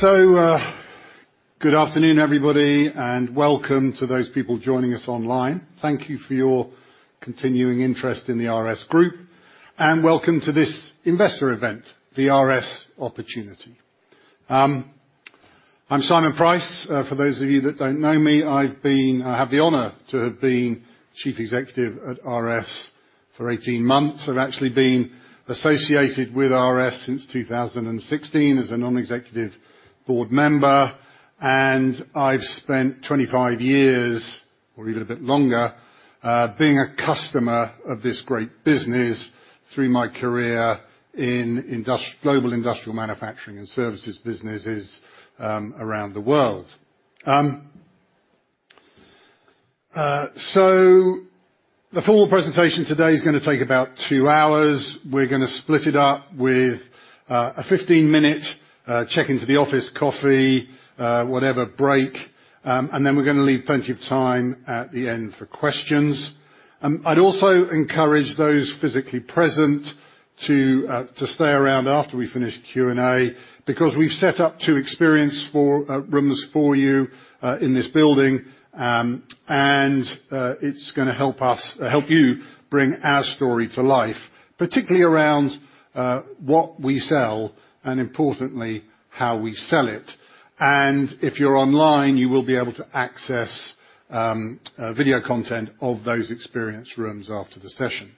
Good afternoon, everybody, and welcome to those people joining us online. Thank you for your continuing interest in the RS Group, and welcome to this investor event, the RS Opportunity. I'm Simon Pryce. For those of you that don't know me, I have the honor to have been Chief Executive at RS for 18 months. I've actually been associated with RS since 2016 as a non-executive board member, and I've spent 25 years, or even a bit longer, being a customer of this great business through my career in global industrial manufacturing and services businesses around the world. So the full presentation today is gonna take about two hours. We're gonna split it up with a 15-minute check into the office, coffee, whatever, break. And then we're gonna leave plenty of time at the end for questions. I'd also encourage those physically present to stay around after we finish Q&A, because we've set up two experience rooms for you in this building. And it's gonna help us help you bring our story to life, particularly around what we sell, and importantly, how we sell it. And if you're online, you will be able to access video content of those experience rooms after the session.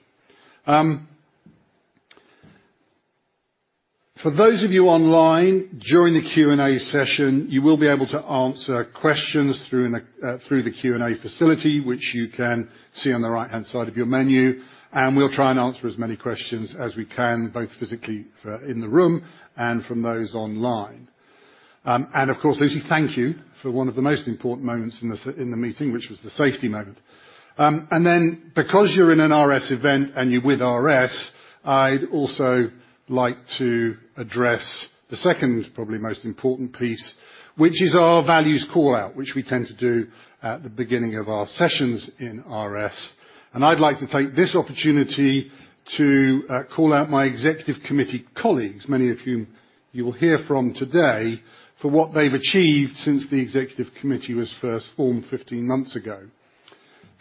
For those of you online, during the Q&A session, you will be able to answer questions through the Q&A facility, which you can see on the right-hand side of your menu, and we'll try and answer as many questions as we can, both physically in the room and from those online. And of course, Lucy, thank you for one of the most important moments in the meeting, which was the safety moment. And then, because you're in an RS event and you're with RS, I'd also like to address the second, probably most important piece, which is our values call-out, which we tend to do at the beginning of our sessions in RS. And I'd like to take this opportunity to call out my executive committee colleagues, many of whom you will hear from today, for what they've achieved since the executive committee was first formed 15 months ago.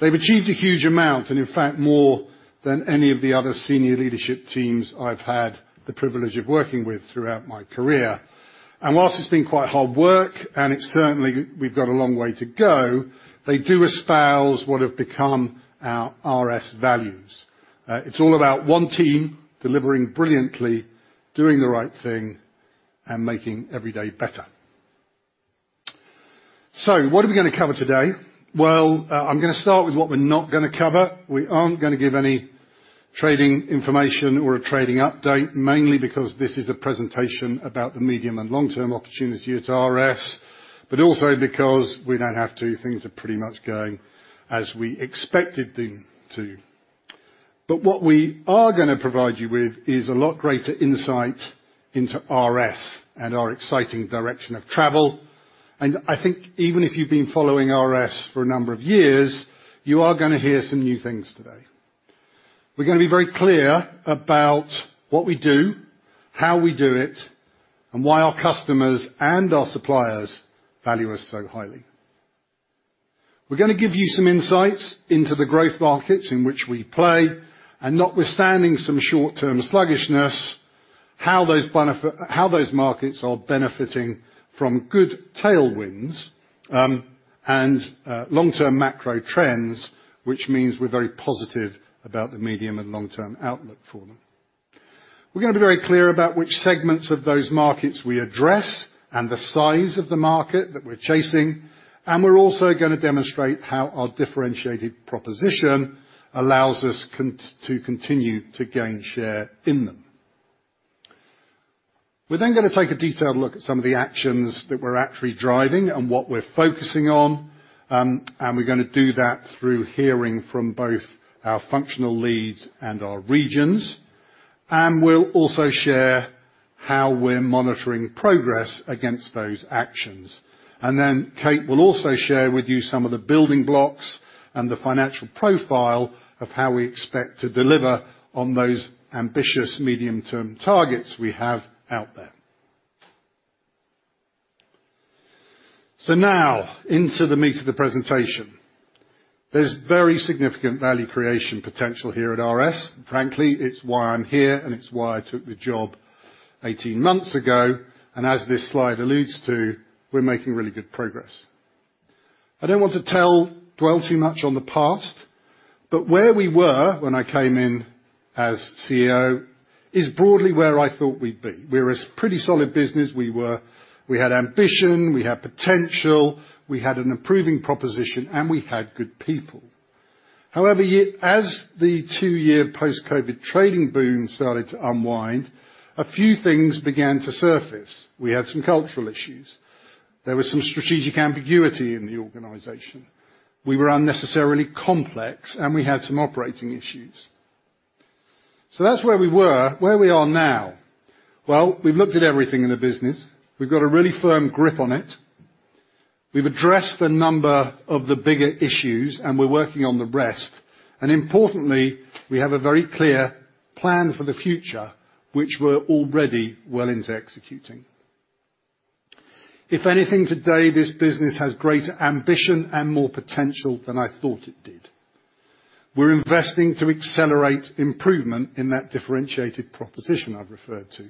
They've achieved a huge amount, and in fact, more than any of the other senior leadership teams I've had the privilege of working with throughout my career. While it's been quite hard work, and it's certainly we've got a long way to go, they do espouse what have become our RS values. It's all about one team delivering brilliantly, doing the right thing, and making every day better. What are we gonna cover today? Well, I'm gonna start with what we're not gonna cover. We aren't gonna give any trading information or a trading update, mainly because this is a presentation about the medium and long-term opportunity at RS, but also because we don't have to. Things are pretty much going as we expected them to. What we are gonna provide you with is a lot greater insight into RS and our exciting direction of travel. I think even if you've been following RS for a number of years, you are gonna hear some new things today. We're gonna be very clear about what we do, how we do it, and why our customers and our suppliers value us so highly. We're gonna give you some insights into the growth markets in which we play, and notwithstanding some short-term sluggishness, how those markets are benefiting from good tailwinds and long-term macro trends, which means we're very positive about the medium and long-term outlook for them. We're gonna be very clear about which segments of those markets we address and the size of the market that we're chasing, and we're also gonna demonstrate how our differentiated proposition allows us to continue to gain share in them. We're then gonna take a detailed look at some of the actions that we're actually driving and what we're focusing on, and we're gonna do that through hearing from both our functional leads and our regions, and we'll also share how we're monitoring progress against those actions, and then Kate will also share with you some of the building blocks and the financial profile of how we expect to deliver on those ambitious medium-term targets we have out there, so now, into the meat of the presentation. There's very significant value creation potential here at RS. Frankly, it's why I'm here, and it's why I took the job 18 months ago, and as this slide alludes to, we're making really good progress. I don't want to dwell too much on the past, but where we were when I came in as CEO is broadly where I thought we'd be. We're a pretty solid business. We were. We had ambition, we had potential, we had an improving proposition, and we had good people. However, yet as the two-year post-COVID trading boom started to unwind, a few things began to surface. We had some cultural issues. There was some strategic ambiguity in the organization. We were unnecessarily complex, and we had some operating issues. So that's where we were. Where we are now? Well, we've looked at everything in the business. We've got a really firm grip on it. We've addressed a number of the bigger issues, and we're working on the rest. And importantly, we have a very clear plan for the future, which we're already well into executing. If anything, today, this business has greater ambition and more potential than I thought it did. We're investing to accelerate improvement in that differentiated proposition I've referred to,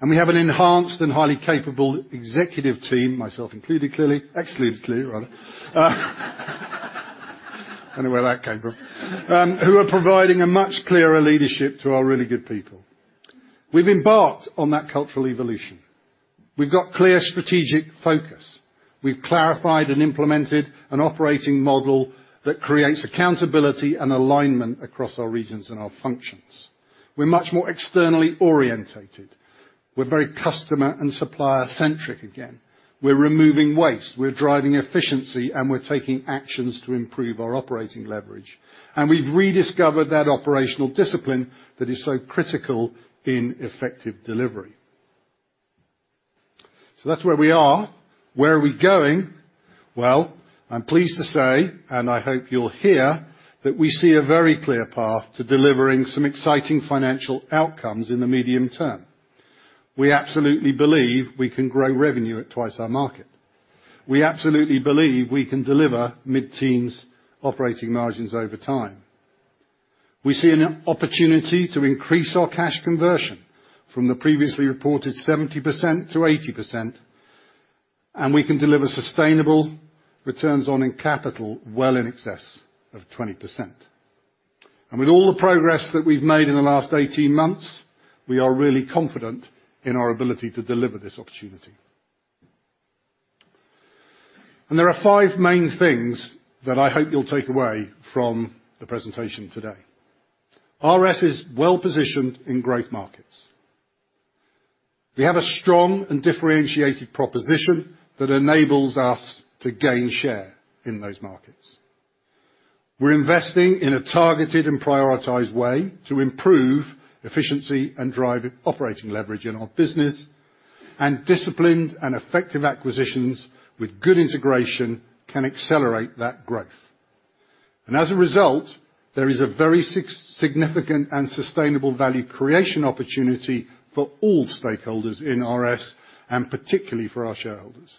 and we have an enhanced and highly capable executive team, myself included, clearly. Excluded, clearly, rather. Don't know where that came from. Who are providing a much clearer leadership to our really good people. We've embarked on that cultural evolution. We've got clear strategic focus. We've clarified and implemented an operating model that creates accountability and alignment across our regions and our functions. We're much more externally orientated. We're very customer and supplier-centric again. We're removing waste, we're driving efficiency, and we're taking actions to improve our operating leverage. And we've rediscovered that operational discipline that is so critical in effective delivery. So that's where we are. Where are we going? I'm pleased to say, and I hope you'll hear, that we see a very clear path to delivering some exciting financial outcomes in the medium term. We absolutely believe we can grow revenue at twice our market. We absolutely believe we can deliver mid-teens operating margins over time. We see an opportunity to increase our cash conversion from the previously reported 70%-80%, and we can deliver sustainable returns on invested capital well in excess of 20%. With all the progress that we've made in the last 18 months, we are really confident in our ability to deliver this opportunity. There are five main things that I hope you'll take away from the presentation today. RS is well-positioned in growth markets. We have a strong and differentiated proposition that enables us to gain share in those markets. We're investing in a targeted and prioritized way to improve efficiency and drive operating leverage in our business, and disciplined and effective acquisitions with good integration can accelerate that growth. As a result, there is a very significant and sustainable value creation opportunity for all stakeholders in RS, and particularly for our shareholders.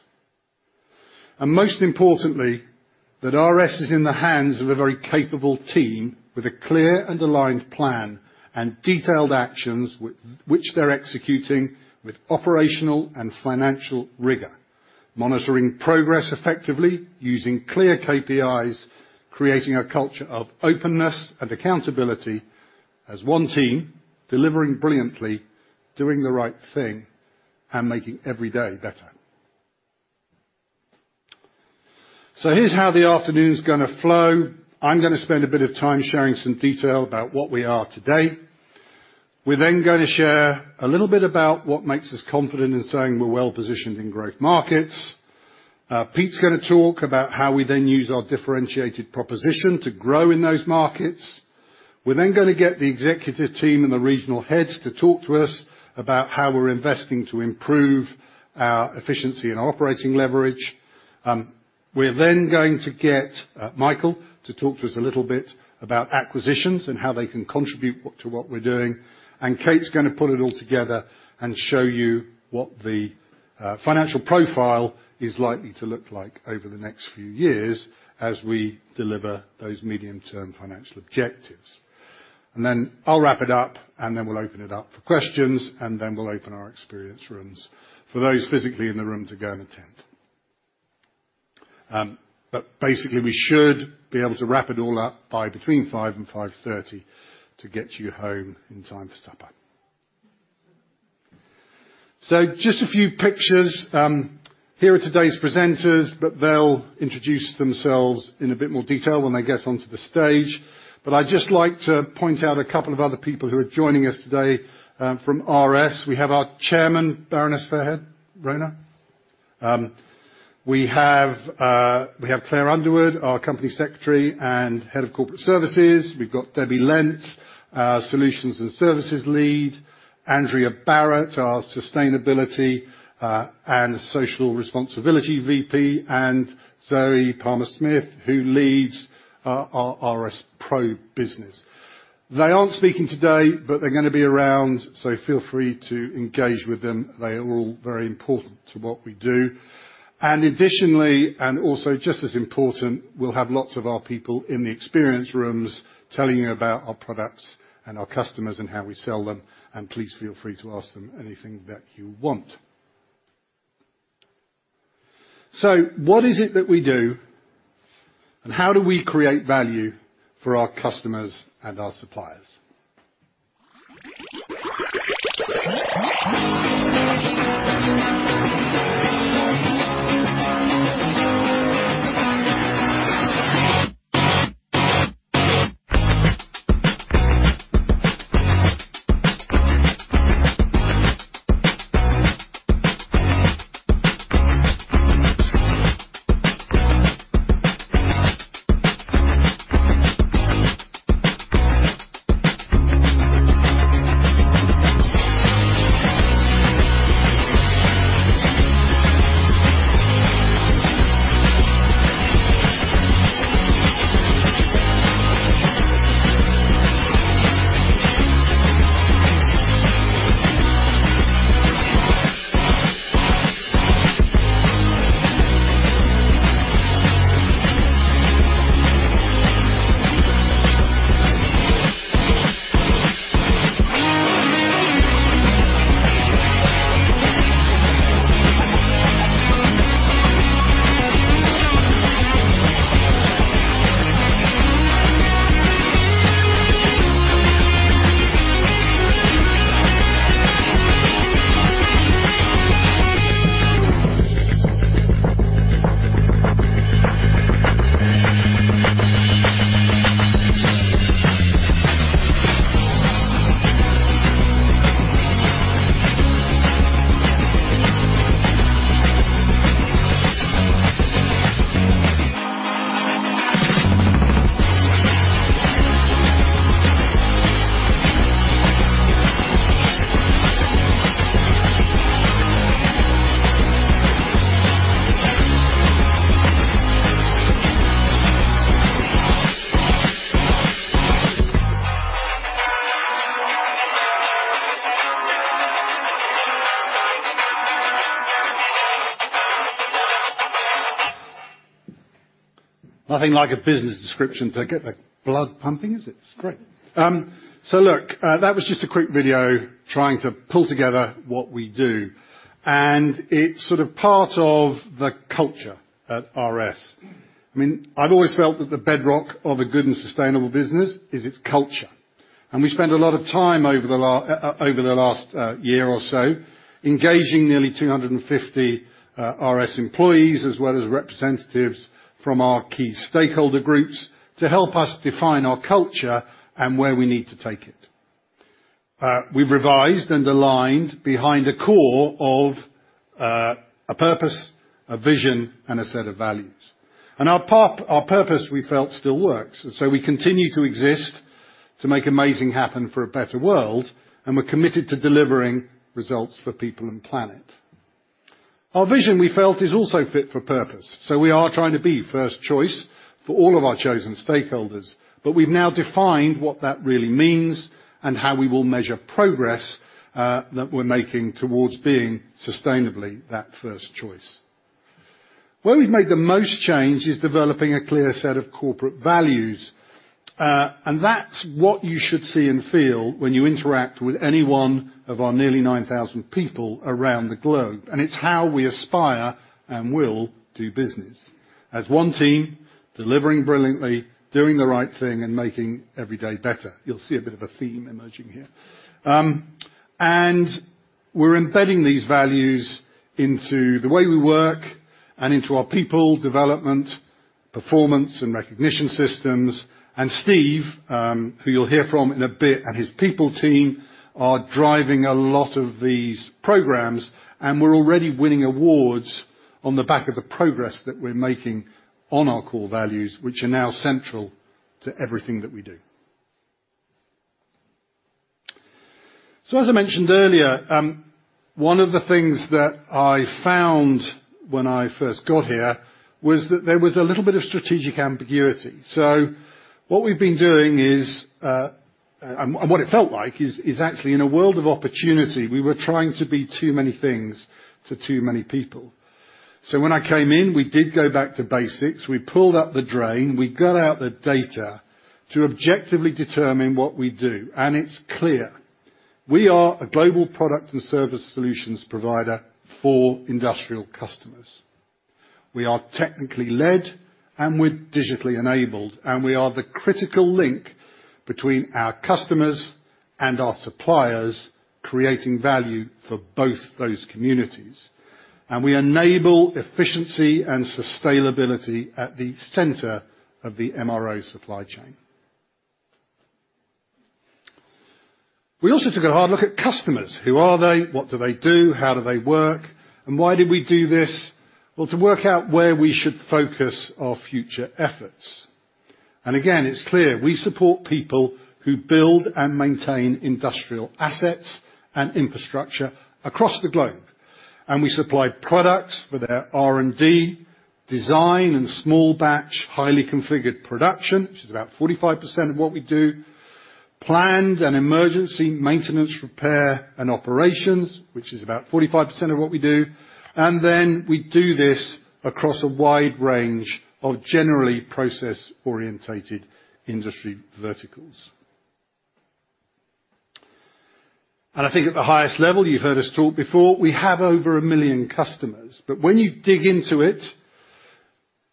Most importantly, RS is in the hands of a very capable team with a clear and aligned plan and detailed actions which they're executing with operational and financial rigor, monitoring progress effectively, using clear KPIs, creating a culture of openness and accountability as one team, delivering brilliantly, doing the right thing, and making every day better. Here's how the afternoon's gonna flow. I'm gonna spend a bit of time sharing some detail about what we are today. We're then gonna share a little bit about what makes us confident in saying we're well positioned in growth markets. Pete's gonna talk about how we then use our differentiated proposition to grow in those markets. We're then gonna get the executive team and the regional heads to talk to us about how we're investing to improve our efficiency and operating leverage. We're then going to get Michael to talk to us a little bit about acquisitions and how they can contribute to what we're doing. And Kate's gonna put it all together and show you what the financial profile is likely to look like over the next few years as we deliver those medium-term financial objectives. Then I'll wrap it up, and then we'll open it up for questions, and then we'll open our experience rooms for those physically in the room to go and attend. But basically, we should be able to wrap it all up by between 5:00 P.M. and 5:30 P.M. to get you home in time for supper. Just a few pictures. Here are today's presenters, but they'll introduce themselves in a bit more detail when they get onto the stage. But I'd just like to point out a couple of other people who are joining us today, from RS. We have our Chairman, Baroness Rona Fairhead. We have Clare Underwood, our Company Secretary and Head of Corporate Services. We've got Debbie Lent, our solutions and services lead. Andrea Barrett, our sustainability and social responsibility VP, and Zoé Palmer-Smith, who leads our RS Pro business. They aren't speaking today, but they're gonna be around, so feel free to engage with them. They are all very important to what we do. And additionally, and also just as important, we'll have lots of our people in the experience rooms telling you about our products and our customers and how we sell them, and please feel free to ask them anything that you want. So what is it that we do, and how do we create value for our customers and our suppliers? Nothing like a business description to get the blood pumping, is it? It's great. So look, that was just a quick video trying to pull together what we do, and it's sort of part of the culture at RS. I mean, I've always felt that the bedrock of a good and sustainable business is its culture, and we spent a lot of time over the last year or so, engaging nearly 250 RS employees, as well as representatives from our key stakeholder groups, to help us define our culture and where we need to take it. We've revised and aligned behind a core of a purpose, a vision, and a set of values. Our purpose, we felt, still works, and so we continue to exist to make amazing happen for a better world, and we're committed to delivering results for people and planet. Our vision, we felt, is also fit for purpose, so we are trying to be first choice for all of our chosen stakeholders, but we've now defined what that really means and how we will measure progress, that we're making towards being sustainably that first choice. Where we've made the most change is developing a clear set of corporate values, and that's what you should see and feel when you interact with any one of our nearly 9,000 people around the globe, and it's how we aspire and will do business. As one team, delivering brilliantly, doing the right thing, and making every day better. You'll see a bit of a theme emerging here. And we're embedding these values into the way we work and into our people development, performance, and recognition systems, and Steve, who you'll hear from in a bit, and his people team, are driving a lot of these programs, and we're already winning awards on the back of the progress that we're making on our core values, which are now central to everything that we do. So, as I mentioned earlier, one of the things that I found when I first got here was that there was a little bit of strategic ambiguity. So what we've been doing is, and what it felt like is actually in a world of opportunity, we were trying to be too many things to too many people. So when I came in, we did go back to basics. We pulled up the drain, we got out the data to objectively determine what we do, and it's clear. We are a global product and service solutions provider for industrial customers. We are technically led, and we're digitally enabled, and we are the critical link between our customers and our suppliers, creating value for both those communities, and we enable efficiency and sustainability at the center of the MRO supply chain. We also took a hard look at customers. Who are they? What do they do? How do they work? And why did we do this? Well, to work out where we should focus our future efforts. And again, it's clear, we support people who build and maintain industrial assets and infrastructure across the globe, and we supply products for their R&D, design, and small batch, highly configured production, which is about 45% of what we do. Planned and emergency maintenance, repair, and operations, which is about 45% of what we do, and then we do this across a wide range of generally process-oriented industry verticals. I think at the highest level, you've heard us talk before. We have over a million customers, but when you dig into it,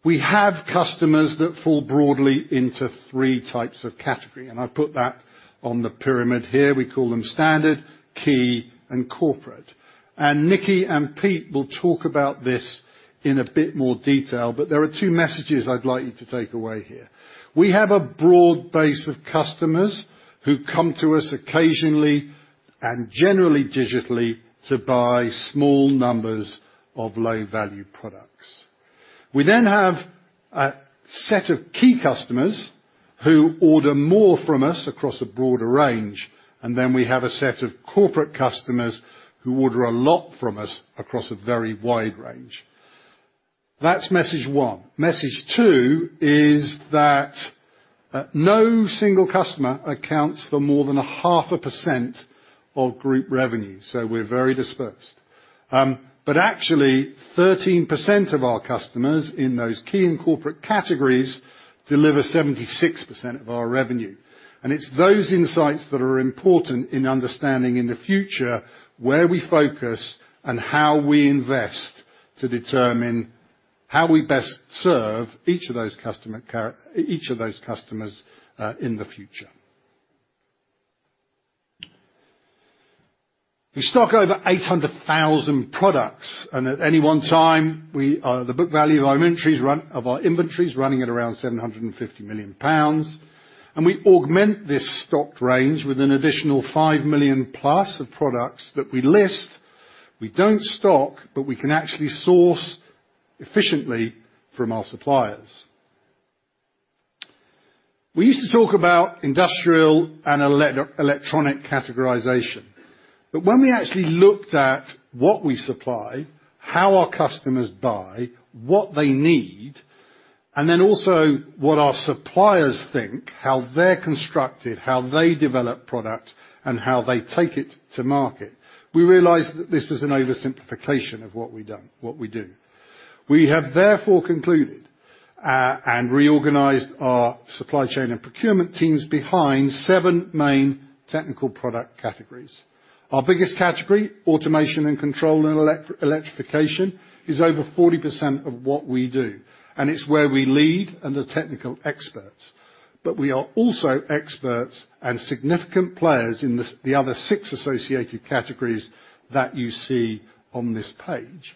we have customers that fall broadly into three types of category, and I've put that on the pyramid here. We call them standard, key, and corporate. Nicky and Pete will talk about this in a bit more detail, but there are two messages I'd like you to take away here. We have a broad base of customers who come to us occasionally, and generally digitally, to buy small numbers of low-value products. We then have a set of key customers who order more from us across a broader range, and then we have a set of corporate customers who order a lot from us across a very wide range. That's message one. Message two is that no single customer accounts for more than 0.5% of group revenue, so we're very dispersed. But actually, 13% of our customers in those key and corporate categories deliver 76% of our revenue, and it's those insights that are important in understanding in the future where we focus and how we invest to determine how we best serve each of those customers in the future. We stock over 800,000 products, and at any one time, we, the book value of our inventories runs at around 750 million pounds, and we augment this stocked range with an additional 5 million plus of products that we list. We don't stock, but we can actually source efficiently from our suppliers. We used to talk about industrial and electronic categorization, but when we actually looked at what we supply, how our customers buy, what they need, and then also what our suppliers think, how they're constructed, how they develop product, and how they take it to market, we realized that this was an oversimplification of what we've done, what we do. We have therefore concluded and reorganized our supply chain and procurement teams behind seven main technical product categories. Our biggest category, automation and control and electrification, is over 40% of what we do, and it's where we lead and the technical experts, but we are also experts and significant players in the other six associated categories that you see on this page,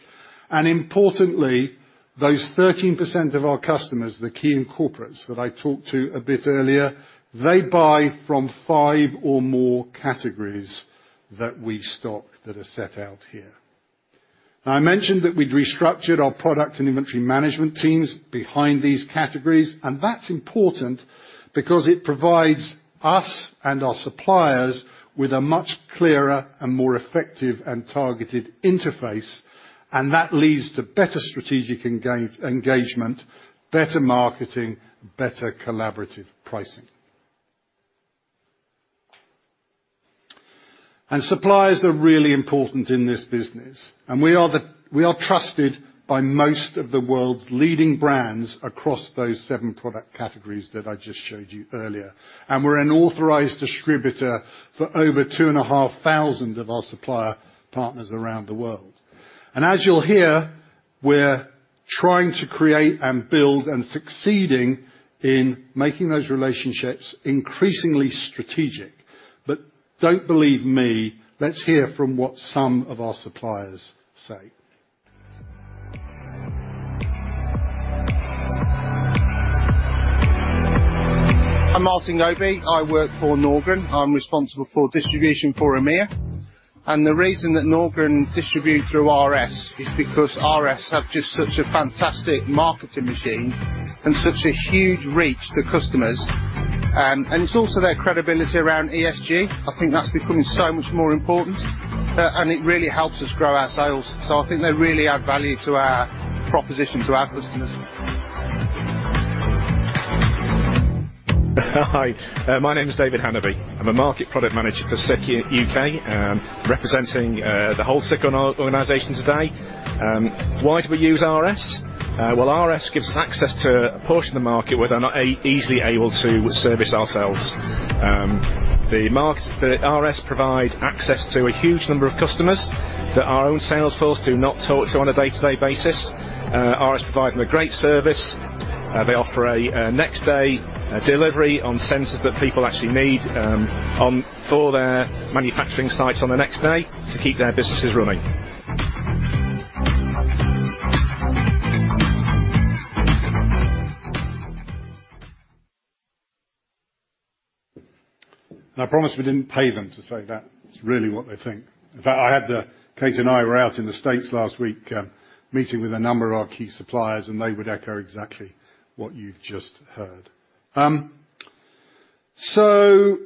and importantly, those 13% of our customers, the key corporates that I talked to a bit earlier, they buy from five or more categories that we stock, that are set out here. Now, I mentioned that we'd restructured our product and inventory management teams behind these categories, and that's important because it provides us and our suppliers with a much clearer and more effective and targeted interface, and that leads to better strategic engagement, better marketing, better collaborative pricing. Suppliers are really important in this business, and we are trusted by most of the world's leading brands across those seven product categories that I just showed you earlier. We're an authorized distributor for over two and a 500 of our supplier partners around the world. As you'll hear, we're trying to create and build and succeeding in making those relationships increasingly strategic. Don't believe me. Let's hear from what some of our suppliers say. I'm Martin Nobby. I work for Norgren. I'm responsible for distribution for EMEA. And the reason that Norgren distribute through RS is because RS have just such a fantastic marketing machine and such a huge reach to customers. And it's also their credibility around ESG. I think that's becoming so much more important, and it really helps us grow our sales. So I think they really add value to our proposition to our customers. Hi, my name is David Hannaby. I'm a market product manager for SICK UK, representing the whole SICK organization today. Why do we use RS? Well, RS gives us access to a portion of the market where they're not easily able to service ourselves. The markets that RS provide access to a huge number of customers, that our own sales force do not talk to on a day-to-day basis. RS provide them a great service. They offer a next day delivery on sensors that people actually need on for their manufacturing sites on the next day to keep their businesses running. And I promise we didn't pay them to say that. It's really what they think. In fact, Kate and I were out in the States last week, meeting with a number of our key suppliers, and they would echo exactly what you've just heard. So,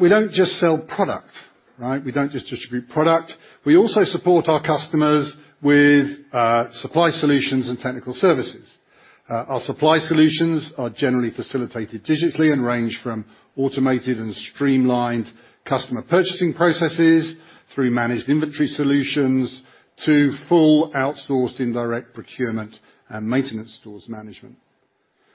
we don't just sell product, right? We don't just distribute product. We also support our customers with supply solutions and technical services. Our supply solutions are generally facilitated digitally and range from automated and streamlined customer purchasing processes through managed inventory solutions to full outsourced, indirect procurement and maintenance stores management.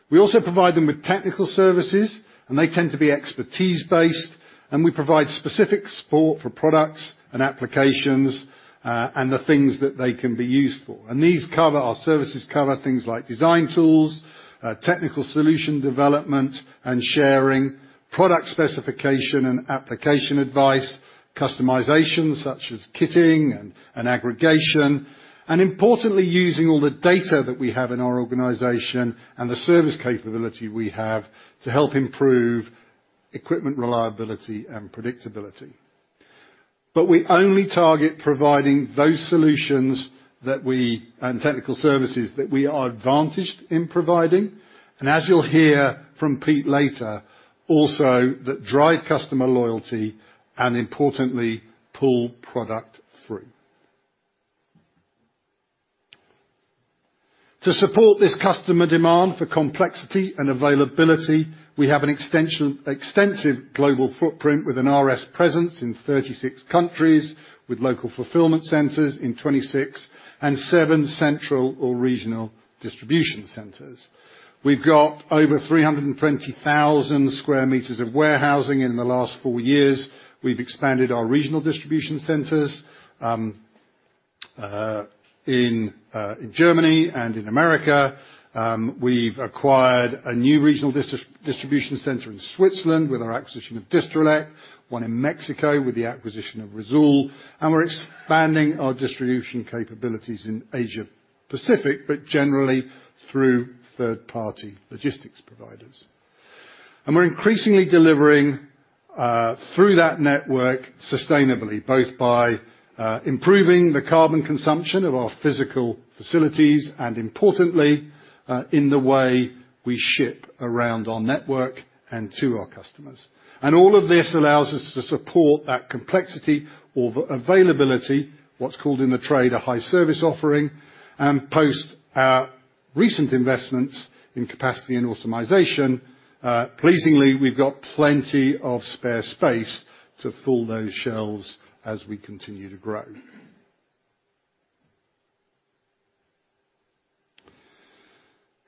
We also provide them with technical services, and they tend to be expertise-based, and we provide specific support for products and applications, and the things that they can be used for. These services cover things like design tools, technical solution development and sharing, product specification and application advice, customization, such as kitting and aggregation, and importantly, using all the data that we have in our organization and the service capability we have to help improve equipment reliability and predictability. We only target providing those solutions and technical services that we are advantaged in providing. As you'll hear from Pete later, they also drive customer loyalty and importantly, pull product through. To support this customer demand for complexity and availability, we have an extensive global footprint with an RS presence in 36 countries, with local fulfillment centers in 26, and seven central or regional distribution centers. We've got over 320,000 square meters of warehousing. In the last four years, we've expanded our regional distribution centers in Germany and in America. We've acquired a new regional distribution center in Switzerland with our acquisition of Distrelec, one in Mexico with the acquisition of Risoul, and we're expanding our distribution capabilities in Asia Pacific, but generally through third-party logistics providers, and we're increasingly delivering through that network sustainably, both by improving the carbon consumption of our physical facilities, and importantly, in the way we ship around our network and to our customers, and all of this allows us to support that complexity or the availability, what's called in the trade, a high service offering, and post our recent investments in capacity and automation. Pleasingly, we've got plenty of spare space to fill those shelves as we continue to grow.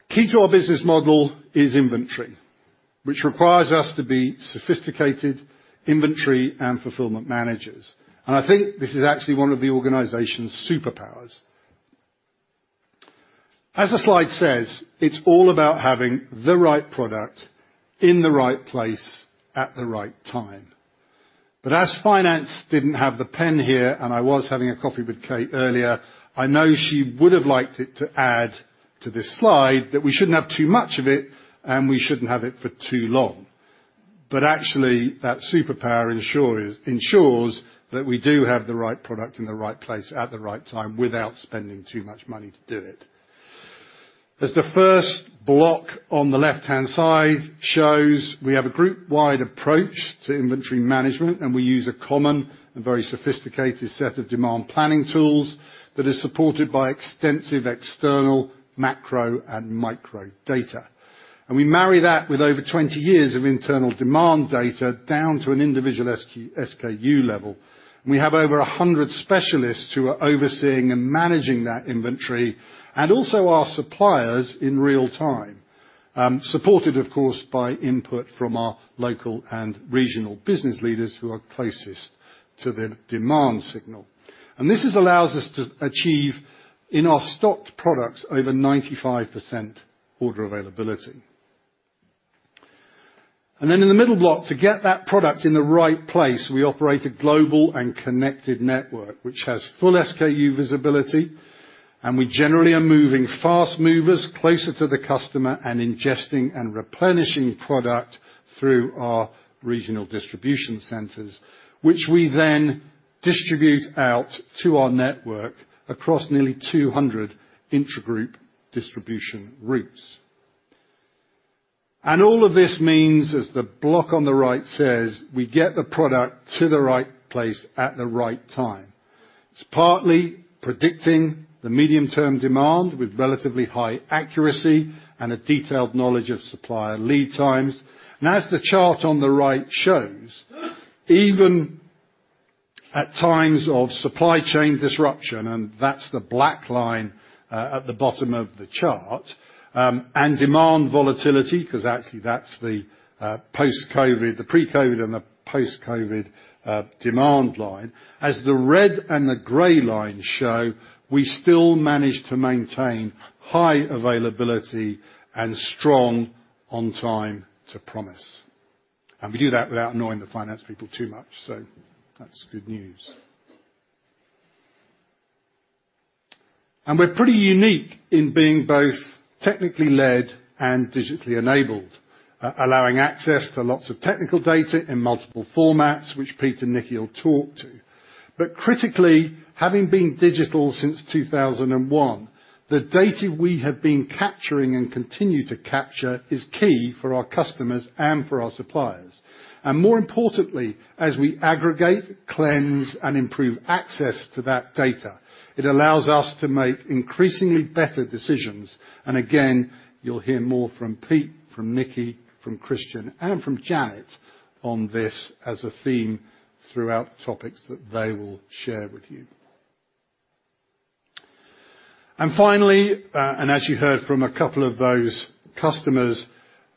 Key to our business model is inventory, which requires us to be sophisticated inventory and fulfillment managers, and I think this is actually one of the organization's superpowers. As the slide says, it's all about having the right product in the right place at the right time. But as finance didn't have the pen here, and I was having a coffee with Kate earlier, I know she would have liked it to add to this slide that we shouldn't have too much of it, and we shouldn't have it for too long. But actually, that superpower ensures that we do have the right product in the right place at the right time without spending too much money to do it. As the first block on the left-hand side shows, we have a group-wide approach to inventory management, and we use a common and very sophisticated set of demand planning tools that is supported by extensive external macro and micro data. And we marry that with over 20 years of internal demand data down to an individual SKU level. We have over a hundred specialists who are overseeing and managing that inventory and also our suppliers in real time, supported, of course, by input from our local and regional business leaders who are closest to the demand signal. And this allows us to achieve, in our stocked products, over 95% order availability. And then in the middle block, to get that product in the right place, we operate a global and connected network, which has full SKU visibility, and we generally are moving fast movers closer to the customer and ingesting and replenishing product through our regional distribution centers, which we then distribute out to our network across nearly 200 intragroup distribution routes. And all of this means, as the block on the right says, we get the product to the right place at the right time. It's partly predicting the medium-term demand with relatively high accuracy and a detailed knowledge of supplier lead times. And as the chart on the right shows, even at times of supply chain disruption, and that's the black line at the bottom of the chart, and demand volatility, 'cause actually that's the post-COVID, the pre-COVID and the post-COVID demand line. As the red and the gray line show, we still manage to maintain high availability and strong on time to promise. And we do that without annoying the finance people too much, so that's good news. And we're pretty unique in being both technically led and digitally enabled, allowing access to lots of technical data in multiple formats, which Pete and Nicky will talk to. But critically, having been digital since 2001, the data we have been capturing and continue to capture is key for our customers and for our suppliers. And more importantly, as we aggregate, cleanse, and improve access to that data, it allows us to make increasingly better decisions. And again, you'll hear more from Pete, from Nicky, from Christian, and from Janet on this as a theme throughout the topics that they will share with you. And finally, and as you heard from a couple of those customers,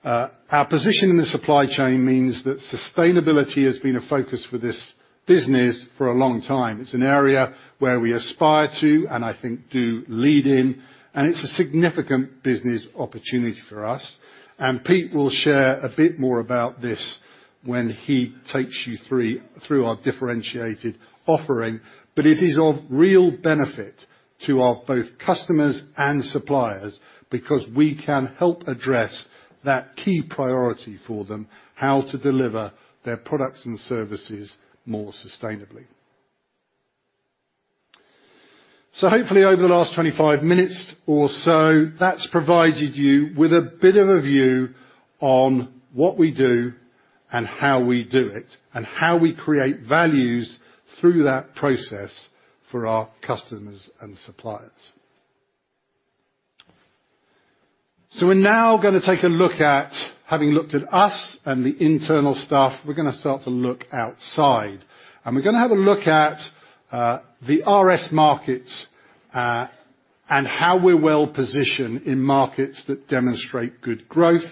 our position in the supply chain means that sustainability has been a focus for this business for a long time. It's an area where we aspire to, and I think, do lead in, and it's a significant business opportunity for us. And Pete will share a bit more about this when he takes you through our differentiated offering. But it is of real benefit to both our customers and suppliers, because we can help address that key priority for them, how to deliver their products and services more sustainably. So hopefully, over the last 25 minutes or so, that's provided you with a bit of a view on what we do and how we do it, and how we create value through that process for our customers and suppliers. So we're now gonna take a look at, having looked at us and the internal stuff, we're gonna start to look outside, and we're gonna have a look at the RS markets, and how we're well-positioned in markets that demonstrate good growth,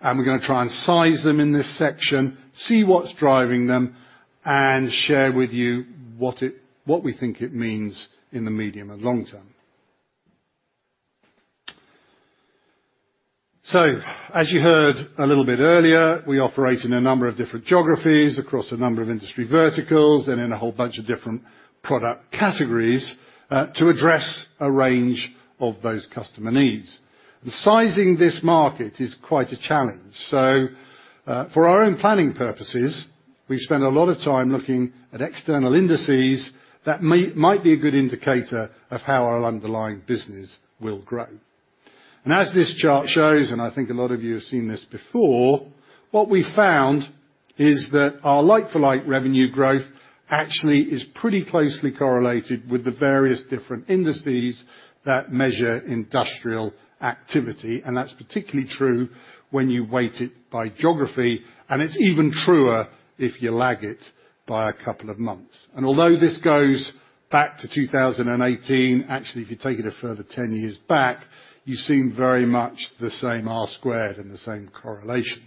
and we're gonna try and size them in this section, see what's driving them, and share with you what we think it means in the medium and long term. So as you heard a little bit earlier, we operate in a number of different geographies across a number of industry verticals, and in a whole bunch of different product categories to address a range of those customer needs. Sizing this market is quite a challenge, so, for our own planning purposes, we've spent a lot of time looking at external indices that might be a good indicator of how our underlying business will grow. As this chart shows, and I think a lot of you have seen this before, what we found is that our like-for-like revenue growth actually is pretty closely correlated with the various different indices that measure industrial activity, and that's particularly true when you weight it by geography, and it's even truer if you lag it by a couple of months. Although this goes back to 2018, actually, if you take it a further 10 years back, you see very much the same R squared and the same correlation.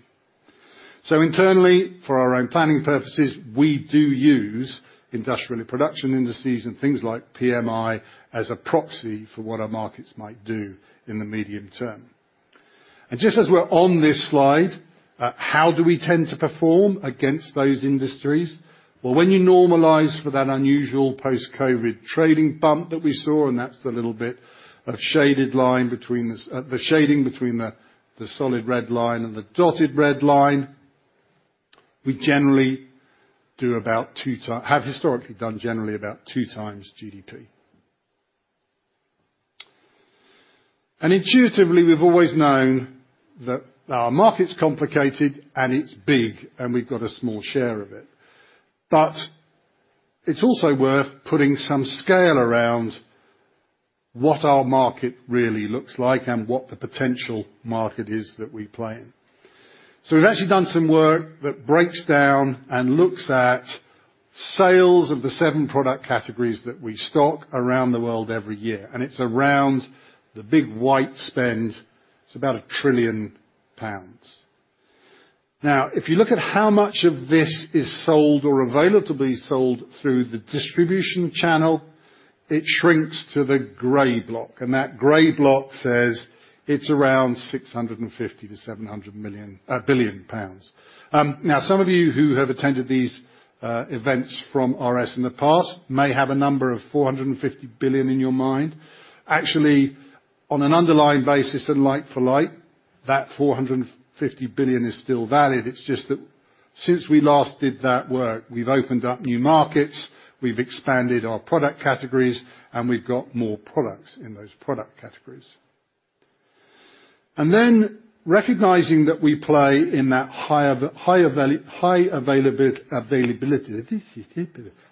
Internally, for our own planning purposes, we do use industrial production indices and things like PMI as a proxy for what our markets might do in the medium term. Just as we're on this slide, how do we tend to perform against those industries? When you normalize for that unusual post-COVID trading bump that we saw, and that's the little bit of shaded line between the shading between the solid red line and the dotted red line, we generally have historically done generally about two times GDP. Intuitively, we've always known that our market's complicated, and it's big, and we've got a small share of it, but it's also worth putting some scale around what our market really looks like and what the potential market is that we play in. So we've actually done some work that breaks down and looks at sales of the seven product categories that we stock around the world every year, and it's around the big white spend. It's about 1 trillion pounds. Now, if you look at how much of this is sold or available to be sold through the distribution channel, it shrinks to the gray block, and that gray block says it's around 650 billion-700 billion pounds. Now, some of you who have attended these events from RS in the past may have a number of 450 billion in your mind. Actually, on an underlying basis and like for like, that 450 billion is still valid. It's just that since we last did that work, we've opened up new markets, we've expanded our product categories, and we've got more products in those product categories. And then, recognizing that we play in that high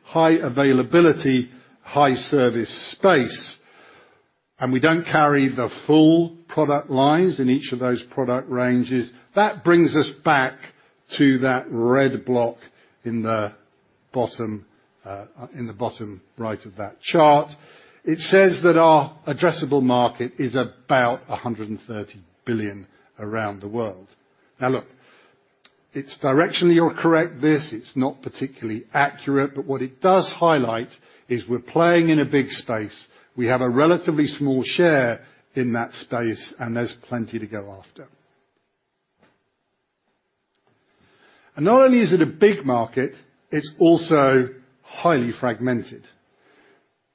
availability, high service space, and we don't carry the full product lines in each of those product ranges, that brings us back to that red block in the bottom right of that chart. It says that our addressable market is about 130 billion around the world. Now, look, it's directionally all correct, this. It's not particularly accurate, but what it does highlight is we're playing in a big space, we have a relatively small share in that space, and there's plenty to go after and not only is it a big market, it's also highly fragmented.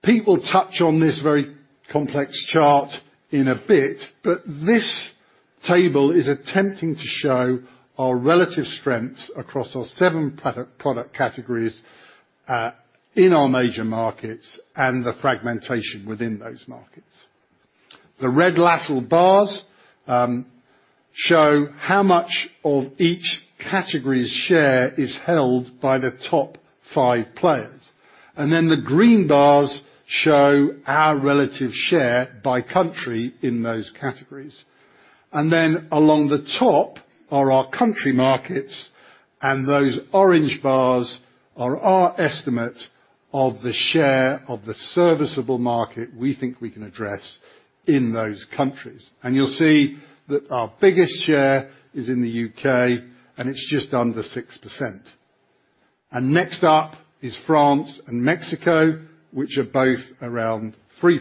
Pete will touch on this very complex chart in a bit, but this table is attempting to show our relative strengths across our seven product categories in our major markets and the fragmentation within those markets. The red lateral bars show how much of each category's share is held by the top five players, and then the green bars show our relative share by country in those categories. Then along the top are our country markets, and those orange bars are our estimate of the share of the serviceable market we think we can address in those countries. You'll see that our biggest share is in the U.K., and it's just under 6%. Next up is France and Mexico, which are both around 3%.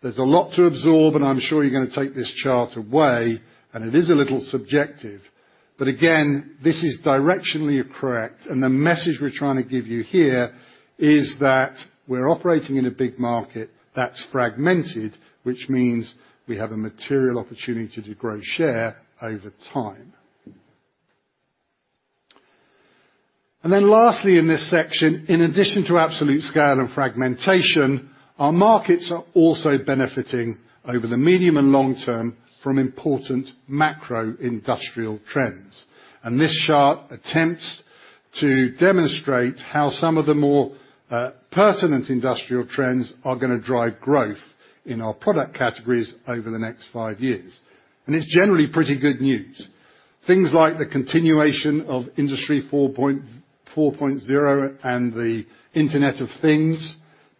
There's a lot to absorb, and I'm sure you're gonna take this chart away, and it is a little subjective, but again, this is directionally correct. And the message we're trying to give you here is that we're operating in a big market that's fragmented, which means we have a material opportunity to grow share over time. And then lastly, in this section, in addition to absolute scale and fragmentation, our markets are also benefiting over the medium and long term from important macro industrial trends. And this chart attempts to demonstrate how some of the more, pertinent industrial trends are gonna drive growth in our product categories over the next five years. And it's generally pretty good news. Things like the continuation of Industry 4.0 and the Internet of Things,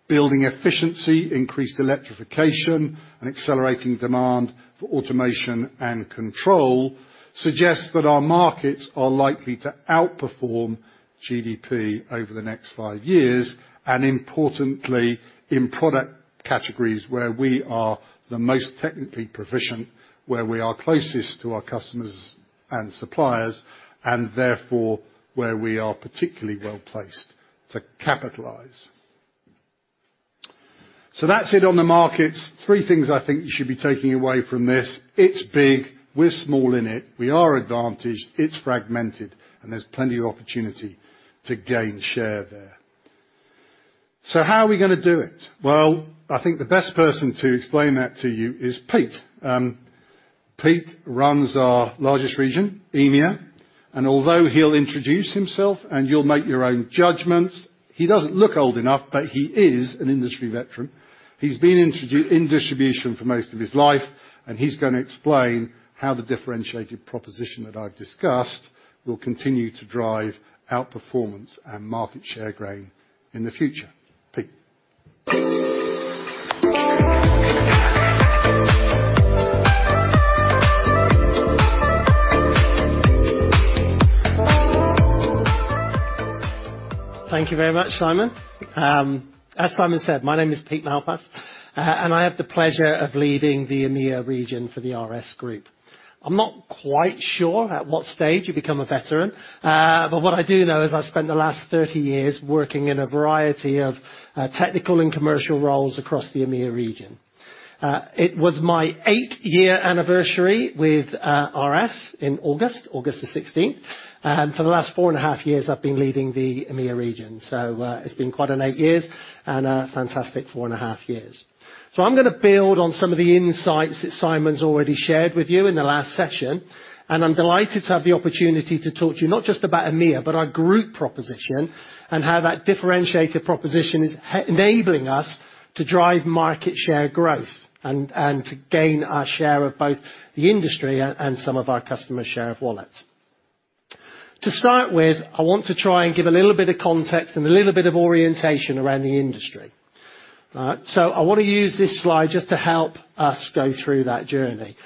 building efficiency, increased electrification, and accelerating demand for automation and control suggest that our markets are likely to outperform GDP over the next five years, and importantly, in product categories where we are the most technically proficient, where we are closest to our customers and suppliers, and therefore, where we are particularly well-placed to capitalize. So that's it on the markets. Three things I think you should be taking away from this: it's big, we're small in it, we are advantaged, it's fragmented, and there's plenty of opportunity to gain share there. So how are we gonna do it? Well, I think the best person to explain that to you is Pete. Pete runs our largest region, EMEA, and although he'll introduce himself, and you'll make your own judgments, he doesn't look old enough, but he is an industry veteran. He's been in distribution for most of his life, and he's gonna explain how the differentiated proposition that I've discussed will continue to drive outperformance and market share gain in the future. Pete? Thank you very much, Simon. As Simon said, my name is Pete Malpas, and I have the pleasure of leading the EMEA region for the RS Group. I'm not quite sure at what stage you become a veteran, but what I do know is I've spent the last 30 years working in a variety of technical and commercial roles across the EMEA region. It was my eight-year anniversary with RS in August, August the 16th, and for the last four and a half years, I've been leading the EMEA region. It's been quite an eight years and a fantastic four and a half years. I'm gonna build on some of the insights that Simon's already shared with you in the last session, and I'm delighted to have the opportunity to talk to you, not just about EMEA, but our group proposition, and how that differentiated proposition is enabling us to drive market share growth and to gain our share of both the industry and some of our customer's share of wallet. To start with, I want to try and give a little bit of context and a little bit of orientation around the industry. So I wanna use this slide just to help us go through that journey.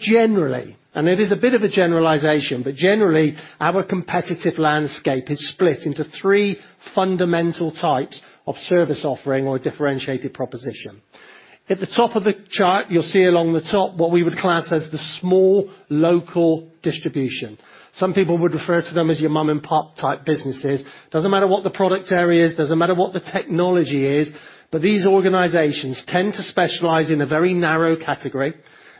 Generally, and it is a bit of a generalization, but generally, our competitive landscape is split into three fundamental types of service offering or differentiated proposition. At the top of the chart, you'll see along the top, what we would class as the small, local distribution. Some people would refer to them as your mom-and-pop type businesses. Doesn't matter what the product area is, doesn't matter what the technology is, but these organizations tend to specialize in a very narrow category.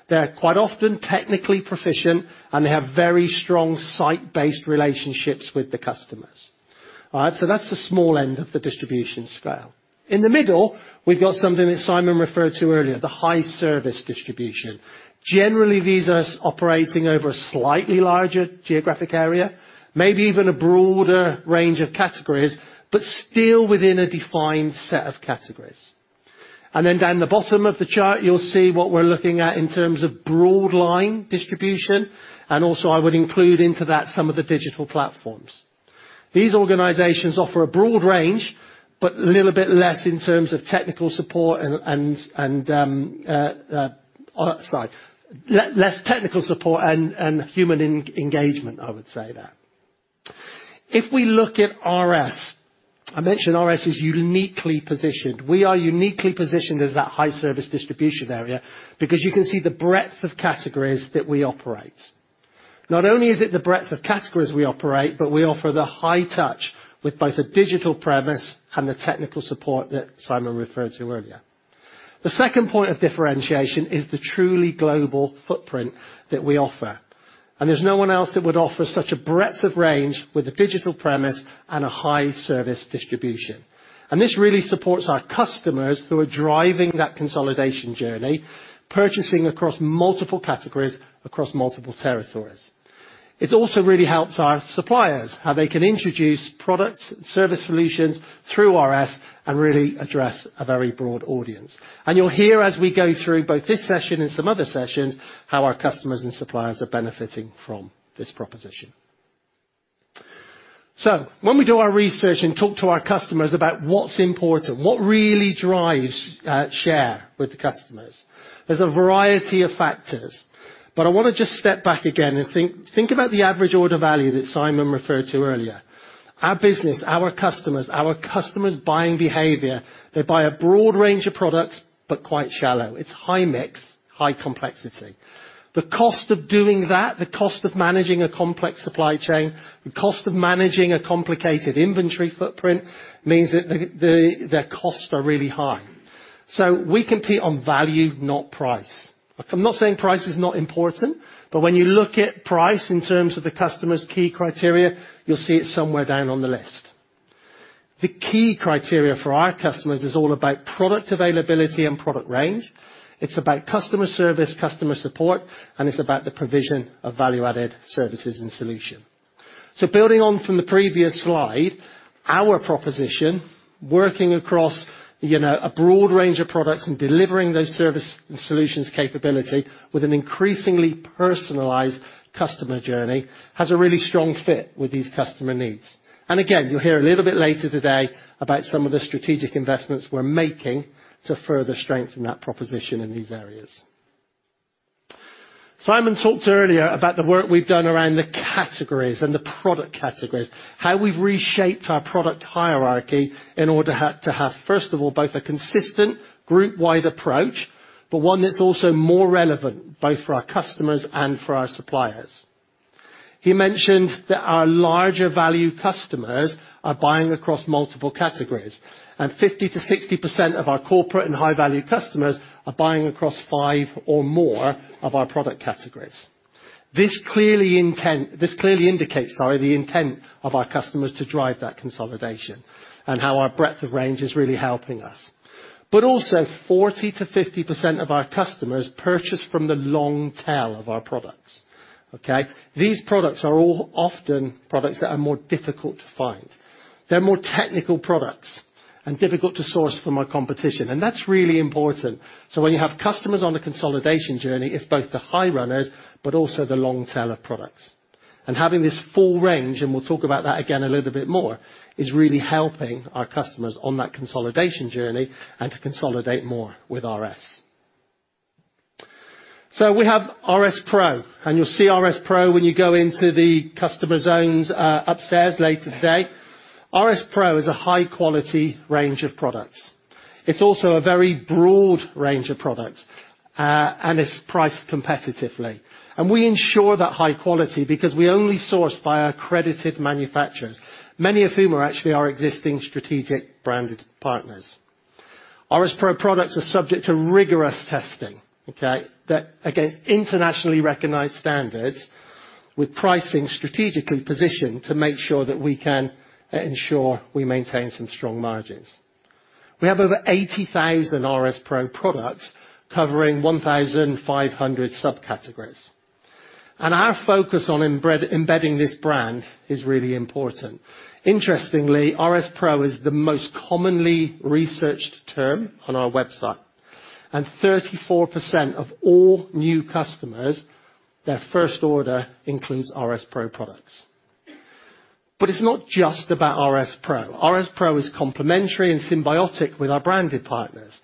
They're quite often technically proficient, and they have very strong site-based relationships with the customers. All right, so that's the small end of the distribution scale. In the middle, we've got something that Simon referred to earlier, the high service distribution. Generally, these are operating over a slightly larger geographic area, maybe even a broader range of categories, but still within a defined set of categories. And then down the bottom of the chart, you'll see what we're looking at in terms of broad line distribution, and also, I would include into that some of the digital platforms. These organizations offer a broad range, but a little bit less in terms of technical support and human engagement, I would say there. If we look at RS, I mentioned RS is uniquely positioned. We are uniquely positioned as that high service distribution area because you can see the breadth of categories that we operate. Not only is it the breadth of categories we operate, but we offer the high touch with both a digital presence and the technical support that Simon referred to earlier. The second point of differentiation is the truly global footprint that we offer, and there's no one else that would offer such a breadth of range with a digital presence and a high service distribution, and this really supports our customers who are driving that consolidation journey, purchasing across multiple categories, across multiple territories. It also really helps our suppliers, how they can introduce products, service solutions through RS, and really address a very broad audience, and you'll hear as we go through both this session and some other sessions, how our customers and suppliers are benefiting from this proposition, so when we do our research and talk to our customers about what's important, what really drives, share with the customers? There's a variety of factors, but I wanna just step back again and think about the average order value that Simon referred to earlier. Our business, our customers, our customers' buying behavior, they buy a broad range of products, but quite shallow. It's high mix, high complexity. The cost of doing that, the cost of managing a complex supply chain, the cost of managing a complicated inventory footprint, means that their costs are really high. So we compete on value, not price. Look, I'm not saying price is not important, but when you look at price in terms of the customer's key criteria, you'll see it somewhere down on the list. The key criteria for our customers is all about product availability and product range. It's about customer service, customer support, and it's about the provision of value-added services and solution. So building on from the previous slide, our proposition, working across, you know, a broad range of products and delivering those service and solutions capability with an increasingly personalized customer journey, has a really strong fit with these customer needs. And again, you'll hear a little bit later today about some of the strategic investments we're making to further strengthen that proposition in these areas. Simon talked earlier about the work we've done around the categories and the product categories, how we've reshaped our product hierarchy in order to have, first of all, both a consistent group-wide approach, but one that's also more relevant, both for our customers and for our suppliers. He mentioned that our larger value customers are buying across multiple categories, and 50%-60% of our corporate and high-value customers are buying across five or more of our product categories. This clearly indicates, sorry, the intent of our customers to drive that consolidation and how our breadth of range is really helping us. But also, 40%-50% of our customers purchase from the long tail of our products, okay? These products are all often products that are more difficult to find. They're more technical products and difficult to source from our competition, and that's really important. So when you have customers on a consolidation journey, it's both the high runners, but also the long tail of products. And having this full range, and we'll talk about that again a little bit more, is really helping our customers on that consolidation journey and to consolidate more with RS. So we have RS Pro, and you'll see RS Pro when you go into the customer zones upstairs later today. RS Pro is a high-quality range of products. It's also a very broad range of products, and it's priced competitively, and we ensure that high quality because we only source from our accredited manufacturers, many of whom are actually our existing strategic branded partners. RS Pro products are subject to rigorous testing, okay? That against internationally recognized standards, with pricing strategically positioned to make sure that we can ensure we maintain some strong margins. We have over 80,000 RS Pro products covering 1,500 subcategories, and our focus on embedding this brand is really important. Interestingly, RS Pro is the most commonly researched term on our website, and 34% of all new customers, their first order includes RS Pro products. But it's not just about RS Pro. RS Pro is complementary and symbiotic with our branded partners,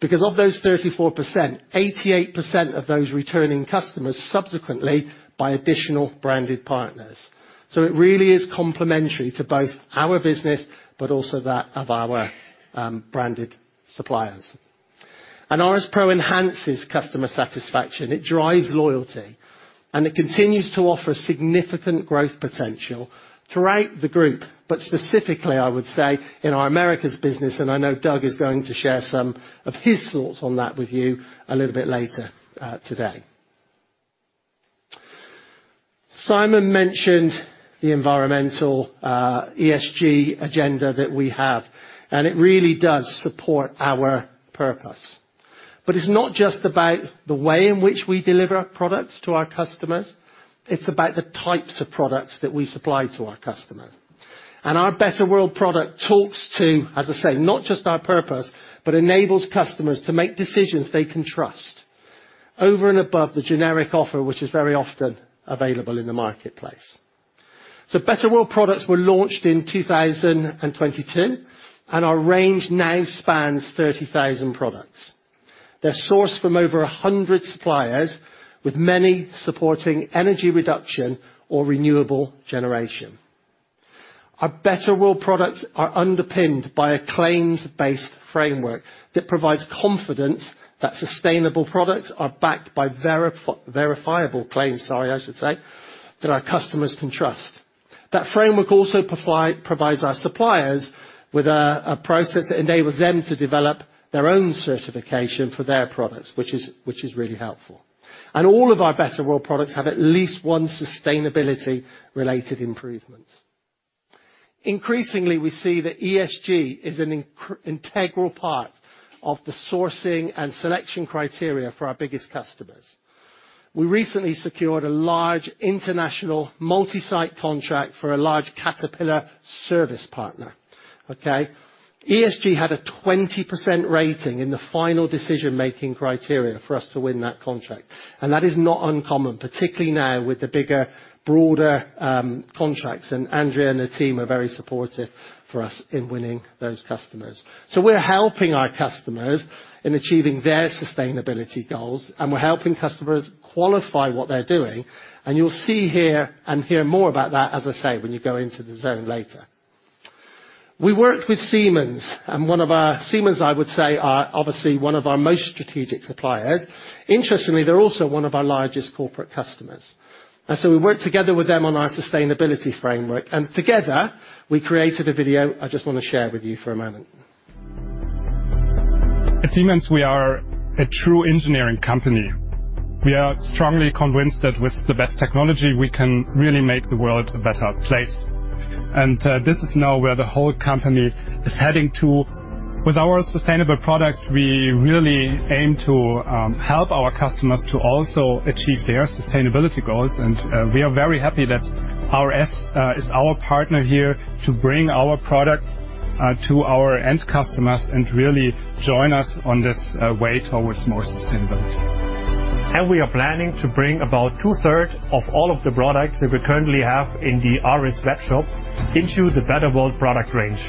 because of those 34%, 88% of those returning customers subsequently buy additional branded partners. So it really is complementary to both our business, but also that of our branded suppliers. And RS Pro enhances customer satisfaction, it drives loyalty, and it continues to offer significant growth potential throughout the group, but specifically, I would say, in our Americas business, and I know Doug is going to share some of his thoughts on that with you a little bit later, today. Simon mentioned the environmental ESG agenda that we have, and it really does support our purpose. But it's not just about the way in which we deliver our products to our customers, it's about the types of products that we supply to our customers. Our Better World product talks to, as I say, not just our purpose, but enables customers to make decisions they can trust over and above the generic offer, which is very often available in the marketplace. Better World products were launched in 2022, and our range now spans 30,000 products. They're sourced from over 100 suppliers, with many supporting energy reduction or renewable generation. Our Better World products are underpinned by a claims-based framework that provides confidence that sustainable products are backed by verifiable claims, sorry, I should say, that our customers can trust. That framework also provides our suppliers with a process that enables them to develop their own certification for their products, which is, which is really helpful. All of our Better World products have at least one sustainability-related improvement. Increasingly, we see that ESG is an incr... integral part of the sourcing and selection criteria for our biggest customers. We recently secured a large international multi-site contract for a large Caterpillar service partner. Okay? ESG had a 20% rating in the final decision-making criteria for us to win that contract, and that is not uncommon, particularly now with the bigger, broader, contracts. And Andrea and the team are very supportive for us in winning those customers. So we're helping our customers in achieving their sustainability goals, and we're helping customers qualify what they're doing, and you'll see here and hear more about that, as I say, when you go into the zone later. We worked with Siemens, and Siemens, I would say, are obviously one of our most strategic suppliers. Interestingly, they're also one of our largest corporate customers. So we worked together with them on our sustainability framework, and together, we created a video I just want to share with you for a moment. At Siemens, we are a true engineering company. We are strongly convinced that with the best technology, we can really make the world a better place, and this is now where the whole company is heading to. With our sustainable products, we really aim to help our customers to also achieve their sustainability goals, and we are very happy that RS is our partner here to bring our products to our end customers and really join us on this way towards more sustainability. We are planning to bring about two-thirds of all of the products that we currently have in the RS webshop into the Better World product range.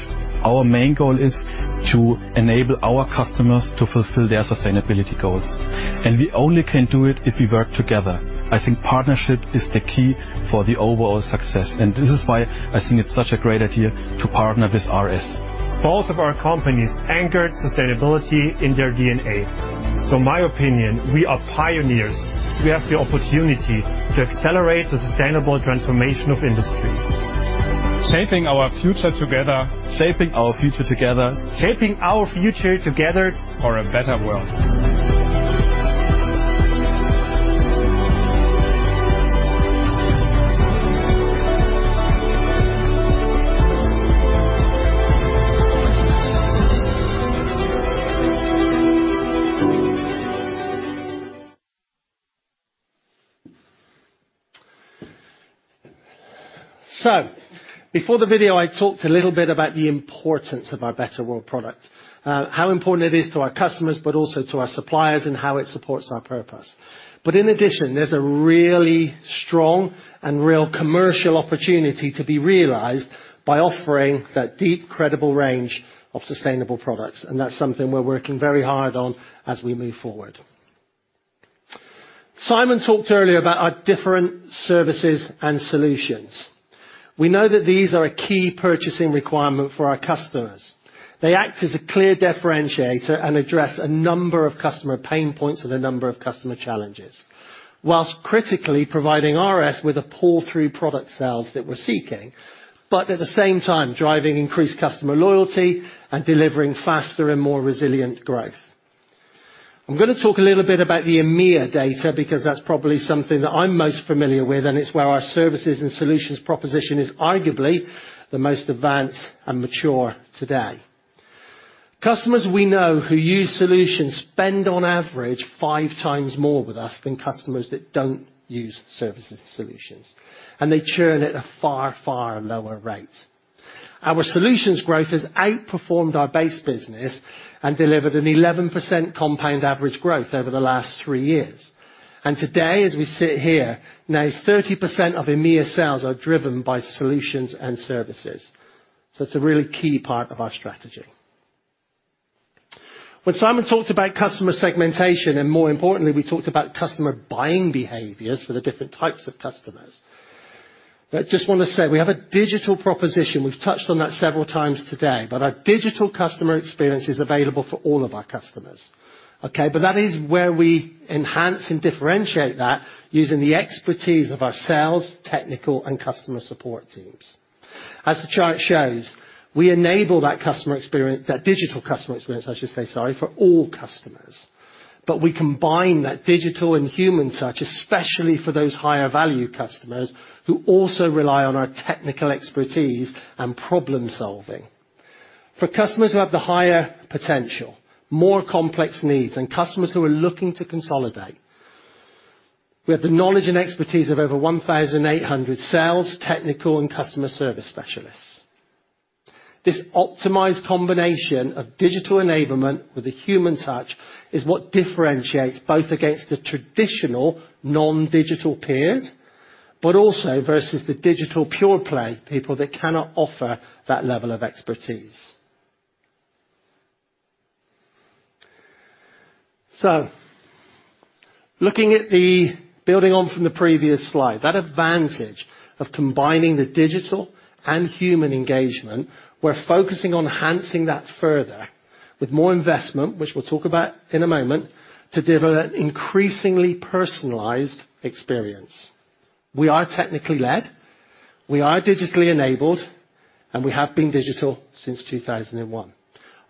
Our main goal is to enable our customers to fulfill their sustainability goals, and we only can do it if we work together. I think partnership is the key for the overall success, and this is why I think it's such a great idea to partner with RS. Both of our companies anchored sustainability in their DNA. So in my opinion, we are pioneers. We have the opportunity to accelerate the sustainable transformation of industry. Shaping our future together. Shaping our future together. Shaping our future together for a better world. Before the video, I talked a little bit about the importance of our Better World product, how important it is to our customers, but also to our suppliers, and how it supports our purpose. But in addition, there's a really strong and real commercial opportunity to be realized by offering that deep, credible range of sustainable products, and that's something we're working very hard on as we move forward. Simon talked earlier about our different services and solutions. We know that these are a key purchasing requirement for our customers. They act as a clear differentiator and address a number of customer pain points and a number of customer challenges, whilst critically providing RS with a pull-through product sales that we're seeking, but at the same time, driving increased customer loyalty and delivering faster and more resilient growth. I'm going to talk a little bit about the EMEA data, because that's probably something that I'm most familiar with, and it's where our services and solutions proposition is arguably the most advanced and mature today. Customers we know who use solutions spend, on average, five times more with us than customers that don't use services solutions, and they churn at a far, far lower rate. Our solutions growth has outperformed our base business and delivered an 11% compound average growth over the last three years, and today, as we sit here, now 30% of EMEA sales are driven by solutions and services, so it's a really key part of our strategy. When Simon talked about customer segmentation, and more importantly, we talked about customer buying behaviors for the different types of customers, but I just want to say, we have a digital proposition. We've touched on that several times today, but our digital customer experience is available for all of our customers, okay? But that is where we enhance and differentiate that using the expertise of our sales, technical, and customer support teams. As the chart shows, we enable that customer experience, that digital customer experience, I should say, sorry, for all customers, but we combine that digital and human touch, especially for those higher value customers who also rely on our technical expertise and problem-solving. For customers who have the higher potential, more complex needs, and customers who are looking to consolidate, we have the knowledge and expertise of over 1,800 sales, technical, and customer service specialists. This optimized combination of digital enablement with a human touch is what differentiates both against the traditional non-digital peers, but also versus the digital pure-play people that cannot offer that level of expertise. Building on from the previous slide, that advantage of combining the digital and human engagement, we're focusing on enhancing that further with more investment, which we'll talk about in a moment, to deliver an increasingly personalized experience. We are technically led, we are digitally enabled, and we have been digital since 2001.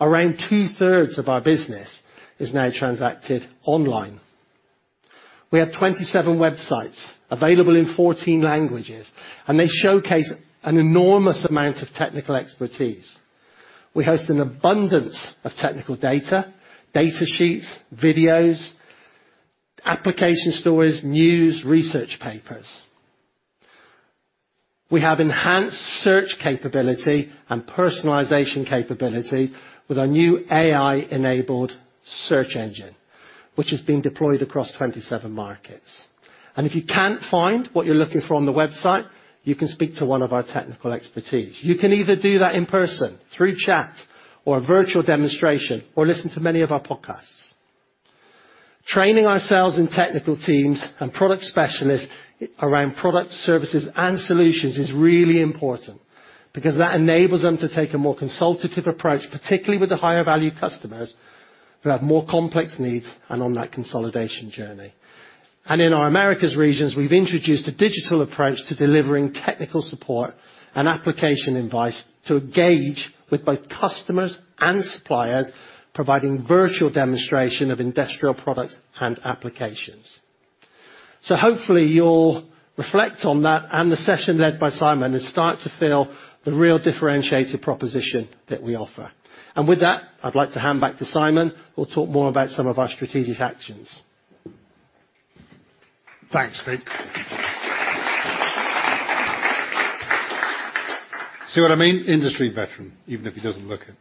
Around two-thirds of our business is now transacted online. We have 27 websites available in 14 languages, and they showcase an enormous amount of technical expertise. We host an abundance of technical data, data sheets, videos, application stories, news, research papers. We have enhanced search capability and personalization capability with our new AI-enabled search engine, which is being deployed across 27 markets, and if you can't find what you're looking for on the website, you can speak to one of our technical experts. You can either do that in person, through chat, or a virtual demonstration, or listen to many of our podcasts. Training our sales and technical teams and product specialists around products, services, and solutions is really important, because that enables them to take a more consultative approach, particularly with the higher value customers who have more complex needs and on that consolidation journey, and in our Americas region, we've introduced a digital approach to delivering technical support and application advice to engage with both customers and suppliers, providing virtual demonstrations of industrial products and applications. So hopefully, you'll reflect on that and the session led by Simon, and start to feel the real differentiated proposition that we offer. And with that, I'd like to hand back to Simon, who'll talk more about some of our strategic actions. Thanks, Vic. See what I mean? Industry veteran, even if he doesn't look it.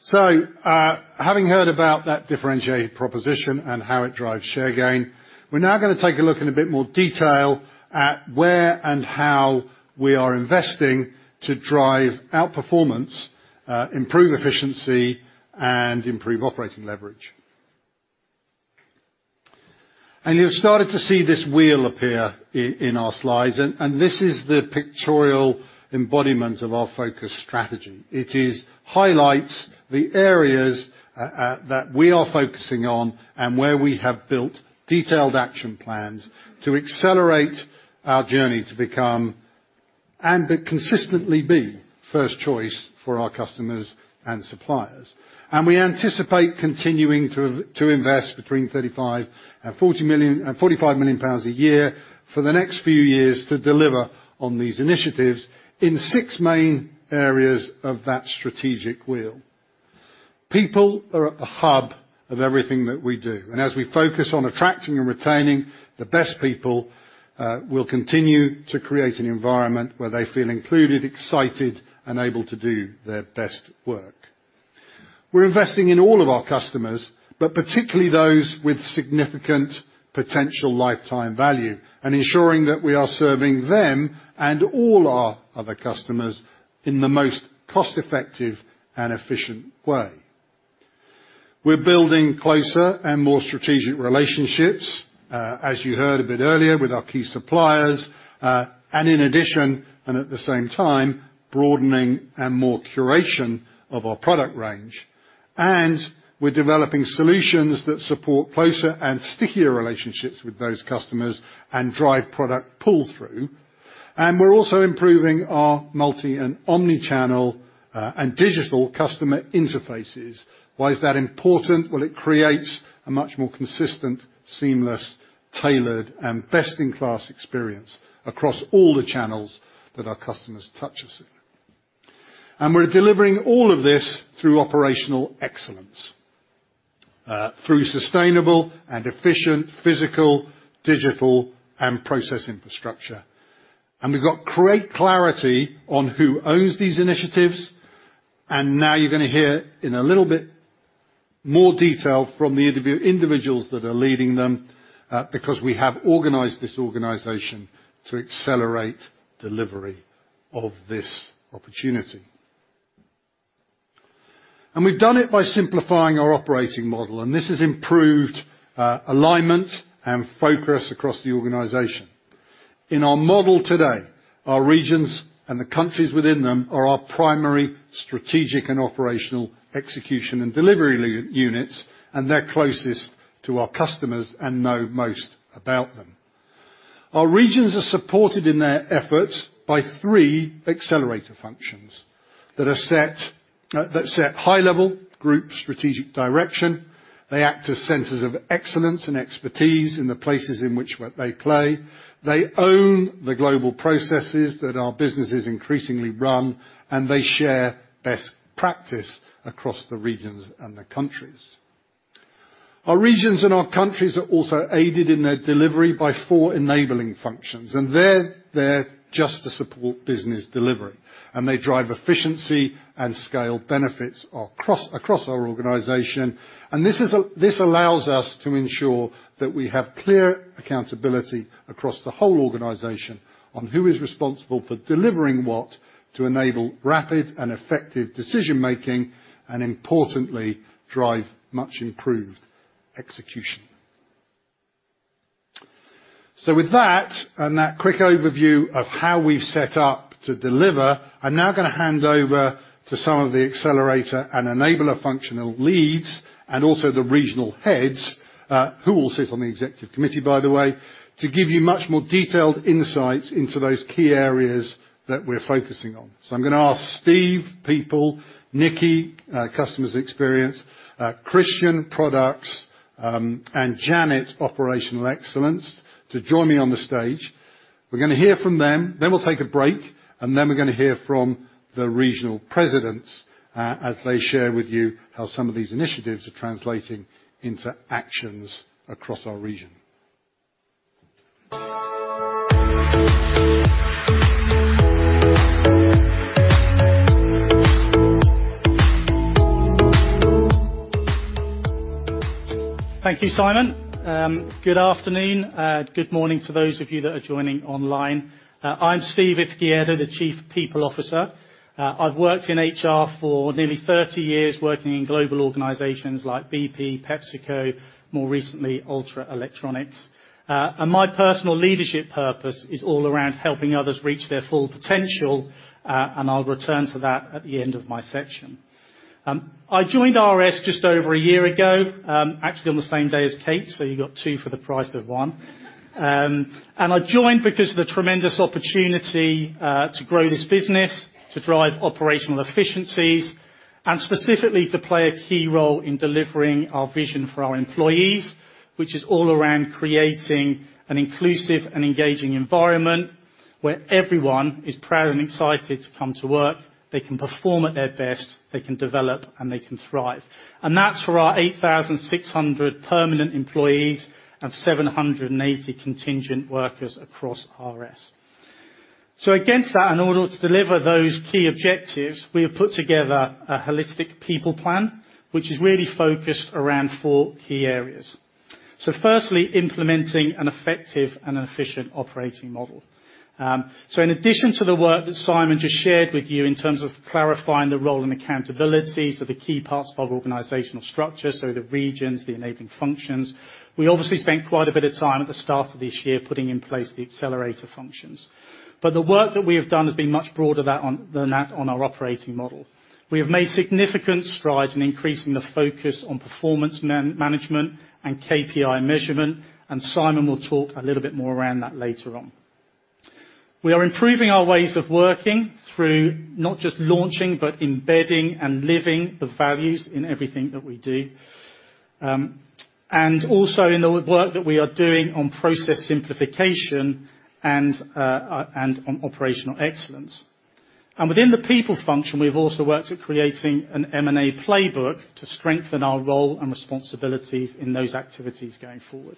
So, having heard about that differentiated proposition and how it drives share gain, we're now gonna take a look in a bit more detail at where and how we are investing to drive outperformance, improve efficiency, and improve operating leverage. And you've started to see this wheel appear in our slides, and this is the pictorial embodiment of our focus strategy. It highlights the areas that we are focusing on, and where we have built detailed action plans to accelerate our journey to become, and to consistently be, first choice for our customers and suppliers. And we anticipate continuing to invest between 35 million and 45 million pounds a year for the next few years to deliver on these initiatives in six main areas of that strategic wheel. People are at the hub of everything that we do, and as we focus on attracting and retaining the best people, we'll continue to create an environment where they feel included, excited, and able to do their best work. We're investing in all of our customers, but particularly those with significant potential lifetime value, and ensuring that we are serving them and all our other customers in the most cost-effective and efficient way. We're building closer and more strategic relationships, as you heard a bit earlier, with our key suppliers, and in addition, and at the same time, broadening and more curation of our product range. And we're developing solutions that support closer and stickier relationships with those customers and drive product pull-through. And we're also improving our multi and omni-channel, and digital customer interfaces. Why is that important? Well, it creates a much more consistent, seamless, tailored, and best-in-class experience across all the channels that our customers touch us in. And we're delivering all of this through operational excellence through sustainable and efficient physical, digital, and process infrastructure. And we've got great clarity on who owns these initiatives, and now you're gonna hear in a little bit more detail from the individuals that are leading them because we have organized this organization to accelerate delivery of this opportunity. And we've done it by simplifying our operating model, and this has improved alignment and focus across the organization. In our model today, our regions and the countries within them are our primary strategic and operational execution and delivery units, and they're closest to our customers and know most about them. Our regions are supported in their efforts by three accelerator functions that are set, that set high-level group strategic direction. They act as centers of excellence and expertise in the places in which what they play. They own the global processes that our businesses increasingly run, and they share best practice across the regions and the countries. Our regions and our countries are also aided in their delivery by four enabling functions, and they're there just to support business delivery, and they drive efficiency and scale benefits across our organization. And this is, this allows us to ensure that we have clear accountability across the whole organization on who is responsible for delivering what, to enable rapid and effective decision-making, and importantly, drive much improved execution. So with that, and that quick overview of how we've set up to deliver, I'm now gonna hand over to some of the accelerator and enabler functional leads, and also the regional heads, who all sit on the executive committee, by the way, to give you much more detailed insights into those key areas that we're focusing on. So I'm gonna ask Steve, People, Nicky, Customer Experience, Christian, Products, and Janet, Operational Excellence, to join me on the stage. We're gonna hear from them, then we'll take a break, and then we're gonna hear from the regional presidents as they share with you how some of these initiatives are translating into actions across our region. Thank you, Simon. Good afternoon, good morning to those of you that are joining online. I'm Steve Izquierdo, the Chief People Officer. I've worked in HR for nearly 30 years, working in global organizations like BP, PepsiCo, more recently, Ultra Electronics, and my personal leadership purpose is all around helping others reach their full potential, and I'll return to that at the end of my section. I joined RS just over a year ago, actually, on the same day as Kate, so you got two for the price of one, and I joined because of the tremendous opportunity to grow this business, to drive operational efficiencies, and specifically, to play a key role in delivering our vision for our employees, which is all around creating an inclusive and engaging environment, where everyone is proud and excited to come to work. They can perform at their best, they can develop, and they can thrive, and that's for our 8,600 permanent employees and 780 contingent workers across RS. So against that, in order to deliver those key objectives, we have put together a holistic people plan, which is really focused around four key areas. So firstly, implementing an effective and efficient operating model. So in addition to the work that Simon just shared with you in terms of clarifying the role and accountabilities of the key parts of our organizational structure, so the regions, the enabling functions, we obviously spent quite a bit of time at the start of this year putting in place the accelerator functions. But the work that we have done has been much broader than that on our operating model. We have made significant strides in increasing the focus on performance management and KPI measurement, and Simon will talk a little bit more around that later on. We are improving our ways of working through not just launching, but embedding and living the values in everything that we do, and also in the work that we are doing on process simplification and on operational excellence, and within the people function, we've also worked at creating an M&A playbook to strengthen our role and responsibilities in those activities going forward.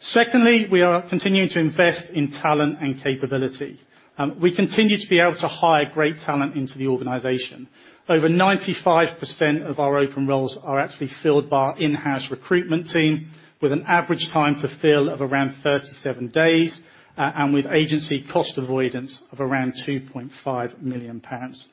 Secondly, we are continuing to invest in talent and capability. We continue to be able to hire great talent into the organization. Over 95% of our open roles are actually filled by our in-house recruitment team, with an average time to fill of around 37 days, and with agency cost avoidance of around 2.5 million pounds.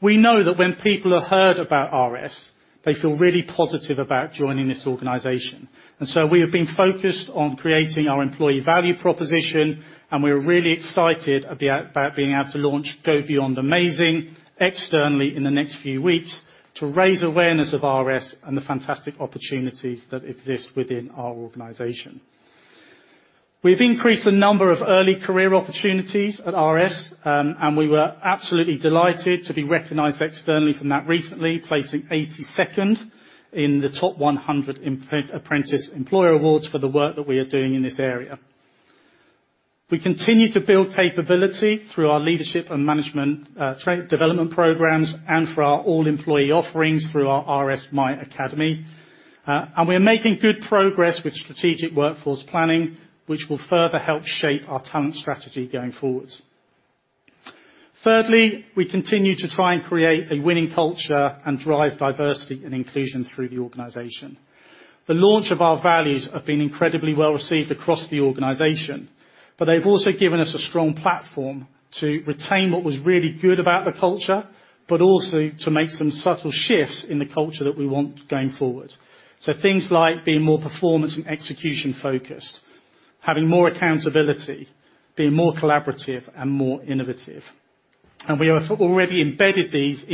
We know that when people have heard about RS, they feel really positive about joining this organization. And so we have been focused on creating our employee value proposition, and we're really excited about being able to launch Go Beyond Amazing externally in the next few weeks to raise awareness of RS and the fantastic opportunities that exist within our organization. We've increased the number of early career opportunities at RS, and we were absolutely delighted to be recognized externally from that recently, placing 82nd in the top 100 apprentice employer awards for the work that we are doing in this area. We continue to build capability through our leadership and management development programs and for our all-employee offerings through our RS MyAcademy. And we're making good progress with strategic workforce planning, which will further help shape our talent strategy going forward. Thirdly, we continue to try and create a winning culture and drive diversity and inclusion through the organization. The launch of our values have been incredibly well-received across the organization, but they've also given us a strong platform to retain what was really good about the culture, but also to make some subtle shifts in the culture that we want going forward. So things like being more performance and execution-focused, having more accountability, being more collaborative and more innovative. And we have already embedded these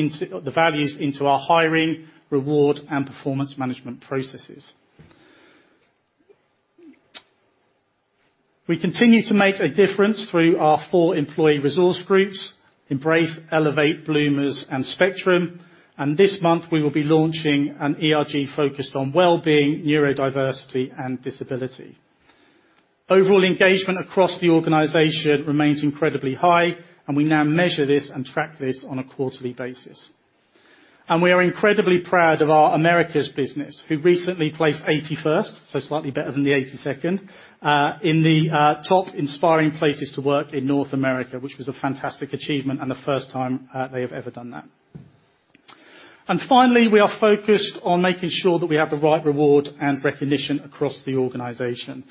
values into our hiring, reward, and performance management processes. We continue to make a difference through our four employee resource groups: Embrace, Elevate, oomers, and Spectrum, and this month, we will be launching an ERG focused on wellbeing, neurodiversity, and disability. Overall engagement across the organization remains incredibly high, and we now measure this and track this on a quarterly basis. We are incredibly proud of our Americas business, who recently placed 81st, so slightly better than the 82nd, in the top inspiring places to work in North America, which was a fantastic achievement and the first time they have ever done that. Finally, we are focused on making sure that we have the right reward and recognition across the organization.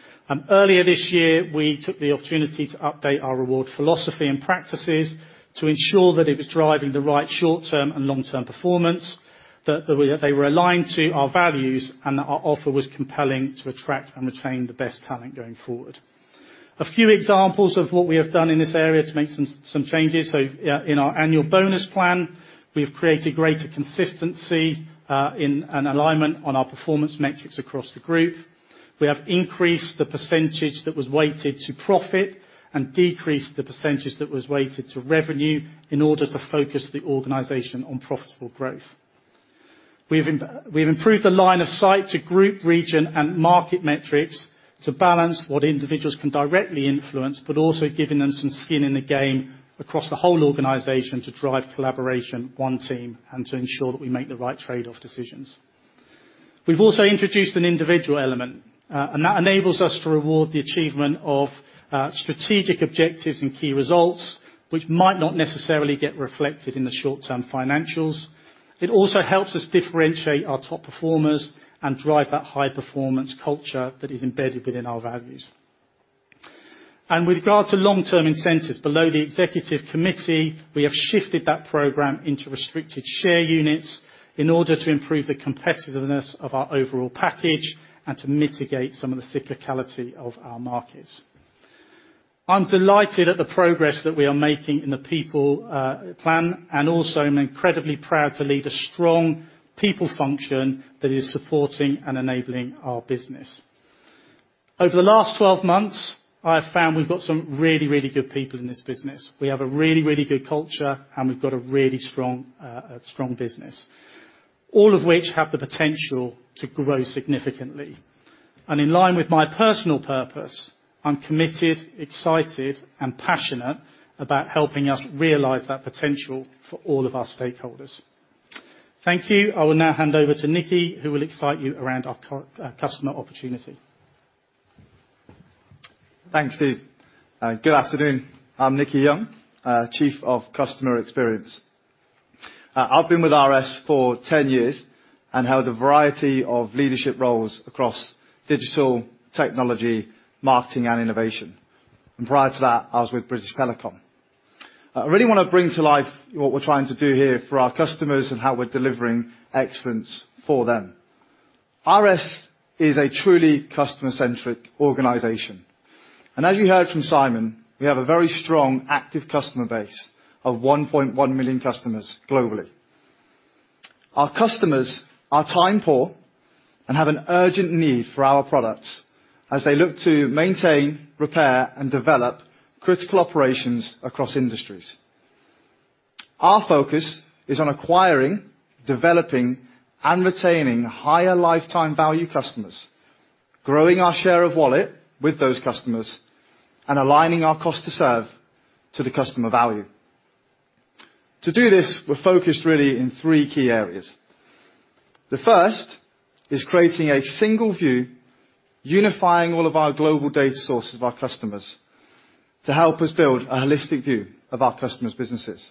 Earlier this year, we took the opportunity to update our reward philosophy and practices to ensure that it was driving the right short-term and long-term performance, that they were aligned to our values, and that our offer was compelling to attract and retain the best talent going forward. A few examples of what we have done in this area to make some changes, so in our annual bonus plan, we have created greater consistency in an alignment on our performance metrics across the group. We have increased the percentage that was weighted to profit and decreased the percentage that was weighted to revenue in order to focus the organization on profitable growth. We've improved the line of sight to group, region, and market metrics to balance what individuals can directly influence, but also giving them some skin in the game across the whole organization to drive collaboration, one team, and to ensure that we make the right trade-off decisions. We've also introduced an individual element, and that enables us to reward the achievement of strategic objectives and key results, which might not necessarily get reflected in the short-term financials. It also helps us differentiate our top performers and drive that high-performance culture that is embedded within our values. And with regard to long-term incentives below the executive committee, we have shifted that program into restricted share units in order to improve the competitiveness of our overall package and to mitigate some of the cyclicality of our markets. I'm delighted at the progress that we are making in the people plan, and also I'm incredibly proud to lead a strong people function that is supporting and enabling our business. Over the last 12 months, I have found we've got some really, really good people in this business. We have a really, really good culture, and we've got a really strong strong business, all of which have the potential to grow significantly. And in line with my personal purpose, I'm committed, excited, and passionate about helping us realize that potential for all of our stakeholders. Thank you. I will now hand over to Nicky, who will excite you around our customer opportunity. Thanks, Steve. Good afternoon. I'm Nicky Young, Chief of Customer Experience. I've been with RS for ten years and held a variety of leadership roles across digital, technology, marketing, and innovation, and prior to that, I was with British Telecom. I really want to bring to life what we're trying to do here for our customers and how we're delivering excellence for them. RS is a truly customer-centric organization, and as you heard from Simon, we have a very strong, active customer base of 1.1 million customers globally. Our customers are time-poor and have an urgent need for our products as they look to maintain, repair, and develop critical operations across industries. Our focus is on acquiring, developing, and retaining higher lifetime value customers, growing our share of wallet with those customers, and aligning our cost to serve to the customer value. To do this, we're focused really in three key areas. The first is creating a single view, unifying all of our global data sources of our customers to help us build a holistic view of our customers' businesses.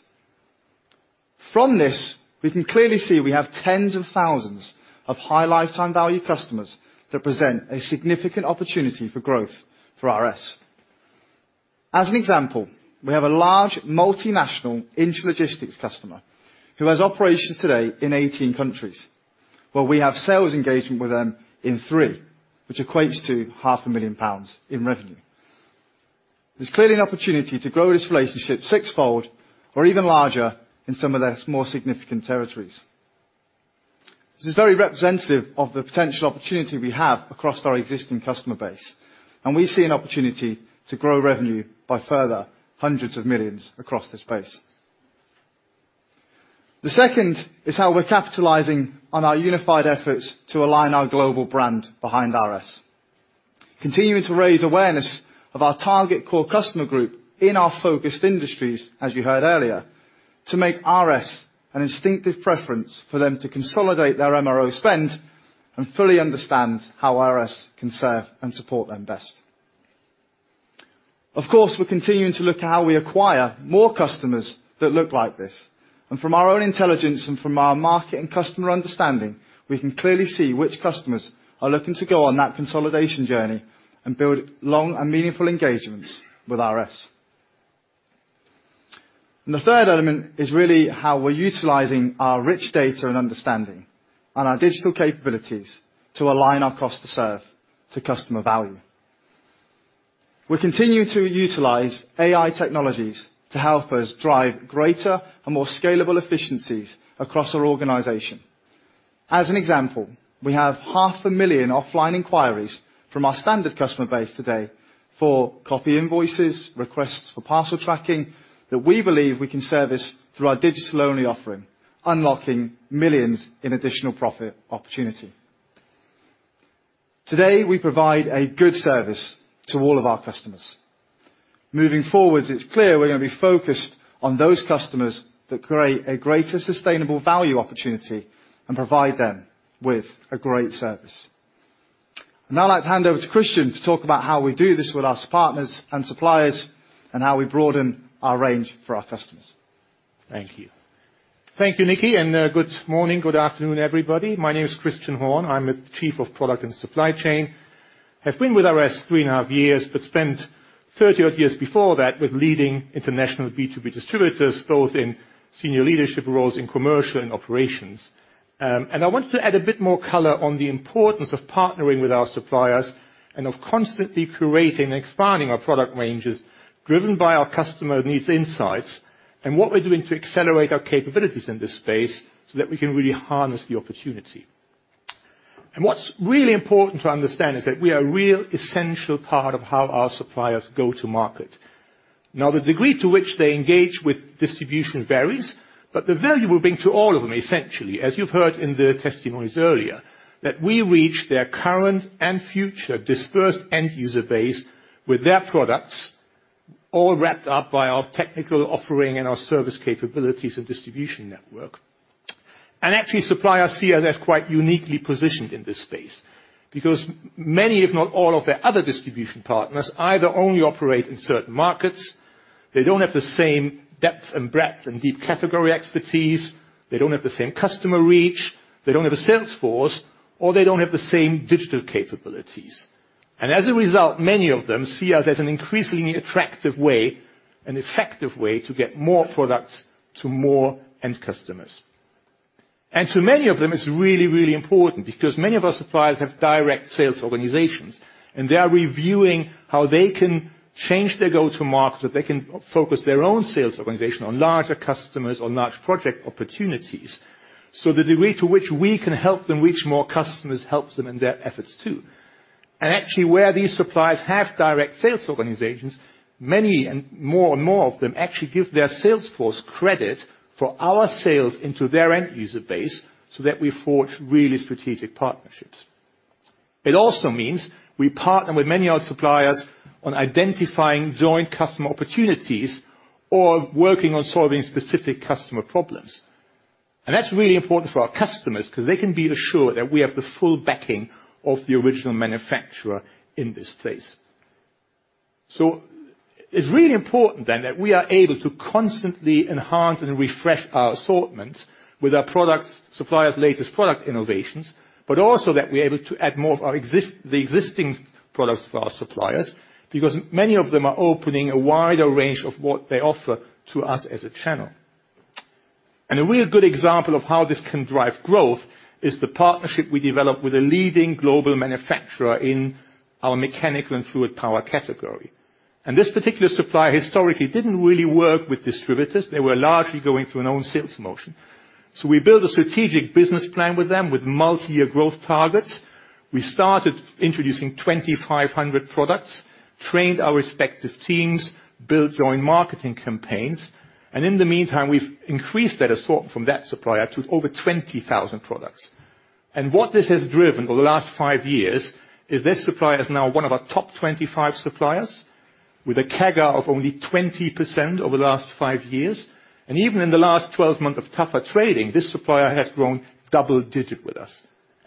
From this, we can clearly see we have tens of thousands of high lifetime value customers that present a significant opportunity for growth for RS. As an example, we have a large multinational intralogistics customer who has operations today in 18 countries, where we have sales engagement with them in three, which equates to 500,000 pounds in revenue. There's clearly an opportunity to grow this relationship sixfold or even larger in some of their more significant territories. This is very representative of the potential opportunity we have across our existing customer base, and we see an opportunity to grow revenue by further hundreds of millions across this base. The second is how we're capitalizing on our unified efforts to align our global brand behind RS, continuing to raise awareness of our target core customer group in our focused industries, as you heard earlier, to make RS an instinctive preference for them to consolidate their MRO spend and fully understand how RS can serve and support them best. Of course, we're continuing to look at how we acquire more customers that look like this, and from our own intelligence and from our market and customer understanding, we can clearly see which customers are looking to go on that consolidation journey and build long and meaningful engagements with RS, and the third element is really how we're utilizing our rich data and understanding and our digital capabilities to align our cost to serve to customer value. We continue to utilize AI technologies to help us drive greater and more scalable efficiencies across our organization. As an example, we have 500,000 offline inquiries from our standard customer base today for copy invoices, requests for parcel tracking, that we believe we can service through our digital-only offering, unlocking millions in additional profit opportunity. Today, we provide a good service to all of our customers. Moving forward, it's clear we're gonna be focused on those customers that create a greater sustainable value opportunity and provide them with a great service. Now, I'd like to hand over to Christian to talk about how we do this with our partners and suppliers, and how we broaden our range for our customers. Thank you. Thank you, Nicky, and good morning, good afternoon, everybody. My name is Christian Horn. I'm the Chief Product and Supply Chain Officer. I've been with RS three and a half years, but spent 30 odd years before that with leading international B2B distributors, both in senior leadership roles in commercial and operations. I want to add a bit more color on the importance of partnering with our suppliers and of constantly creating and expanding our product ranges, driven by our customer needs insights, and what we're doing to accelerate our capabilities in this space so that we can really harness the opportunity. What's really important to understand is that we are a real essential part of how our suppliers go to market. Now, the degree to which they engage with distribution varies, but the value we bring to all of them, essentially, as you've heard in the testimonies earlier, that we reach their current and future dispersed end user base with their products, all wrapped up by our technical offering and our service capabilities and distribution network, and actually, suppliers see us as quite uniquely positioned in this space, because many, if not all, of their other distribution partners, either only operate in certain markets, they don't have the same depth and breadth and deep category expertise, they don't have the same customer reach, they don't have a sales force, or they don't have the same digital capabilities, and as a result, many of them see us as an increasingly attractive way and effective way to get more products to more end customers. And to many of them, it's really, really important because many of our suppliers have direct sales organizations, and they are reviewing how they can change their go-to-market, so they can focus their own sales organization on larger customers or large project opportunities. So the degree to which we can help them reach more customers, helps them in their efforts, too. And actually, where these suppliers have direct sales organizations, many and more and more of them actually give their sales force credit for our sales into their end user base, so that we forge really strategic partnerships. It also means we partner with many of our suppliers on identifying joint customer opportunities or working on solving specific customer problems. And that's really important for our customers, 'cause they can be assured that we have the full backing of the original manufacturer in this place. It's really important then that we are able to constantly enhance and refresh our assortments with our products, supplier's latest product innovations, but also that we're able to add more of the existing products for our suppliers, because many of them are opening a wider range of what they offer to us as a channel. A real good example of how this can drive growth is the partnership we developed with a leading global manufacturer in our mechanical and fluid power category. This particular supplier, historically, didn't really work with distributors. They were largely going through their own sales motion. We built a strategic business plan with them, with multi-year growth targets. We started introducing 2,500 products, trained our respective teams, built joint marketing campaigns, and in the meantime, we've increased that assortment from that supplier to over 20,000 products. What this has driven over the last five years is this supplier is now one of our top 25 suppliers, with a CAGR of only 20% over the last five years. Even in the last 12 months of tougher trading, this supplier has grown double-digit with us.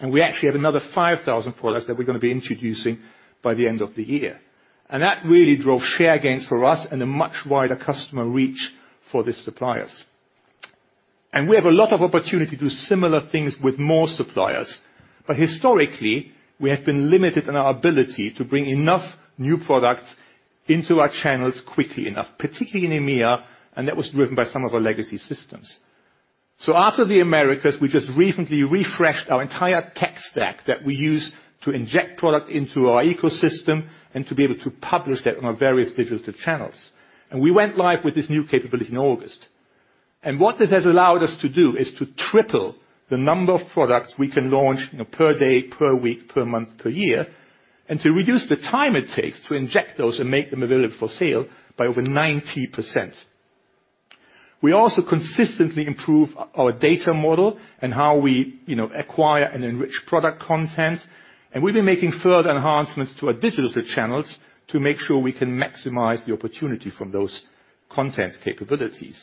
We actually have another 5,000 products that we're gonna be introducing by the end of the year. That really drove share gains for us and a much wider customer reach for the suppliers. We have a lot of opportunity to do similar things with more suppliers, but historically, we have been limited in our ability to bring enough new products into our channels quickly enough, particularly in EMEA, and that was driven by some of our legacy systems. After the Americas, we just recently refreshed our entire tech stack that we use to inject product into our ecosystem and to be able to publish that on our various digital channels. We went live with this new capability in August. What this has allowed us to do, is to triple the number of products we can launch, you know, per day, per week, per month, per year, and to reduce the time it takes to inject those and make them available for sale by over 90%. We also consistently improve our data model and how we, you know, acquire and enrich product content. We've been making further enhancements to our digital channels to make sure we can maximize the opportunity from those content capabilities.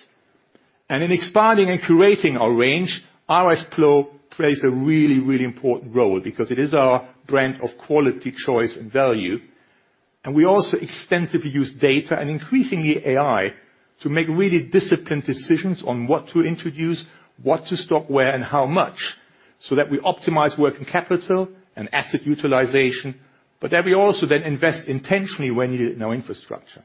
And in expanding and curating our range, RS PRO plays a really, really important role because it is our brand of quality, choice, and value. And we also extensively use data, and increasingly AI, to make really disciplined decisions on what to introduce, what to stock where, and how much, so that we optimize working capital and asset utilization, but that we also then invest intentionally where needed in our infrastructure.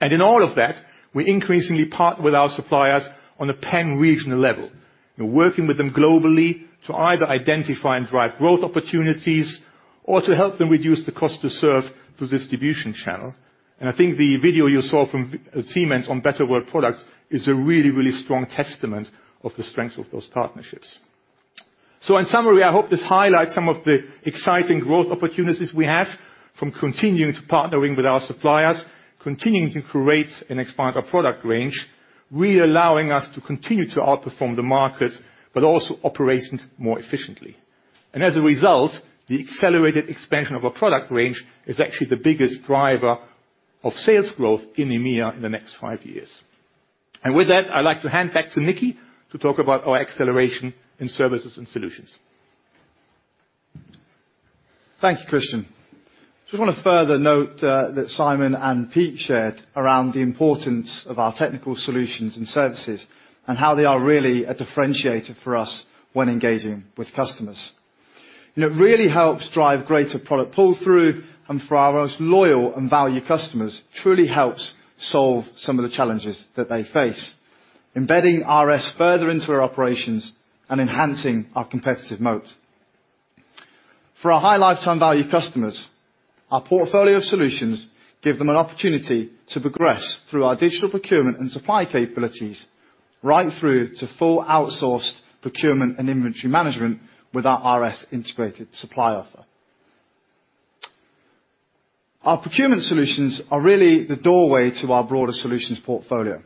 And in all of that, we increasingly partner with our suppliers on a pan-regional level. We're working with them globally to either identify and drive growth opportunities or to help them reduce the cost to serve the distribution channel. And I think the video you saw from Siemens on Better World Products is a really, really strong testament of the strength of those partnerships. In summary, I hope this highlights some of the exciting growth opportunities we have, from continuing to partnering with our suppliers, continuing to curate and expand our product range, really allowing us to continue to outperform the market, but also operating more efficiently. And as a result, the accelerated expansion of our product range is actually the biggest driver of sales growth in EMEA in the next five years. And with that, I'd like to hand back to Nicky, to talk about our acceleration in services and solutions. Thank you, Christian. Just want to further note that Simon and Pete shared around the importance of our technical solutions and services, and how they are really a differentiator for us when engaging with customers, and it really helps drive greater product pull-through, and for our most loyal and valued customers, truly helps solve some of the challenges that they face, embedding RS further into our operations and enhancing our competitive moat. For our high lifetime value customers, our portfolio of solutions give them an opportunity to progress through our digital procurement and supply capabilities, right through to full outsourced procurement and inventory management with our RS Integrated Supply offer. Our procurement solutions are really the doorway to our broader solutions portfolio,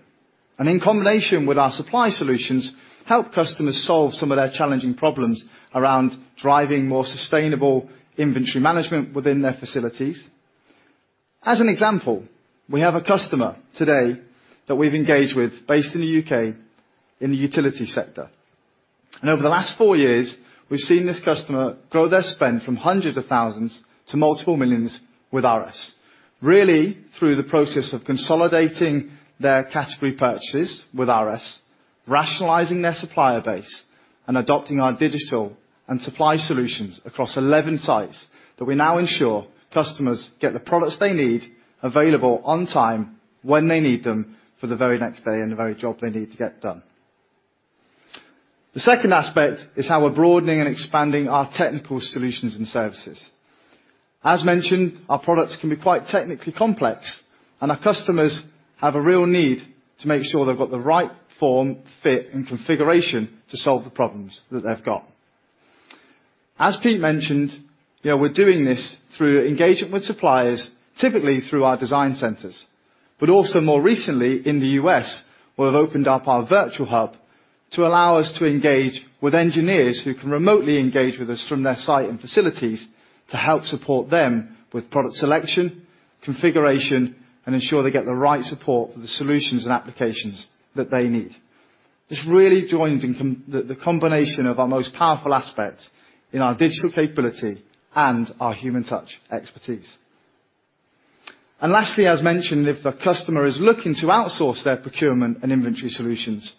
and in combination with our supply solutions, help customers solve some of their challenging problems around driving more sustainable inventory management within their facilities. As an example, we have a customer today that we've engaged with, based in the U.K., in the utility sector. Over the last four years, we've seen this customer grow their spend from hundreds of thousands to multiple millions with RS. Really, through the process of consolidating their category purchases with RS, rationalizing their supplier base, and adopting our digital and supply solutions across 11 sites, that we now ensure customers get the products they need, available on time, when they need them, for the very next day and the very job they need to get done. The second aspect is how we're broadening and expanding our technical solutions and services. As mentioned, our products can be quite technically complex, and our customers have a real need to make sure they've got the right form, fit, and configuration to solve the problems that they've got. As Pete mentioned, you know, we're doing this through engagement with suppliers, typically through our design centers, but also more recently in the U.S., where we've opened up our virtual hub to allow us to engage with engineers who can remotely engage with us from their site and facilities, to help support them with product selection, configuration, and ensure they get the right support for the solutions and applications that they need. This really joins in the combination of our most powerful aspects in our digital capability and our human touch expertise. And lastly, as mentioned, if the customer is looking to outsource their procurement and inventory solutions,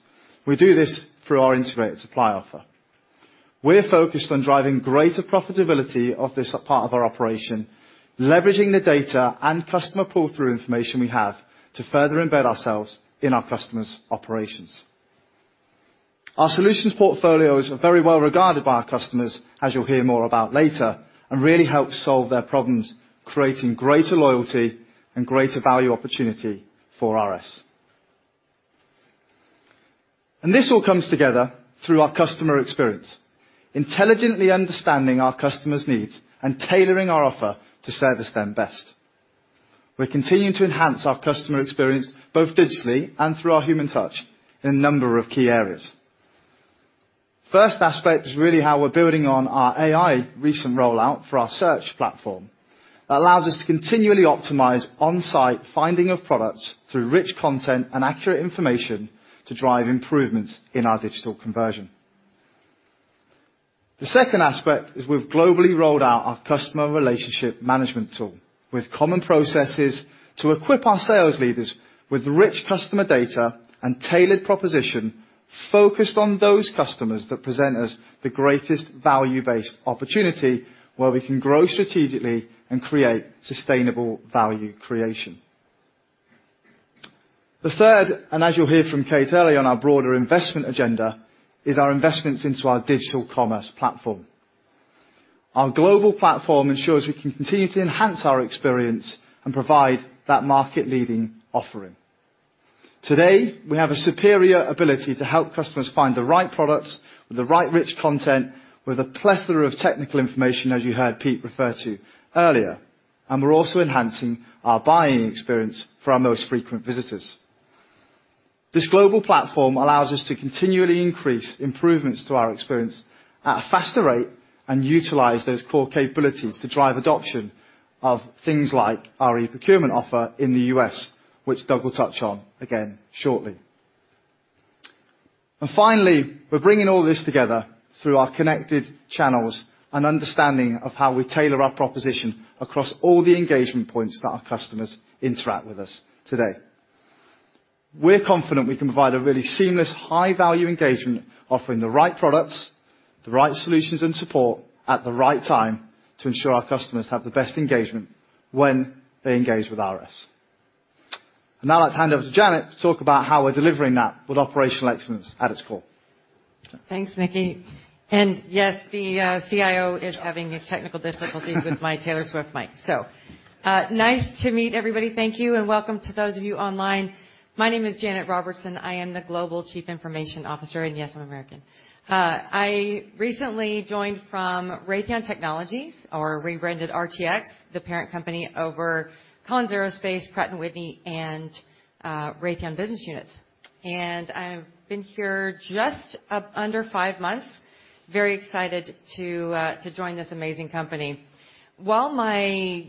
we do this through our integrated supply offer. We're focused on driving greater profitability of this part of our operation, leveraging the data and customer pull-through information we have to further embed ourselves in our customers' operations. Our solutions portfolios are very well regarded by our customers, as you'll hear more about later, and really help solve their problems, creating greater loyalty and greater value opportunity for RS. And this all comes together through our customer experience, intelligently understanding our customers' needs and tailoring our offer to service them best. We're continuing to enhance our customer experience, both digitally and through our human touch, in a number of key areas. First aspect is really how we're building on our AI recent rollout for our search platform. That allows us to continually optimize on-site finding of products through rich content and accurate information to drive improvements in our digital conversion. The second aspect is we've globally rolled out our customer relationship management tool, with common processes to equip our sales leaders with rich customer data and tailored proposition, focused on those customers that present us the greatest value-based opportunity, where we can grow strategically and create sustainable value creation. The third, and as you'll hear from Kate earlier on our broader investment agenda, is our investments into our digital commerce platform. Our global platform ensures we can continue to enhance our experience and provide that market-leading offering. Today, we have a superior ability to help customers find the right products with the right rich content, with a plethora of technical information, as you heard Pete refer to earlier, and we're also enhancing our buying experience for our most frequent visitors. This global platform allows us to continually increase improvements to our experience at a faster rate and utilize those core capabilities to drive adoption of things like our e-procurement offer in the U.S., which Doug will touch on again shortly. And finally, we're bringing all this together through our connected channels and understanding of how we tailor our proposition across all the engagement points that our customers interact with us today. We're confident we can provide a really seamless, high-value engagement, offering the right products, the right solutions and support at the right time to ensure our customers have the best engagement when they engage with RS. And now, let's hand over to Janet to talk about how we're delivering that with operational excellence at its core. Thanks, Nicky. And yes, the CIO is having technical difficulties with my Taylor Swift mic. So, nice to meet everybody. Thank you, and welcome to those of you online. My name is Janet Robertson. I am the Global Chief Information Officer, and yes, I'm American. I recently joined from Raytheon Technologies, or rebranded RTX, the parent company over Collins Aerospace, Pratt & Whitney, and Raytheon business units. And I've been here just up under five months. Very excited to join this amazing company. While my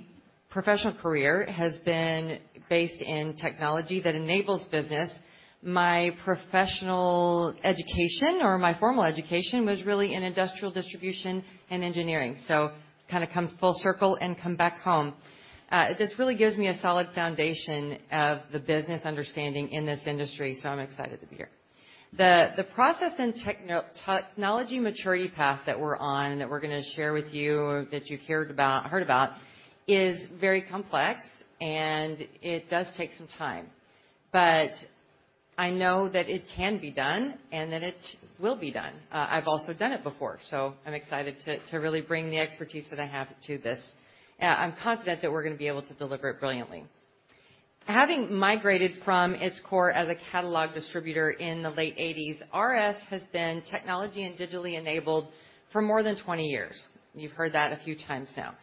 professional career has been based in technology that enables business, my professional education, or my formal education, was really in industrial distribution and engineering. So kind of come full circle and come back home. This really gives me a solid foundation of the business understanding in this industry, so I'm excited to be here. The process and technology maturity path that we're on, that we're gonna share with you, that you've heard about, is very complex, and it does take some time. I know that it can be done, and that it will be done. I've also done it before, so I'm excited to really bring the expertise that I have to this. I'm confident that we're gonna be able to deliver it brilliantly. Having migrated from its core as a catalog distributor in the late 1980s, RS has been technology and digitally enabled for more than 20 years. You've heard that a few times now.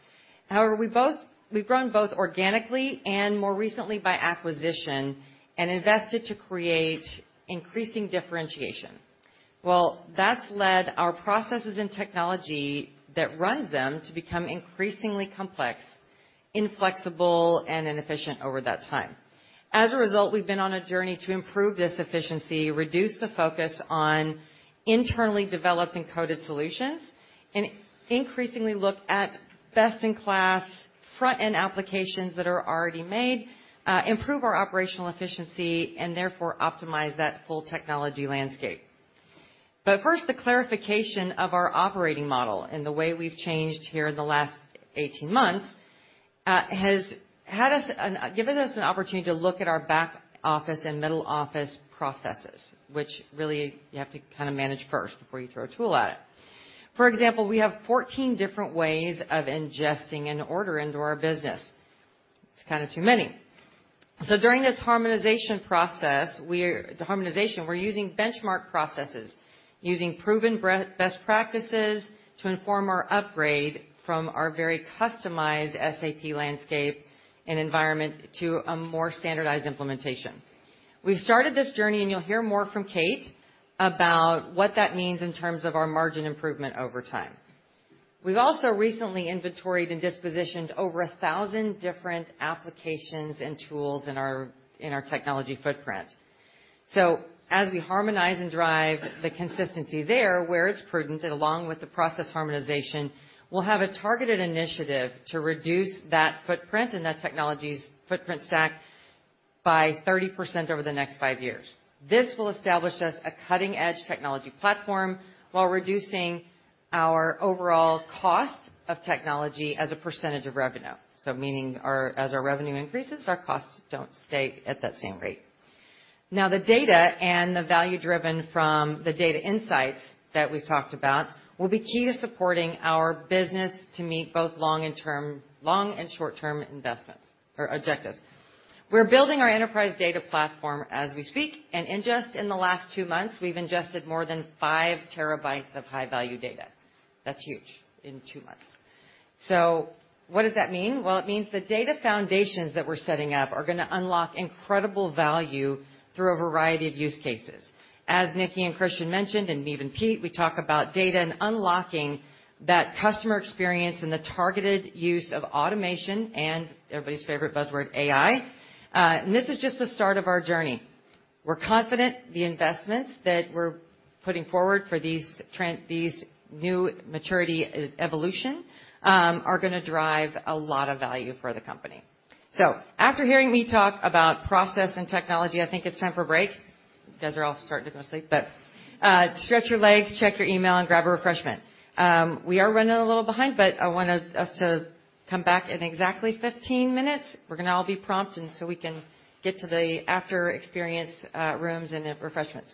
However, we've grown both organically and more recently by acquisition, and invested to create increasing differentiation. That's led our processes and technology that runs them to become increasingly complex, inflexible, and inefficient over that time. As a result, we've been on a journey to improve this efficiency, reduce the focus on internally developed and coded solutions, and increasingly look at best-in-class front-end applications that are already made, improve our operational efficiency, and therefore optimize that full technology landscape. But first, the clarification of our operating model and the way we've changed here in the last 18 months has given us an opportunity to look at our back office and middle office processes, which really you have to kind of manage first before you throw a tool at it. For example, we have 14 different ways of ingesting an order into our business. It's kind of too many. During this harmonization process, we are using benchmark processes, using proven best practices to inform our upgrade from our very customized SAP landscape and environment to a more standardized implementation. We've started this journey, and you'll hear more from Kate about what that means in terms of our margin improvement over time. We've also recently inventoried and dispositioned over 1,000 different applications and tools in our technology footprint. As we harmonize and drive the consistency there, where it's prudent, and along with the process harmonization, we'll have a targeted initiative to reduce that footprint and that technology's footprint stack by 30% over the next five years. This will establish us a cutting-edge technology platform while reducing our overall cost of technology as a percentage of revenue. So meaning, our, as our revenue increases, our costs don't stay at that same rate. Now, the data and the value driven from the data insights that we've talked about will be key to supporting our business to meet both long- and short-term investments or objectives. We're building our enterprise data platform as we speak, and in just in the last two months, we've ingested more than five terabytes of high-value data. That's huge, in two months. So what does that mean? Well, it means the data foundations that we're setting up are gonna unlock incredible value through a variety of use cases. As Nicky and Christian mentioned, and me and Pete, we talk about data and unlocking that customer experience and the targeted use of automation and everybody's favorite buzzword, AI. And this is just the start of our journey. We're confident the investments that we're putting forward for these trend, these new maturity e-evolution, are gonna drive a lot of value for the company. After hearing me talk about process and technology, I think it's time for a break. You guys are all starting to go to sleep, but stretch your legs, check your email, and grab a refreshment. We are running a little behind, but I wanted us to come back in exactly 15 minutes. We're gonna all be prompt, and so we can get to the after-experience rooms and refreshments.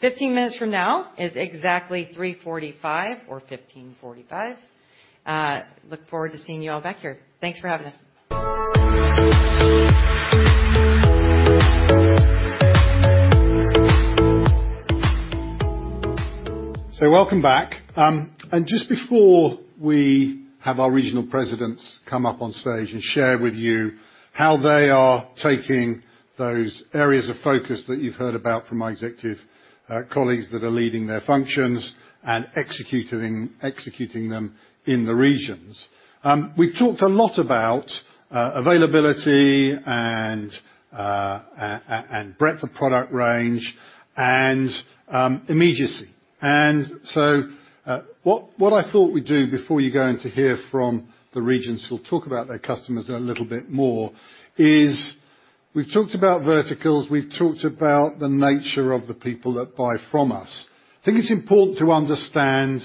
15 minutes from now is exactly 3:45 P.M. or 15:45. Look forward to seeing you all back here. Thanks for having us. So welcome back. And just before we have our regional presidents come up on stage and share with you how they are taking those areas of focus that you've heard about from my executive colleagues that are leading their functions and executing them in the regions. We've talked a lot about availability and breadth of product range and immediacy. And so what I thought we'd do before you go in to hear from the regions, who'll talk about their customers a little bit more, is we've talked about verticals, we've talked about the nature of the people that buy from us. I think it's important to understand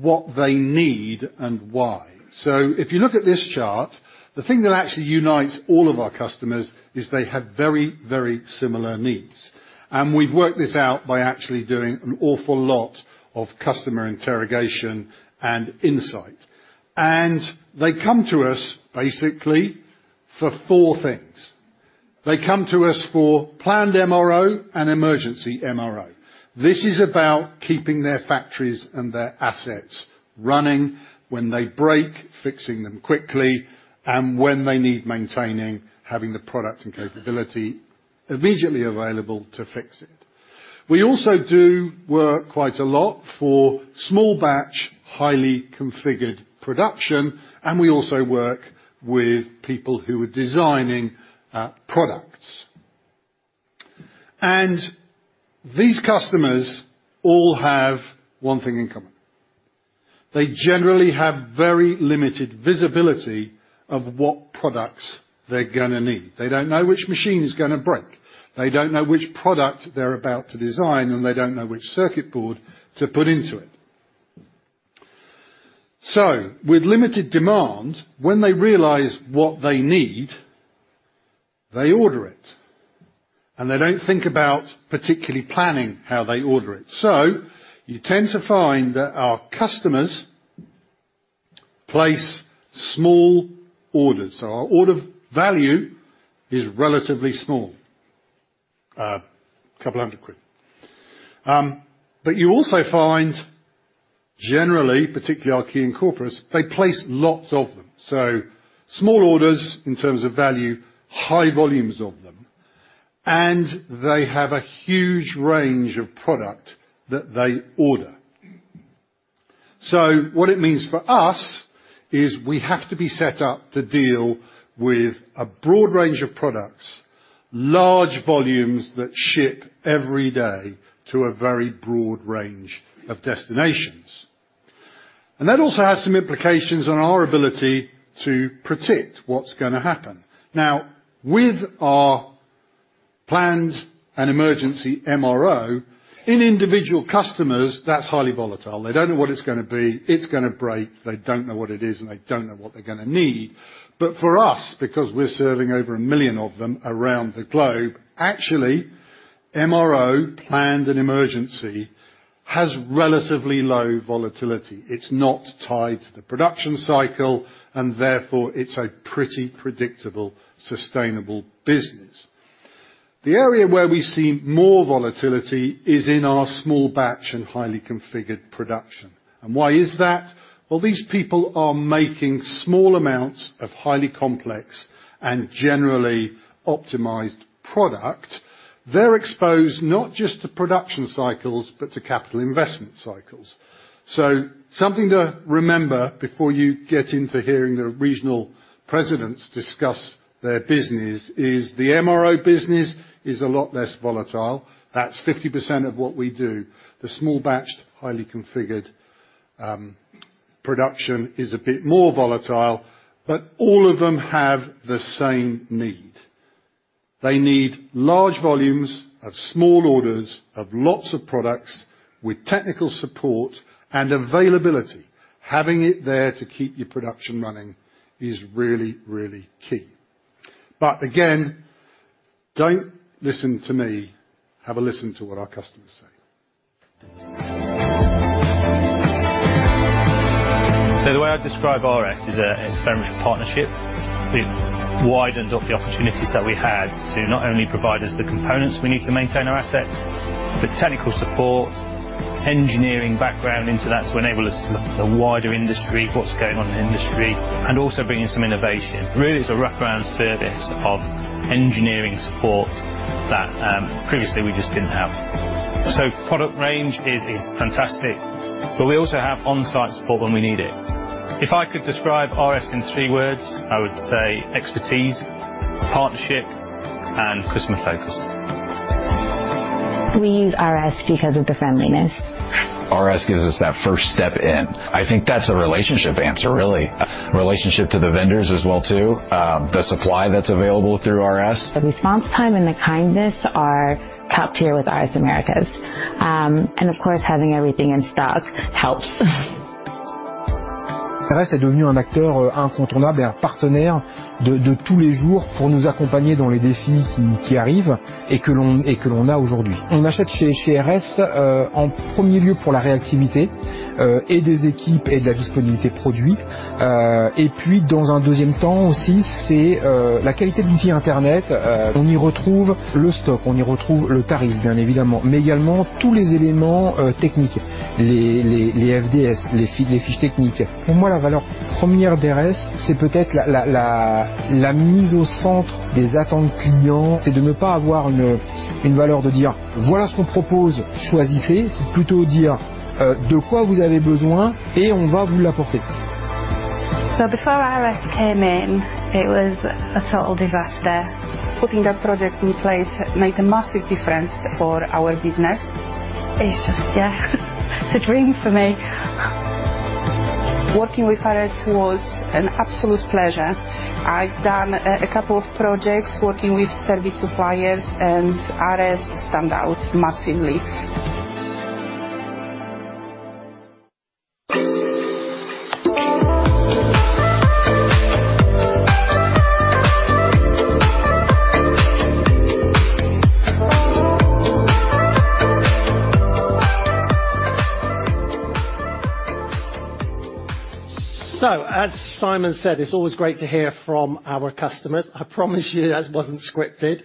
what they need and why. So if you look at this chart, the thing that actually unites all of our customers is they have very, very similar needs. And we've worked this out by actually doing an awful lot of customer interrogation and insight. They come to us basically for four things. They come to us for planned MRO and emergency MRO. This is about keeping their factories and their assets running when they break, fixing them quickly, and when they need maintaining, having the product and capability immediately available to fix it. We also do work quite a lot for small batch, highly configured production, and we also work with people who are designing products. And these customers all have one thing in common. They generally have very limited visibility of what products they're gonna need. They don't know which machine is gonna break, they don't know which product they're about to design, and they don't know which circuit board to put into it. With limited demand, when they realize what they need, they order it, and they don't think about particularly planning how they order it. You tend to find that our customers place small orders. Our order value is relatively small, a couple hundred quid. But you also find, generally, particularly our key corporates, they place lots of them. Small orders in terms of value, high volumes of them, and they have a huge range of product that they order. What it means for us is we have to be set up to deal with a broad range of products, large volumes that ship every day to a very broad range of destinations. That also has some implications on our ability to predict what's gonna happen. Now, with our plans and emergency MRO, in individual customers, that's highly volatile. They don't know what it's gonna be. It's gonna break. They don't know what it is, and they don't know what they're gonna need. But for us, because we're serving over a million of them around the globe, actually, MRO, planned and emergency, has relatively low volatility. It's not tied to the production cycle, and therefore, it's a pretty predictable, sustainable business. The area where we see more volatility is in our small batch and highly configured production. And why is that? Well, these people are making small amounts of highly complex and generally optimized product. They're exposed not just to production cycles but to capital investment cycles. So something to remember before you get into hearing the regional presidents discuss their business is the MRO business is a lot less volatile. That's 50% of what we do. The small batched, highly configured, production is a bit more volatile, but all of them have the same need. They need large volumes of small orders, of lots of products with technical support and availability. Having it there to keep your production running is really, really key. But again, don't listen to me. Have a listen to what our customers say. So the way I describe RS is, it's very partnership. It widened up the opportunities that we had to not only provide us the components we need to maintain our assets, but technical support, engineering background into that to enable us to look at the wider industry, what's going on in industry, and also bringing some innovation. Really, it's a wrap-around service of engineering support that previously we just didn't have. So product range is fantastic, but we also have on-site support when we need it. If I could describe RS in three words, I would say expertise, partnership, and customer focus. We use RS because of the friendliness. RS gives us that first step in. I think that's a relationship answer, really. Relationship to the vendors as well, too, the supply that's available through RS. The response time and the kindness are top tier with RS Americas, and, of course, having everything in stock helps. RS has become an essential player and an everyday partner to accompany us in the challenges that arise and that we have today. We buy from RS primarily for the responsiveness of the teams and the availability of products. And then, secondly, it's also the quality of the internet tool. We find the stock there, we find the price, of course, but also all the technical elements, the FDS, the data sheets. For me, the first value of RS is perhaps putting the customer's needs at the center. It's not having a value of saying, "Here's what we propose, choose." It's more like saying, "What do you need, and we will bring it to you. Before RS came in, it was a total disaster. Putting that project in place made a massive difference for our business. It's just. Yeah, it's a dream for me. Working with RS was an absolute pleasure. I've done a couple of projects working with service suppliers, and RS stand out massively. As Simon said, it's always great to hear from our customers. I promise you, that wasn't scripted.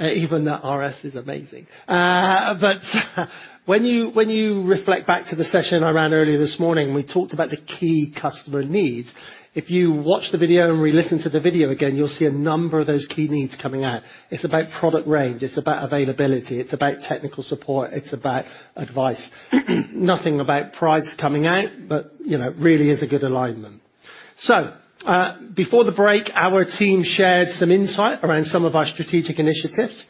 Even that RS is amazing. But when you reflect back to the session I ran earlier this morning, we talked about the key customer needs. If you watch the video and re-listen to the video again, you'll see a number of those key needs coming out. It's about product range, it's about availability, it's about technical support, it's about advice. Nothing about price coming out, but you know, it really is a good alignment. Before the break, our team shared some insight around some of our strategic initiatives.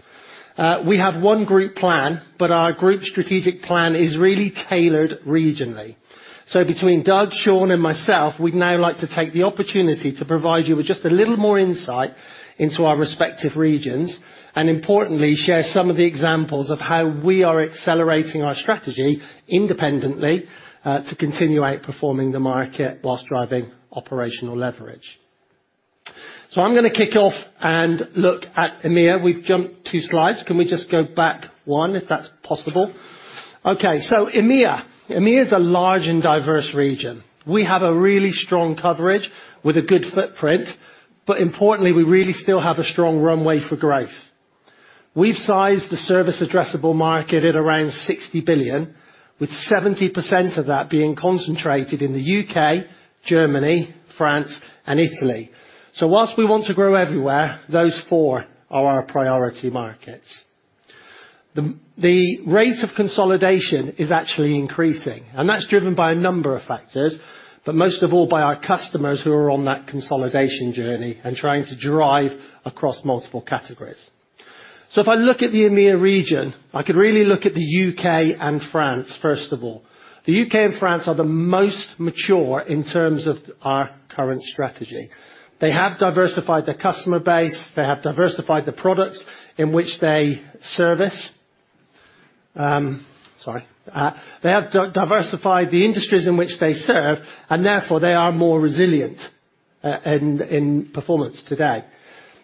We have one group plan, but our group strategic plan is really tailored regionally. Between Doug, Sean, and myself, we'd now like to take the opportunity to provide you with just a little more insight into our respective regions, and importantly, share some of the examples of how we are accelerating our strategy independently, to continue outperforming the market while driving operational leverage. So I'm gonna kick off and look at EMEA. We've jumped two slides. Can we just go back one, if that's possible? Okay, so EMEA. EMEA is a large and diverse region. We have a really strong coverage with a good footprint, but importantly, we really still have a strong runway for growth. We've sized the service addressable market at around 60 billion, with 70% of that being concentrated in the U.K., Germany, France, and Italy. So whilst we want to grow everywhere, those four are our priority markets. The rate of consolidation is actually increasing, and that's driven by a number of factors, but most of all, by our customers who are on that consolidation journey and trying to drive across multiple categories. So if I look at the EMEA region, I could really look at the U.K. and France, first of all. The U.K. and France are the most mature in terms of our current strategy. They have diversified their customer base, they have diversified the products in which they service. They have diversified the industries in which they serve, and therefore, they are more resilient in performance today.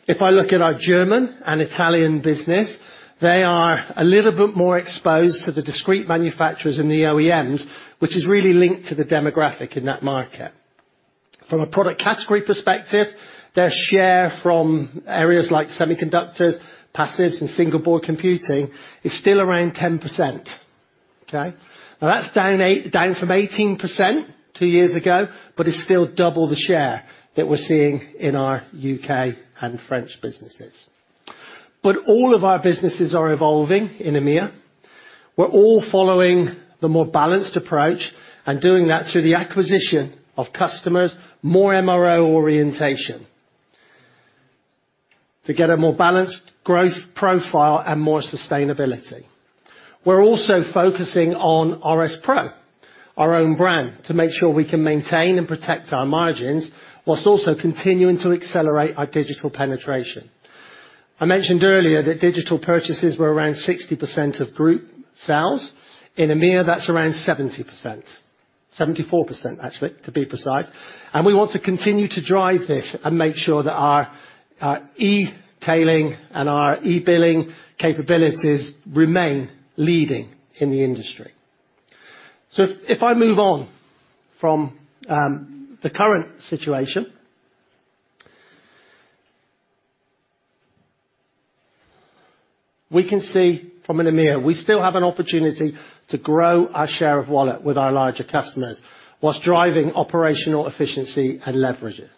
If I look at our German and Italian business, they are a little bit more exposed to the discrete manufacturers and the OEMs, which is really linked to the demographic in that market. From a product category perspective, their share from areas like semiconductors, passives, and single-board computing is still around 10%, okay? Now, that's down 8, down from 18% two years ago, but is still double the share that we're seeing in our U.K. and French businesses. But all of our businesses are evolving in EMEA. We're all following the more balanced approach and doing that through the acquisition of customers, more MRO orientation, to get a more balanced growth profile and more sustainability. We're also focusing on RS Pro, our own brand, to make sure we can maintain and protect our margins, while also continuing to accelerate our digital penetration. I mentioned earlier that digital purchases were around 60% of group sales. In EMEA, that's around 70%. 74%, actually, to be precise, and we want to continue to drive this and make sure that our e-tailing and our e-billing capabilities remain leading in the industry. So if I move on from the current situation, we can see from in EMEA, we still have an opportunity to grow our share of wallet with our larger customers, while driving operational efficiency and leverage it.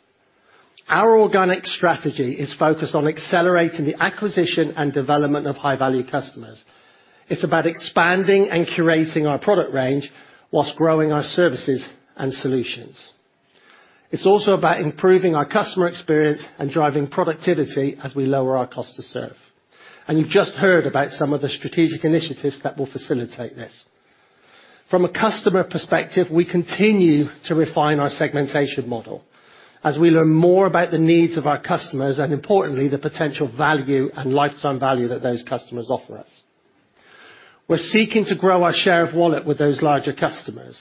Our organic strategy is focused on accelerating the acquisition and development of high-value customers. It's about expanding and curating our product range while growing our services and solutions. It's also about improving our customer experience and driving productivity as we lower our cost to serve, and you've just heard about some of the strategic initiatives that will facilitate this. From a customer perspective, we continue to refine our segmentation model as we learn more about the needs of our customers, and importantly, the potential value and lifetime value that those customers offer us. We're seeking to grow our share of wallet with those larger customers,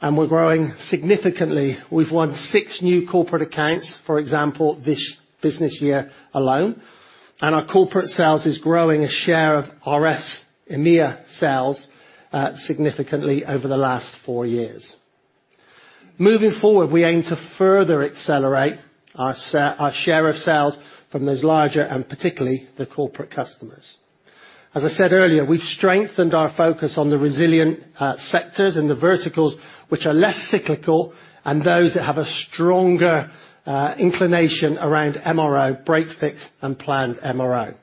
and we're growing significantly. We've won six new corporate accounts, for example, this business year alone, and our corporate sales is growing a share of RS EMEA sales, significantly over the last four years. Moving forward, we aim to further accelerate our share of sales from those larger and particularly the corporate customers. As I said earlier, we've strengthened our focus on the resilient sectors and the verticals, which are less cyclical and those that have a stronger inclination around MRO, break-fix, and planned MRO.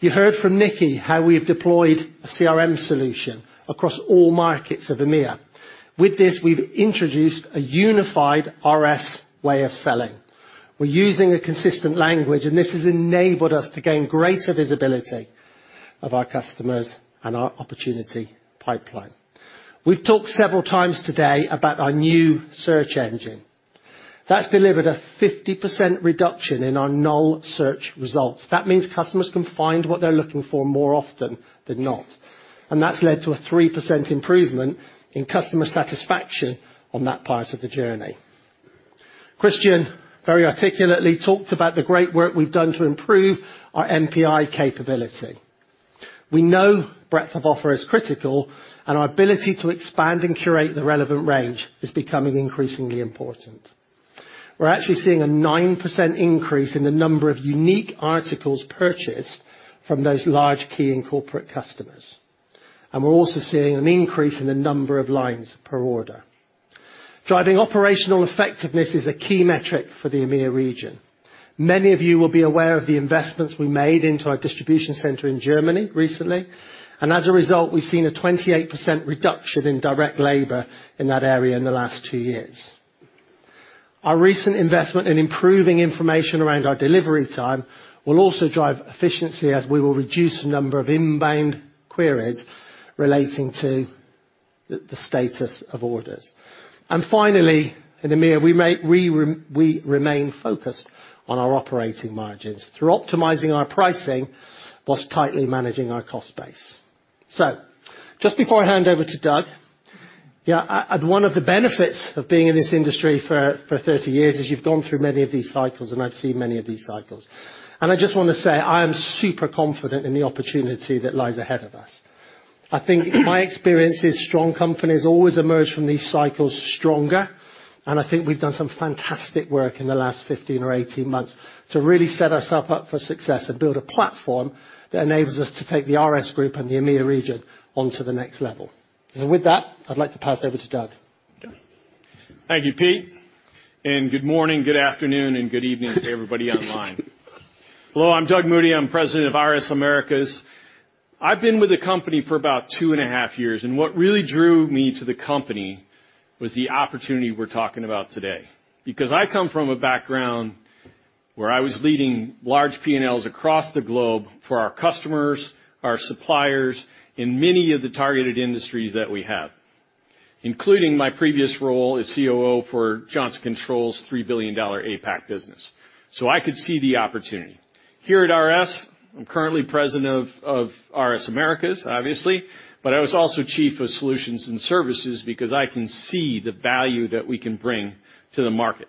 You heard from Nicky how we've deployed a CRM solution across all markets of EMEA. With this, we've introduced a unified RS way of selling. We're using a consistent language, and this has enabled us to gain greater visibility of our customers and our opportunity pipeline. We've talked several times today about our new search engine. That's delivered a 50% reduction in our null search results. That means customers can find what they're looking for more often than not, and that's led to a 3% improvement in customer satisfaction on that part of the journey. Christian, very articulately, talked about the great work we've done to improve our NPI capability. We know breadth of offer is critical, and our ability to expand and curate the relevant range is becoming increasingly important. We're actually seeing a 9% increase in the number of unique articles purchased from those large key and corporate customers, and we're also seeing an increase in the number of lines per order. Driving operational effectiveness is a key metric for the EMEA region. Many of you will be aware of the investments we made into our distribution center in Germany recently, and as a result, we've seen a 28% reduction in direct labor in that area in the last two years. Our recent investment in improving information around our delivery time will also drive efficiency, as we will reduce the number of inbound queries relating to the status of orders. And finally, in EMEA, we remain focused on our operating margins through optimizing our pricing while tightly managing our cost base. Just before I hand over to Doug. And one of the benefits of being in this industry for 30 years is you've gone through many of these cycles, and I've seen many of these cycles. And I just wanna say, I am super confident in the opportunity that lies ahead of us. I think my experience is that strong companies always emerge from these cycles stronger, and I think we've done some fantastic work in the last 15 or 18 months to really set ourselves up for success and build a platform that enables us to take the RS Group and the EMEA region onto the next level. And with that, I'd like to pass over to Doug. Thank you, Pete, and good morning, good afternoon, and good evening to everybody online. Hello, I'm Doug Moody. I'm President of RS Americas. I've been with the company for about two and a half years, and what really drew me to the company was the opportunity we're talking about today. Because I come from a background where I was leading large P&Ls across the globe for our customers, our suppliers, in many of the targeted industries that we have, including my previous role as COO for Johnson Controls, $3 billion APAC business. So I could see the opportunity. Here at RS, I'm currently president of RS Americas, obviously, but I was also chief of solutions and services because I can see the value that we can bring to the market.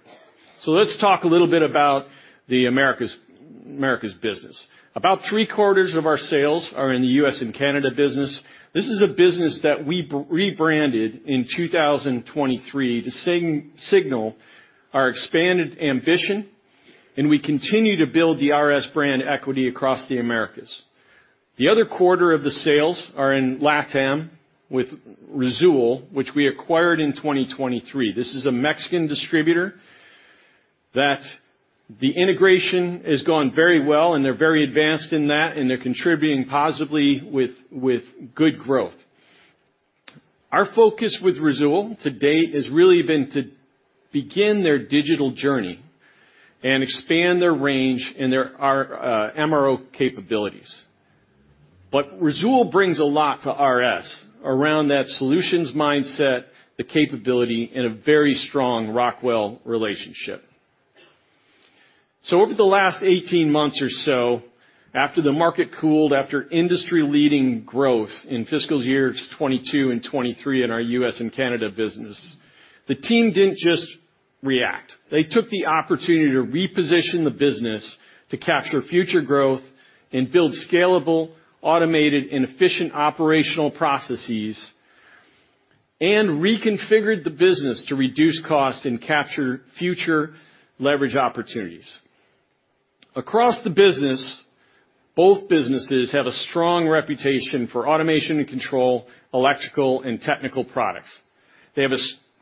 So let's talk a little bit about the Americas business. About three-quarters of our sales are in the U.S. and Canada business. This is a business that we rebranded in 2023 to signal our expanded ambition, and we continue to build the RS brand equity across the Americas. The other quarter of the sales are in LATAM, with Risoul, which we acquired in 2023. This is a Mexican distributor that the integration has gone very well, and they're very advanced in that, and they're contributing positively with good growth. Our focus with Risoul to date has really been to begin their digital journey and expand their range and their, our, MRO capabilities. But Risoul brings a lot to RS around that solutions mindset, the capability, and a very strong Rockwell relationship. Over the last 18 months or so, after the market cooled, after industry-leading growth in fiscal years 2022 and 2023 in our U.S. and Canada business, the team didn't just react. They took the opportunity to reposition the business to capture future growth and build scalable, automated and efficient operational processes, and reconfigured the business to reduce cost and capture future leverage opportunities. Across the business, both businesses have a strong reputation for automation and control, electrical and technical products. They have,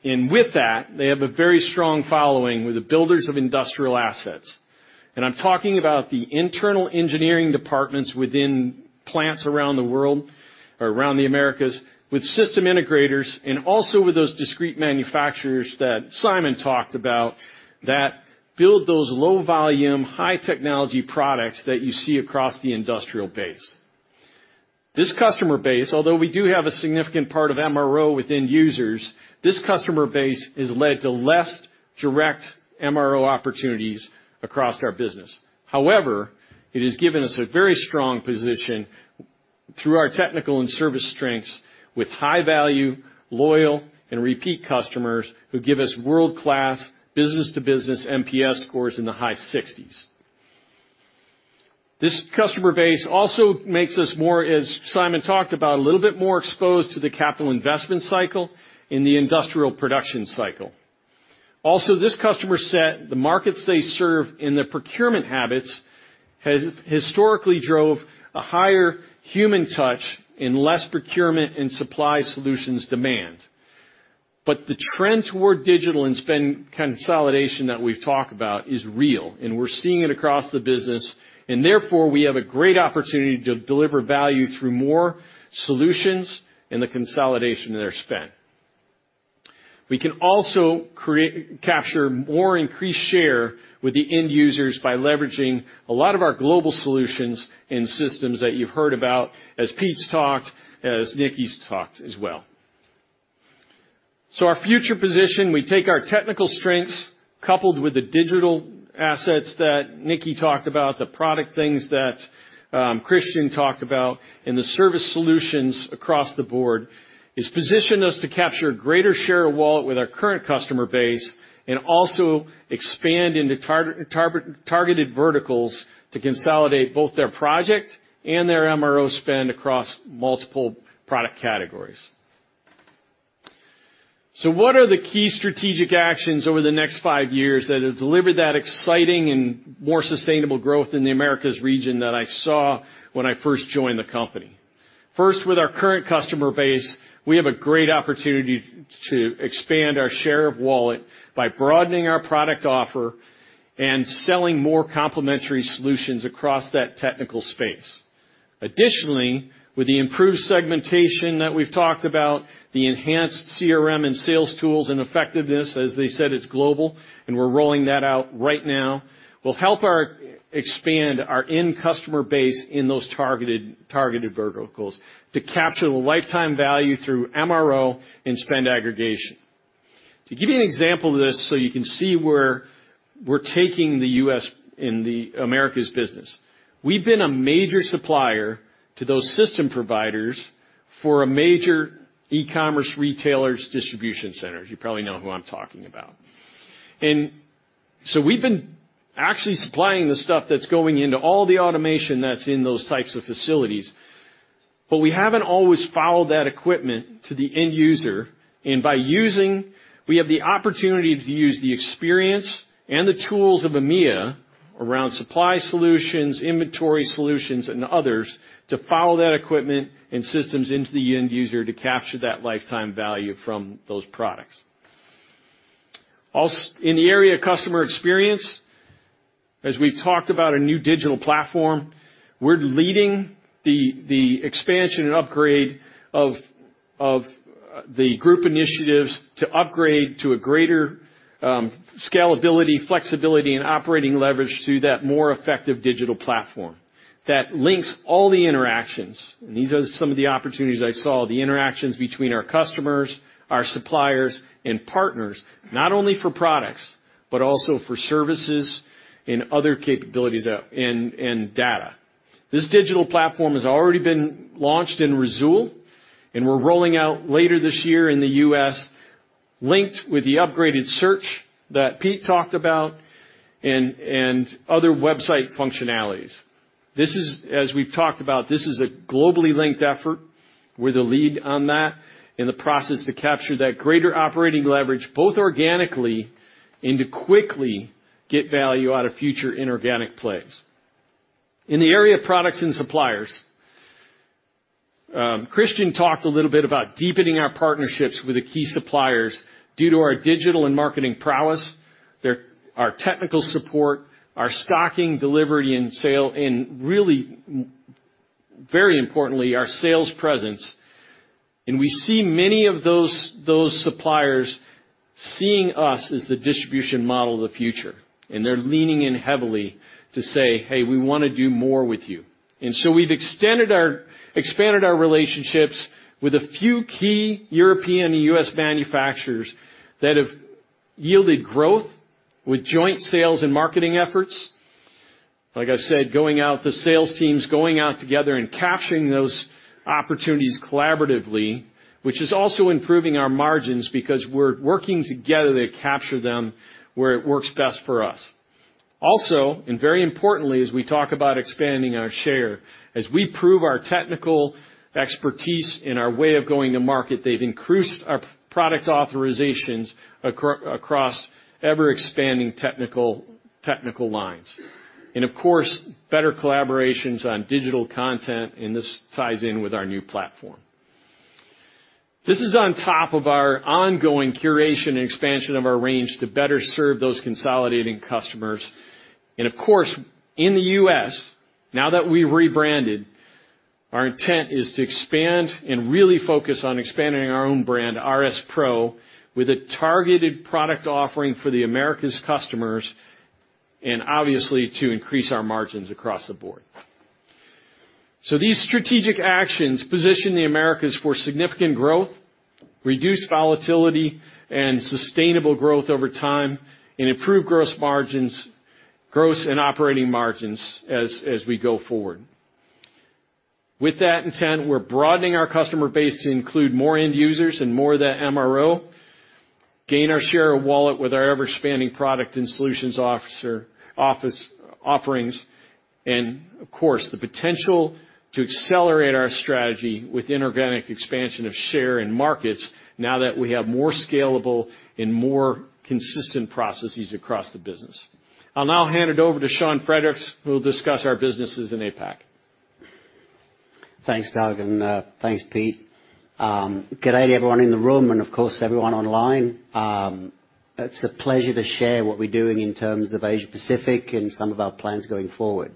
and with that, they have a very strong following with the builders of industrial assets. I'm talking about the internal engineering departments within plants around the world or around the Americas, with system integrators, and also with those discrete manufacturers that Simon talked about, that build those low volume, high technology products that you see across the industrial base. This customer base, although we do have a significant part of MRO within users, this customer base has led to less direct MRO opportunities across our business. However, it has given us a very strong position through our technical and service strengths, with high value, loyal, and repeat customers who give us world-class business-to-business NPS scores in the high 60s. This customer base also makes us more, as Simon talked about, a little bit more exposed to the capital investment cycle and the industrial production cycle. Also, this customer set, the markets they serve, and their procurement habits, have historically drove a higher human touch and less procurement and supply solutions demand. But the trend toward digital and spend consolidation that we've talked about is real, and we're seeing it across the business, and therefore, we have a great opportunity to deliver value through more solutions and the consolidation of their spend. We can also capture more increased share with the end users by leveraging a lot of our global solutions and systems that you've heard about, as Pete's talked, as Nicky's talked as well. So our future position, we take our technical strengths, coupled with the digital assets that Nicky talked about, the product things that, Christian talked about, and the service solutions across the board, has positioned us to capture a greater share of wallet with our current customer base, and also expand into targeted verticals to consolidate both their project and their MRO spend across multiple product categories. So what are the key strategic actions over the next five years that have delivered that exciting and more sustainable growth in the Americas region that I saw when I first joined the company? First, with our current customer base, we have a great opportunity to expand our share of wallet by broadening our product offer and selling more complementary solutions across that technical space. Additionally, with the improved segmentation that we've talked about, the enhanced CRM and sales tools and effectiveness, as they said, it's global, and we're rolling that out right now, will help us expand our end customer base in those targeted verticals to capture the lifetime value through MRO and spend aggregation. To give you an example of this, so you can see where we're taking the US in the Americas business. We've been a major supplier to those system providers for a major e-commerce retailer's distribution centers. You probably know who I'm talking about, and so we've been actually supplying the stuff that's going into all the automation that's in those types of facilities, but we haven't always followed that equipment to the end user, and by using, we have the opportunity to use the experience and the tools of EMEA around supply solutions, inventory solutions, and others, to follow that equipment and systems into the end user to capture that lifetime value from those products. Also, in the area of customer experience, as we've talked about a new digital platform, we're leading the expansion and upgrade of the group initiatives to upgrade to a greater scalability, flexibility, and operating leverage to that more effective digital platform that links all the interactions. And these are some of the opportunities I saw, the interactions between our customers, our suppliers, and partners, not only for products, but also for services and other capabilities out and data. This digital platform has already been launched in Risoul, and we're rolling out later this year in the U.S., linked with the upgraded search that Pete talked about and other website functionalities. This is, as we've talked about, this is a globally linked effort. We're the lead on that in the process to capture that greater operating leverage, both organically and to quickly get value out of future inorganic plays. In the area of products and suppliers, Christian talked a little bit about deepening our partnerships with the key suppliers due to our digital and marketing prowess, our technical support, our stocking, delivery, and sale, and really, very importantly, our sales presence. And we see many of those suppliers seeing us as the distribution model of the future, and they're leaning in heavily to say, "Hey, we want to do more with you." And so we've expanded our relationships with a few key European and U.S. manufacturers that have yielded growth with joint sales and marketing efforts. Like I said, going out, the sales teams going out together and capturing those opportunities collaboratively, which is also improving our margins because we're working together to capture them where it works best for us. Also, and very importantly, as we talk about expanding our share, as we prove our technical expertise and our way of going to market, they've increased our product authorizations across ever-expanding technical lines. And of course, better collaborations on digital content, and this ties in with our new platform. This is on top of our ongoing curation and expansion of our range to better serve those consolidating customers, and of course, in the U.S., now that we've rebranded, our intent is to expand and really focus on expanding our own brand, RS Pro, with a targeted product offering for the Americas customers, and obviously to increase our margins across the board, so these strategic actions position the Americas for significant growth, reduced volatility and sustainable growth over time, and improved gross margins, gross and operating margins as we go forward. With that intent, we're broadening our customer base to include more end users and more of that MRO, gain our share of wallet with our ever-expanding product and solutions offerings, and of course, the potential to accelerate our strategy with inorganic expansion of share in markets now that we have more scalable and more consistent processes across the business. I'll now hand it over to Sean Fredericks, who will discuss our businesses in APAC. Thanks, Doug, and thanks, Pete. Good day, everyone in the room, and of course, everyone online. It's a pleasure to share what we're doing in terms of Asia-Pacific and some of our plans going forward.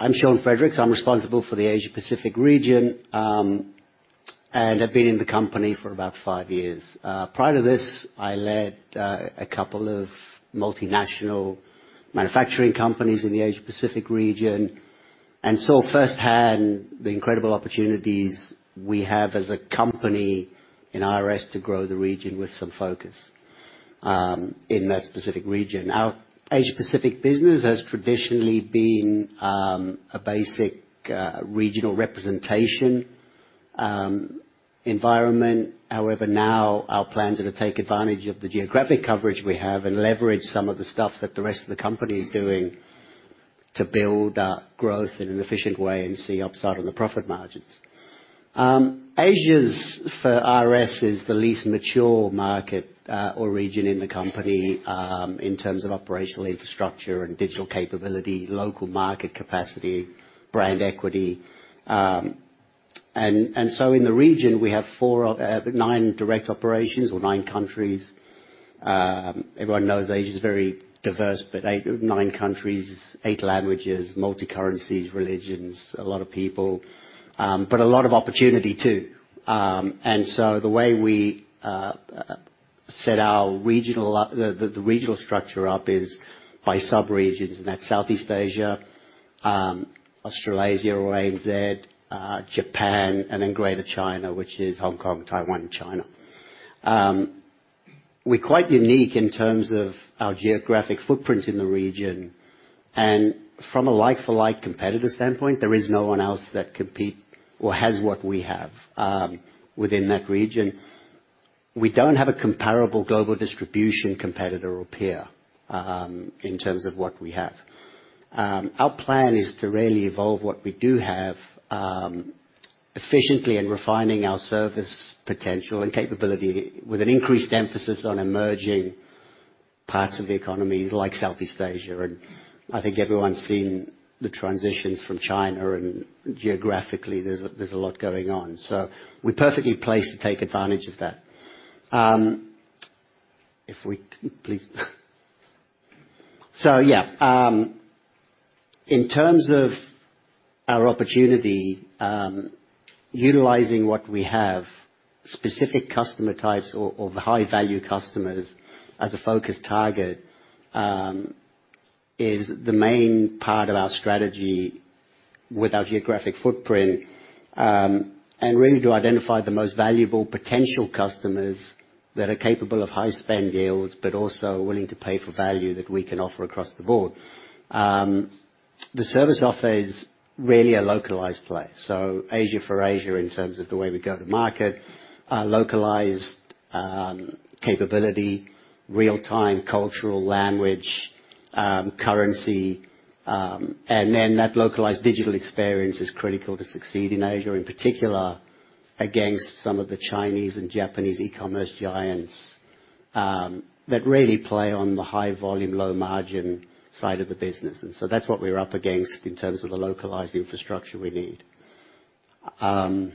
I'm Sean Fredericks. I'm responsible for the Asia-Pacific region, and I've been in the company for about five years. Prior to this, I led a couple of multinational manufacturing companies in the Asia-Pacific region, and saw firsthand the incredible opportunities we have as a company in RS to grow the region with some focus in that specific region. Our Asia-Pacific business has traditionally been a basic regional representation environment. However, now our plans are to take advantage of the geographic coverage we have and leverage some of the stuff that the rest of the company is doing to build our growth in an efficient way and see upside on the profit margins. Asia's, for RS, is the least mature market, or region in the company, in terms of operational infrastructure and digital capability, local market capacity, brand equity. And so in the region, we have four, nine direct operations or nine countries. Everyone knows Asia is very diverse, but eight, nine countries, eight languages, multi currencies, religions, a lot of people, but a lot of opportunity, too. And so the way we set our regional structure up is by subregions, and that's Southeast Asia, Australasia or ANZ, Japan, and then Greater China, which is Hong Kong, Taiwan, and China. We're quite unique in terms of our geographic footprint in the region, and from a like-for-like competitor standpoint, there is no one else that compete or has what we have, within that region. We don't have a comparable global distribution competitor or peer, in terms of what we have. Our plan is to really evolve what we do have, efficiently in refining our service potential and capability with an increased emphasis on emerging parts of the economy, like Southeast Asia. I think everyone's seen the transitions from China, and geographically, there's a lot going on, so we're perfectly placed to take advantage of that. If we could please, so yeah, in terms of our opportunity, utilizing what we have, specific customer types or the high-value customers as a focus target is the main part of our strategy with our geographic footprint. And really to identify the most valuable potential customers that are capable of high spend deals, but also willing to pay for value that we can offer across the board. The service offer is really a localized play, so Asia for Asia, in terms of the way we go to market, localized capability, real-time, cultural, language, currency. And then that localized digital experience is critical to succeed in Asia, in particular, against some of the Chinese and Japanese e-commerce giants that really play on the high volume, low margin side of the business. That's what we're up against in terms of the localized infrastructure we need. Can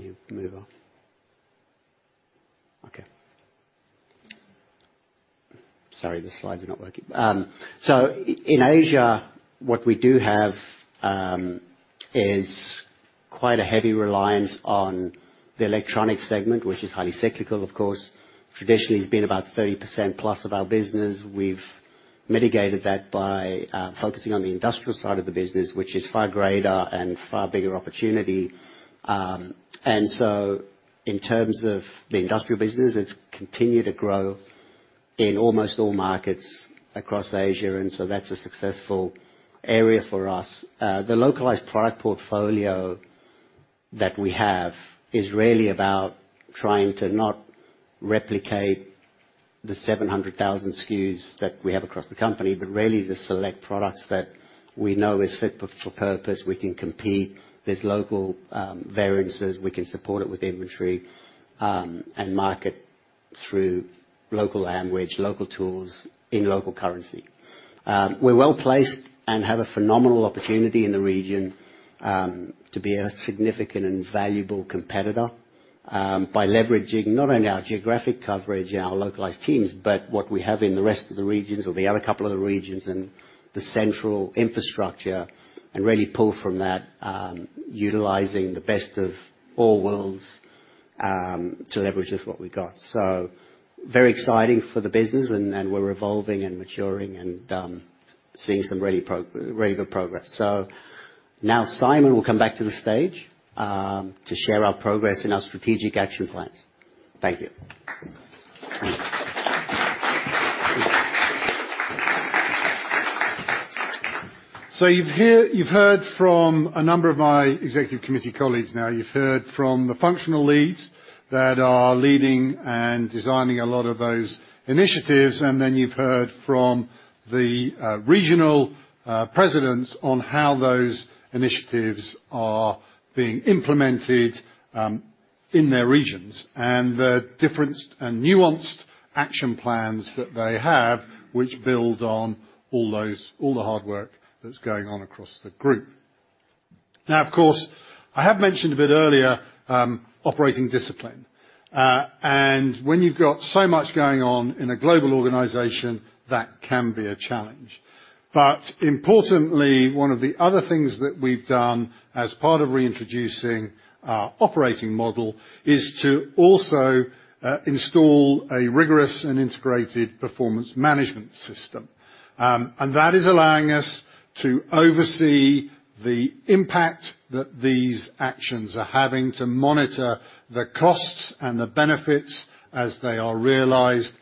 you move on? Okay. Sorry, the slides are not working. In Asia, what we do have is quite a heavy reliance on the electronics segment, which is highly cyclical, of course. Traditionally, it's been about 30% plus of our business. We've mitigated that by focusing on the industrial side of the business, which is far greater and far bigger opportunity. In terms of the industrial business, it's continued to grow in almost all markets across Asia, and that's a successful area for us. The localized product portfolio that we have is really about trying to not replicate the 700,000 SKUs that we have across the company, but really the select products that we know is fit for purpose, we can compete. There's local variances, we can support it with inventory, and market through local language, local tools, in local currency. We're well placed and have a phenomenal opportunity in the region, to be a significant and valuable competitor, by leveraging not only our geographic coverage and our localized teams, but what we have in the rest of the regions or the other couple of the regions and the central infrastructure, and really pull from that, utilizing the best of all worlds, to leverage just what we got. So very exciting for the business, and we're evolving and maturing and seeing some really good progress. So now Simon will come back to the stage to share our progress and our strategic action plans. Thank you. So you've heard from a number of my executive committee colleagues. Now, you've heard from the functional leads that are leading and designing a lot of those initiatives, and then you've heard from the regional presidents on how those initiatives are being implemented in their regions, and the different and nuanced action plans that they have, which build on all the hard work that's going on across the group. Now, of course, I have mentioned a bit earlier, operating discipline, and when you've got so much going on in a global organization, that can be a challenge. But importantly, one of the other things that we've done as part of reintroducing our operating model is to also install a rigorous and integrated performance management system. And that is allowing us to oversee the impact that these actions are having, to monitor the costs and the benefits as they are realized.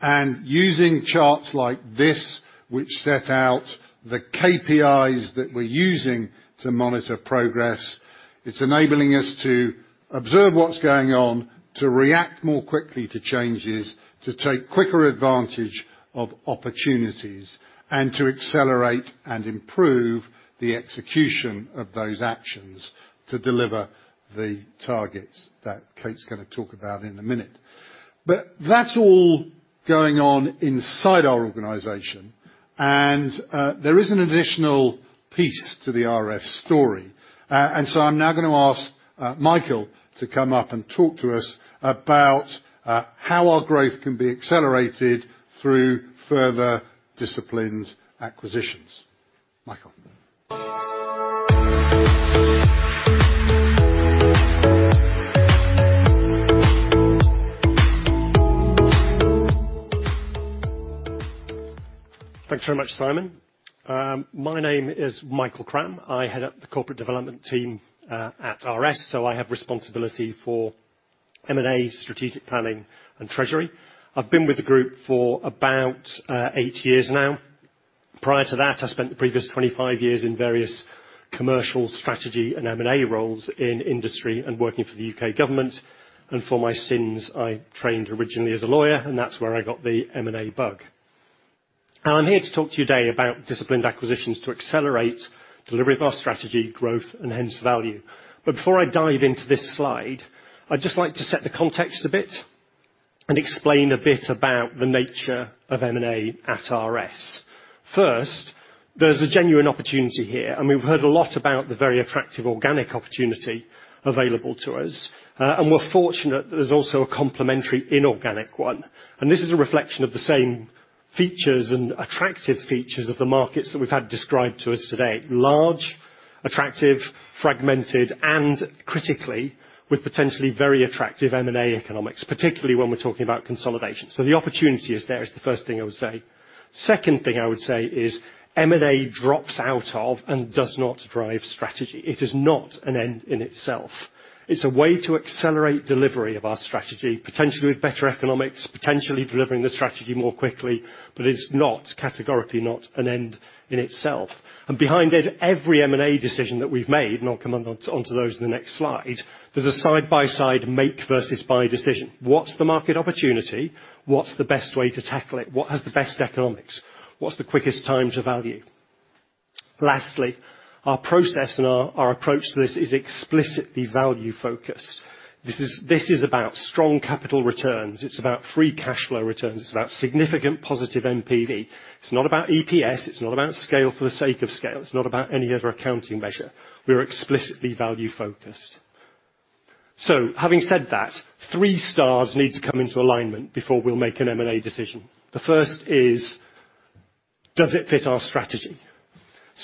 And using charts like this, which set out the KPIs that we're using to monitor progress, it's enabling us to observe what's going on, to react more quickly to changes, to take quicker advantage of opportunities, and to accelerate and improve the execution of those actions to deliver the targets that Kate's gonna talk about in a minute. But that's all going on inside our organization, and there is an additional piece to the RS story. And so I'm now gonna ask Michael to come up and talk to us about how our growth can be accelerated through further disciplined acquisitions. Michael? Thanks very much, Simon. My name is Michael Cramb. I head up the corporate development team at RS, so I have responsibility for M&A, strategic planning, and treasury. I've been with the group for about eight years now. Prior to that, I spent the previous 25 years in various commercial strategy and M&A roles in industry and working for the U.K. government, and for my sins, I trained originally as a lawyer, and that's where I got the M&A bug. I'm here to talk to you today about disciplined acquisitions to accelerate delivery of our strategy, growth, and hence value. But before I dive into this slide, I'd just like to set the context a bit and explain a bit about the nature of M&A at RS. First, there's a genuine opportunity here, and we've heard a lot about the very attractive organic opportunity available to us. And we're fortunate that there's also a complementary inorganic one, and this is a reflection of the same features and attractive features of the markets that we've had described to us today. Large, attractive, fragmented, and critically, with potentially very attractive M&A economics, particularly when we're talking about consolidation. So the opportunity is there, is the first thing I would say. Second thing I would say is M&A drops out of and does not drive strategy. It is not an end in itself. It's a way to accelerate delivery of our strategy, potentially with better economics, potentially delivering the strategy more quickly, but it's not, categorically not, an end in itself. And behind it, every M&A decision that we've made, and I'll come on to those in the next slide, there's a side-by-side make versus buy decision. What's the market opportunity? What's the best way to tackle it? What has the best economics? What's the quickest time to value? Lastly, our process and our approach to this is explicitly value-focused. This is about strong capital returns, it's about free cash flow returns, it's about significant positive NPV. It's not about EPS, it's not about scale for the sake of scale. It's not about any other accounting measure. We are explicitly value-focused. So having said that, three stars need to come into alignment before we'll make an M&A decision. The first is, does it fit our strategy?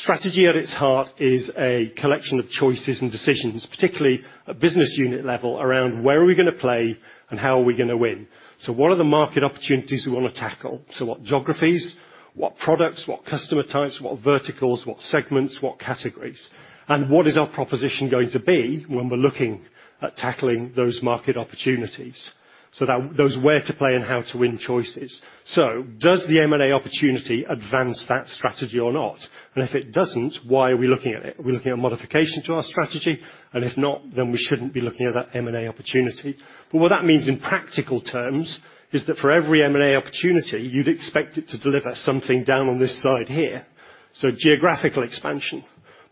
Strategy, at its heart, is a collection of choices and decisions, particularly at business unit level, around where are we going to play and how are we going to win. So what are the market opportunities we want to tackle? So what geographies, what products, what customer types, what verticals, what segments, what categories? And what is our proposition going to be when we're looking at tackling those market opportunities? So that those where to play and how to win choices. So does the M&A opportunity advance that strategy or not? And if it doesn't, why are we looking at it? Are we looking at modification to our strategy? And if not, then we shouldn't be looking at that M&A opportunity. But what that means in practical terms is that for every M&A opportunity, you'd expect it to deliver something down on this side here. So geographical expansion,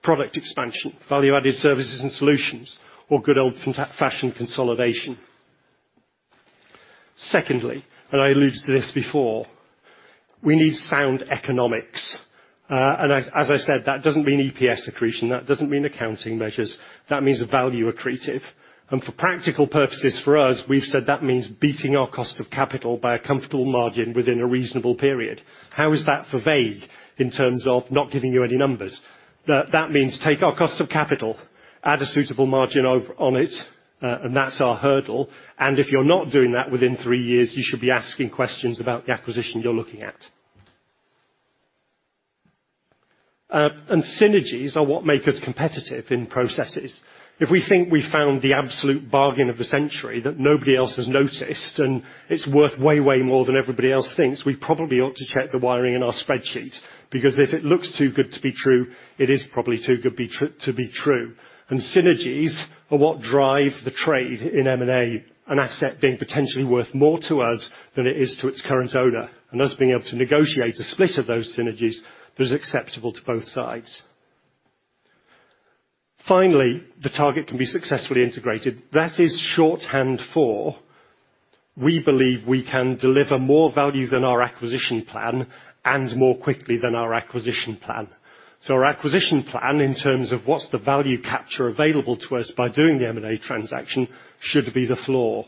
product expansion, value-added services and solutions, or good old-fashioned consolidation. Secondly, and I alluded to this before, we need sound economics. And as I said, that doesn't mean EPS accretion, that doesn't mean accounting measures. That means value accretive. And for practical purposes, for us, we've said that means beating our cost of capital by a comfortable margin within a reasonable period. How is that for vague in terms of not giving you any numbers? That means take our cost of capital, add a suitable margin over on it, and that's our hurdle. And if you're not doing that within three years, you should be asking questions about the acquisition you're looking at. And synergies are what make us competitive in processes. If we think we found the absolute bargain of the century that nobody else has noticed, and it's worth way, way more than everybody else thinks, we probably ought to check the wiring in our spreadsheet, because if it looks too good to be true, it is probably too good to be true. And synergies are what drive the trade in M&A, an asset being potentially worth more to us than it is to its current owner, and us being able to negotiate a split of those synergies that is acceptable to both sides. Finally, the target can be successfully integrated. That is shorthand for, we believe we can deliver more value than our acquisition plan and more quickly than our acquisition plan. So our acquisition plan, in terms of what's the value capture available to us by doing the M&A transaction, should be the floor.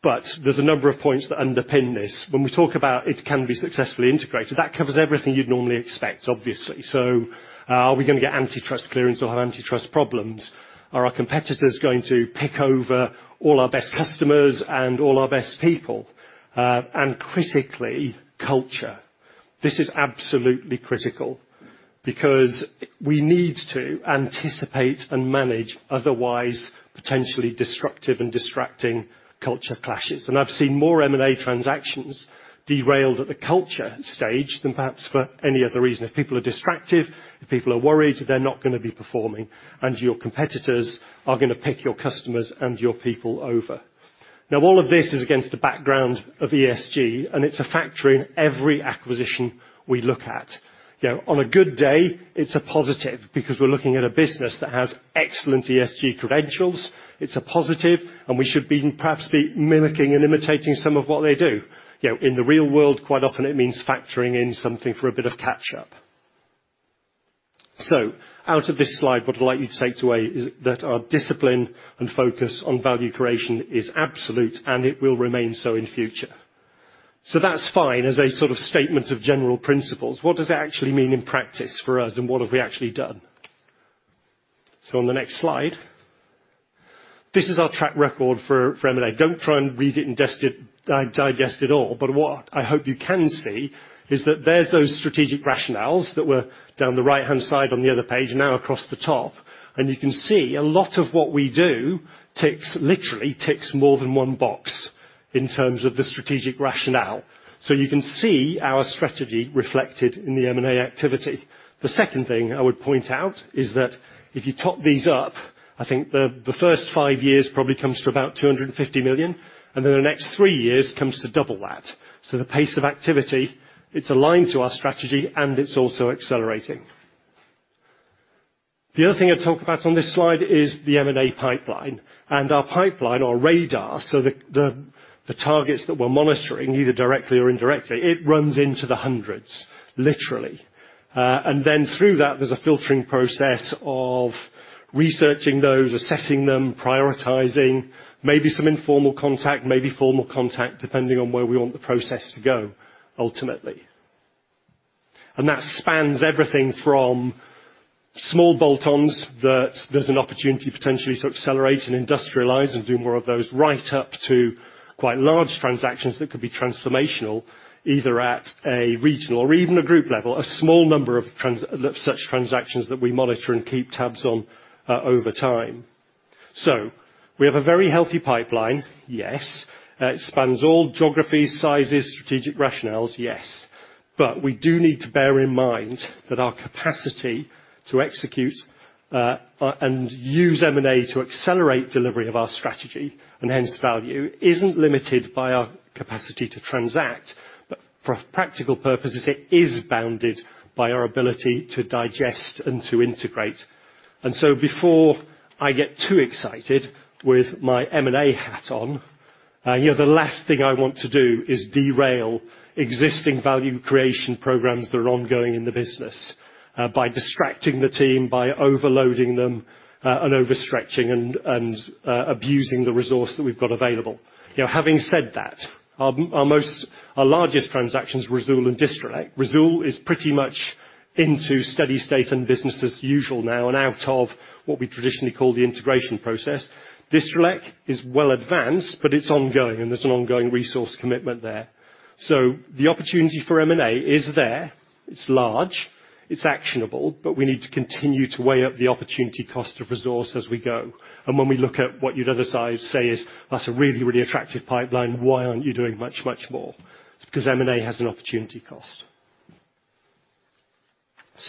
But there's a number of points that underpin this. When we talk about it can be successfully integrated, that covers everything you'd normally expect, obviously. So, are we going to get antitrust clearance or have antitrust problems? Are our competitors going to pick over all our best customers and all our best people? And critically, culture. This is absolutely critical because we need to anticipate and manage otherwise potentially disruptive and distracting culture clashes. I've seen more M&A transactions derailed at the culture stage than perhaps for any other reason. If people are distracted, if people are worried, they're not going to be performing, and your competitors are going to pick off your customers and your people. Now, all of this is against the background of ESG, and it's a factor in every acquisition we look at. You know, on a good day, it's a positive because we're looking at a business that has excellent ESG credentials. It's a positive, and we should perhaps be mimicking and imitating some of what they do. You know, in the real world, quite often it means factoring in something for a bit of catch-up. So out of this slide, what I'd like you to take away is that our discipline and focus on value creation is absolute, and it will remain so in future. So that's fine as a sort of statement of general principles. What does that actually mean in practice for us, and what have we actually done? So on the next slide, this is our track record for M&A. Don't try and read it and digest it all, but what I hope you can see is that there's those strategic rationales that were down the right-hand side on the other page, now across the top. And you can see a lot of what we do ticks, literally ticks more than one box in terms of the strategic rationale. So you can see our strategy reflected in the M&A activity. The second thing I would point out is that if you top these up, I think the first five years probably comes to about 250 million, and then the next three years comes to double that. So the pace of activity, it's aligned to our strategy, and it's also accelerating. The other thing I talk about on this slide is the M&A pipeline, and our pipeline, our radar, so the targets that we're monitoring, either directly or indirectly, it runs into the hundreds, literally. And then through that, there's a filtering process of researching those, assessing them, prioritizing, maybe some informal contact, maybe formal contact, depending on where we want the process to go ultimately. And that spans everything from small bolt-ons, that there's an opportunity potentially to accelerate and industrialize and do more of those, right up to quite large transactions that could be transformational, either at a regional or even a group level, a small number of such transactions that we monitor and keep tabs on over time. So we have a very healthy pipeline, yes. It spans all geographies, sizes, strategic rationales, yes. But we do need to bear in mind that our capacity to execute and use M&A to accelerate delivery of our strategy, and hence value, isn't limited by our capacity to transact, but for practical purposes, it is bounded by our ability to digest and to integrate. And so before I get too excited with my M&A hat on, you know, the last thing I want to do is derail existing value creation programs that are ongoing in the business, by distracting the team, by overloading them, and overstretching and abusing the resource that we've got available. You know, having said that, our largest transactions, Risoul and Distrelec. Risoul is pretty much into steady state and business as usual now, and out of what we traditionally call the integration process. Distrelec is well advanced, but it's ongoing, and there's an ongoing resource commitment there. So the opportunity for M&A is there. It's large, it's actionable, but we need to continue to weigh up the opportunity cost of resource as we go. When we look at what you'd otherwise say is, "That's a really, really attractive pipeline, why aren't you doing much, much more?" It's because M&A has an opportunity cost. That's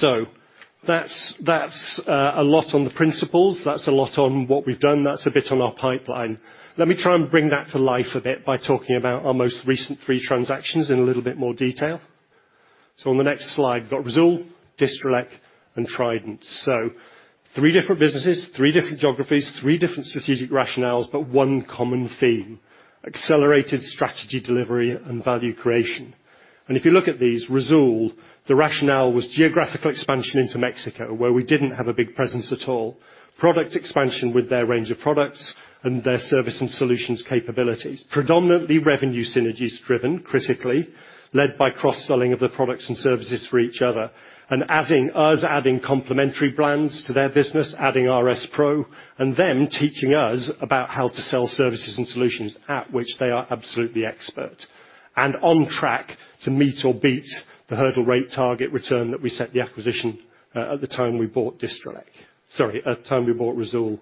a lot on the principles. That's a lot on what we've done. That's a bit on our pipeline. Let me try and bring that to life a bit by talking about our most recent three transactions in a little bit more detail. On the next slide, we've got Risoul, Distrelec, and Trident. Three different businesses, three different geographies, three different strategic rationales, but one common theme, accelerated strategy delivery and value creation. If you look at these, Risoul, the rationale was geographical expansion into Mexico, where we didn't have a big presence at all. Product expansion with their range of products and their service and solutions capabilities. Predominantly revenue synergies driven critically, led by cross-selling of the products and services for each other, and adding, us adding complementary brands to their business, adding RS Pro, and them teaching us about how to sell services and solutions at which they are absolutely expert, and on track to meet or beat the hurdle rate target return that we set the acquisition, at the time we bought Distrelec. Sorry, at the time we bought Risoul.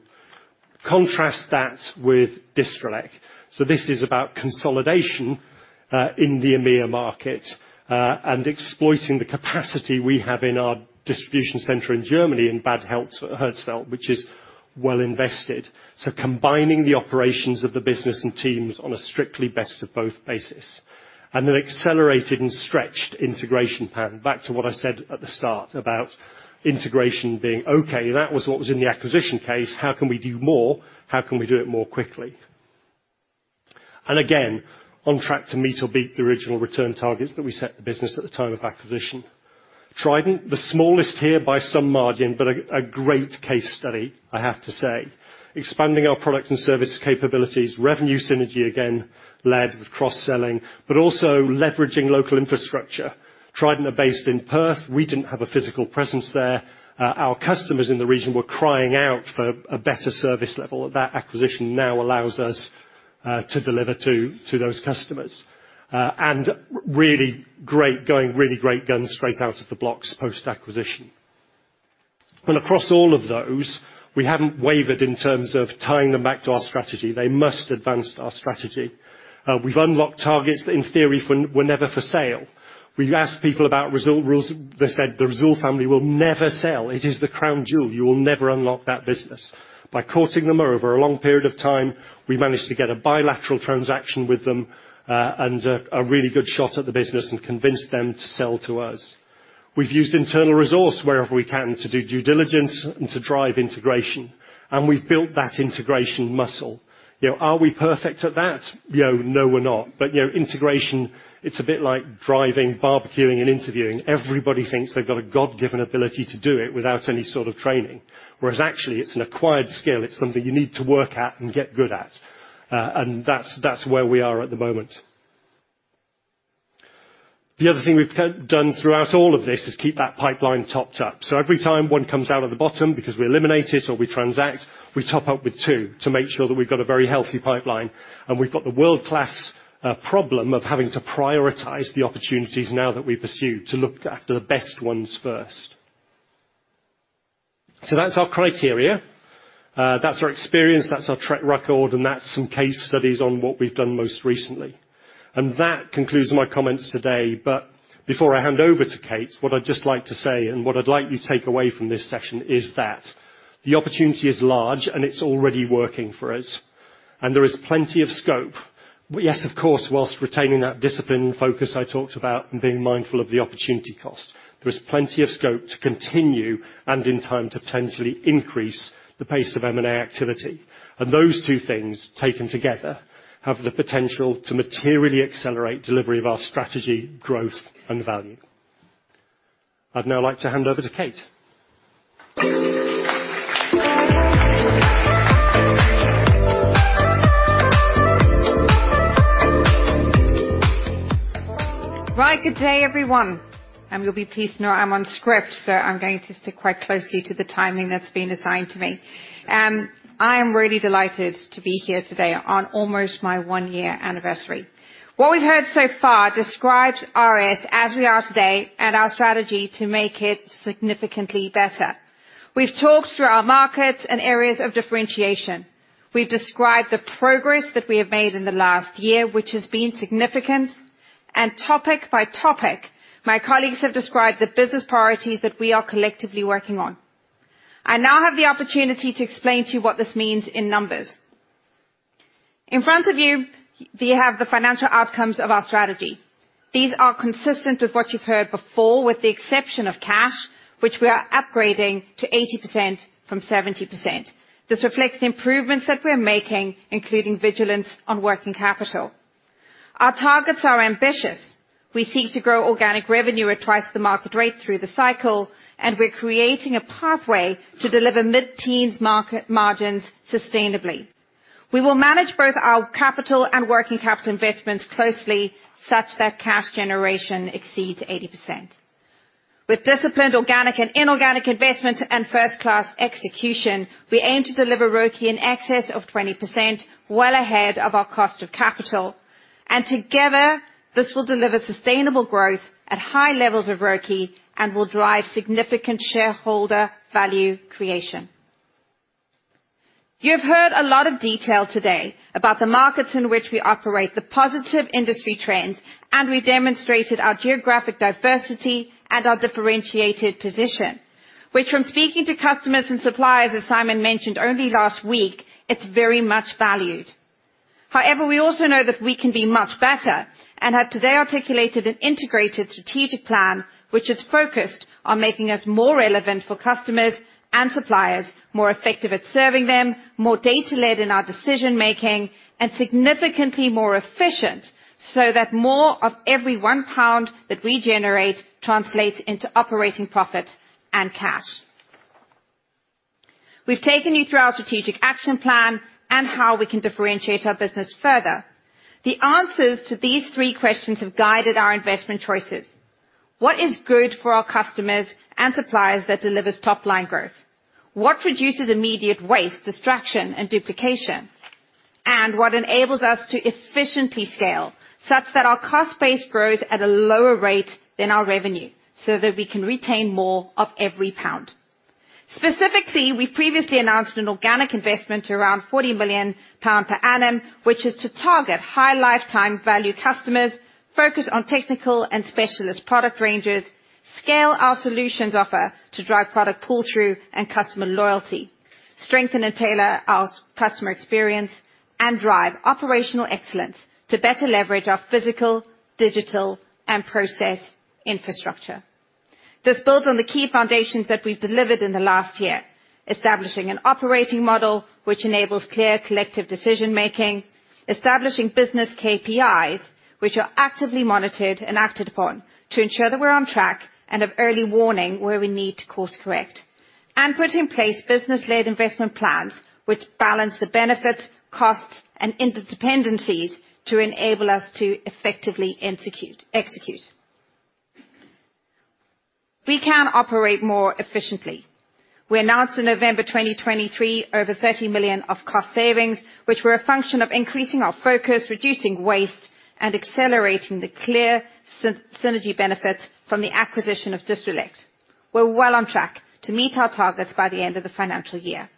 Contrast that with Distrelec. So this is about consolidation, in the EMEA market, and exploiting the capacity we have in our distribution center in Germany, in Bad Hersfeld, which is well invested. So combining the operations of the business and teams on a strictly best of both basis, and an accelerated and stretched integration pattern. Back to what I said at the start about integration being okay. That was what was in the acquisition case. How can we do more? How can we do it more quickly? And again, on track to meet or beat the original return targets that we set the business at the time of acquisition. Trident, the smallest here by some margin, but a great case study, I have to say. Expanding our product and service capabilities, revenue synergy, again, led with cross-selling, but also leveraging local infrastructure. Trident are based in Perth. We didn't have a physical presence there. Our customers in the region were crying out for a better service level. That acquisition now allows us to deliver to those customers. And really great going straight out of the blocks post-acquisition. And across all of those, we haven't wavered in terms of tying them back to our strategy. They must advance our strategy. We've unlocked targets that, in theory, were never for sale. We asked people about Risoul. They said the Risoul family will never sell. It is the crown jewel. You will never unlock that business. By courting them over a long period of time, we managed to get a bilateral transaction with them, and a really good shot at the business and convince them to sell to us. We've used internal resource wherever we can to do due diligence and to drive integration, and we've built that integration muscle. You know, are we perfect at that? You know, no, we're not, but you know, integration, it's a bit like driving, barbecuing, and interviewing. Everybody thinks they've got a God-given ability to do it without any sort of training. Whereas actually, it's an acquired skill, it's something you need to work at and get good at. That's where we are at the moment. The other thing we've done throughout all of this is keep that pipeline topped up. So every time one comes out of the bottom, because we eliminate it or we transact, we top up with two to make sure that we've got a very healthy pipeline. And we've got the world-class problem of having to prioritize the opportunities now that we pursue to look after the best ones first. So that's our criteria, that's our experience, that's our track record, and that's some case studies on what we've done most recently. And that concludes my comments today. But before I hand over to Kate, what I'd just like to say, and what I'd like you to take away from this session, is that the opportunity is large, and it's already working for us. There is plenty of scope. Yes, of course, whilst retaining that discipline and focus I talked about and being mindful of the opportunity cost, there is plenty of scope to continue and, in time, to potentially increase the pace of M&A activity. Those two things, taken together, have the potential to materially accelerate delivery of our strategy, growth, and value. I'd now like to hand over to Kate. Right, good day, everyone. And you'll be pleased to know I'm on script, so I'm going to stick quite closely to the timing that's been assigned to me. I am really delighted to be here today on almost my one-year anniversary. What we've heard so far describes RS as we are today and our strategy to make it significantly better. We've talked through our markets and areas of differentiation. We've described the progress that we have made in the last year, which has been significant, and topic by topic, my colleagues have described the business priorities that we are collectively working on. I now have the opportunity to explain to you what this means in numbers. In front of you, we have the financial outcomes of our strategy. These are consistent with what you've heard before, with the exception of cash, which we are upgrading to 80% from 70%. This reflects the improvements that we're making, including vigilance on working capital. Our targets are ambitious. We seek to grow organic revenue at twice the market rate through the cycle, and we're creating a pathway to deliver mid-teens market margins sustainably. We will manage both our capital and working capital investments closely, such that cash generation exceeds 80%. With disciplined, organic, and inorganic investment and first-class execution, we aim to deliver ROCE in excess of 20%, well ahead of our cost of capital, and together, this will deliver sustainable growth at high levels of ROCE and will drive significant shareholder value creation. You've heard a lot of detail today about the markets in which we operate, the positive industry trends, and we demonstrated our geographic diversity and our differentiated position, which from speaking to customers and suppliers, as Simon mentioned only last week, it's very much valued. However, we also know that we can be much better and have today articulated an integrated strategic plan, which is focused on making us more relevant for customers and suppliers, more effective at serving them, more data-led in our decision-making, and significantly more efficient, so that more of every one pound that we generate translates into operating profit and cash. We've taken you through our strategic action plan and how we can differentiate our business further. The answers to these three questions have guided our investment choices: What is good for our customers and suppliers that delivers top-line growth? What reduces immediate waste, distraction, and duplication? And what enables us to efficiently scale such that our cost base grows at a lower rate than our revenue, so that we can retain more of every pound? Specifically, we previously announced an organic investment of around 40 million pounds per annum, which is to target high lifetime value customers, focus on technical and specialist product ranges, scale our solutions offer to drive product pull-through and customer loyalty, strengthen and tailor our customer experience, and drive operational excellence to better leverage our physical, digital, and process infrastructure. This builds on the key foundations that we've delivered in the last year, establishing an operating model which enables clear collective decision-making, establishing business KPIs, which are actively monitored and acted upon to ensure that we're on track and have early warning where we need to course correct, and put in place business-led investment plans, which balance the benefits, costs, and interdependencies to enable us to effectively execute. We can operate more efficiently. We announced in November 2023, over 30 million of cost savings, which were a function of increasing our focus, reducing waste, and accelerating the clear synergy benefits from the acquisition of Distrelec. We're well on track to meet our targets by the end of the financial year.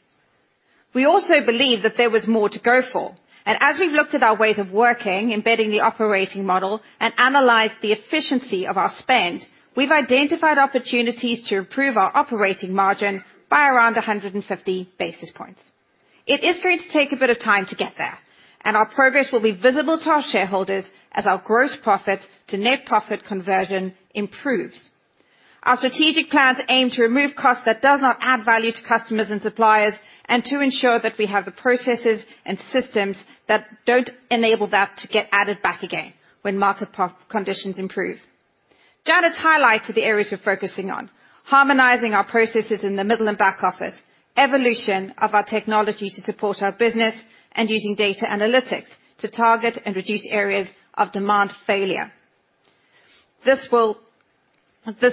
We also believe that there was more to go for, and as we've looked at our ways of working, embedding the operating model and analyzed the efficiency of our spend, we've identified opportunities to improve our operating margin by around 150 basis points. It is going to take a bit of time to get there, and our progress will be visible to our shareholders as our gross profit to net profit conversion improves. Our strategic plans aim to remove costs that does not add value to customers and suppliers, and to ensure that we have the processes and systems that don't enable that to get added back again when market conditions improve. Janet's highlighted the areas we're focusing on: harmonizing our processes in the middle and back office, evolution of our technology to support our business, and using data analytics to target and reduce areas of demand failure. This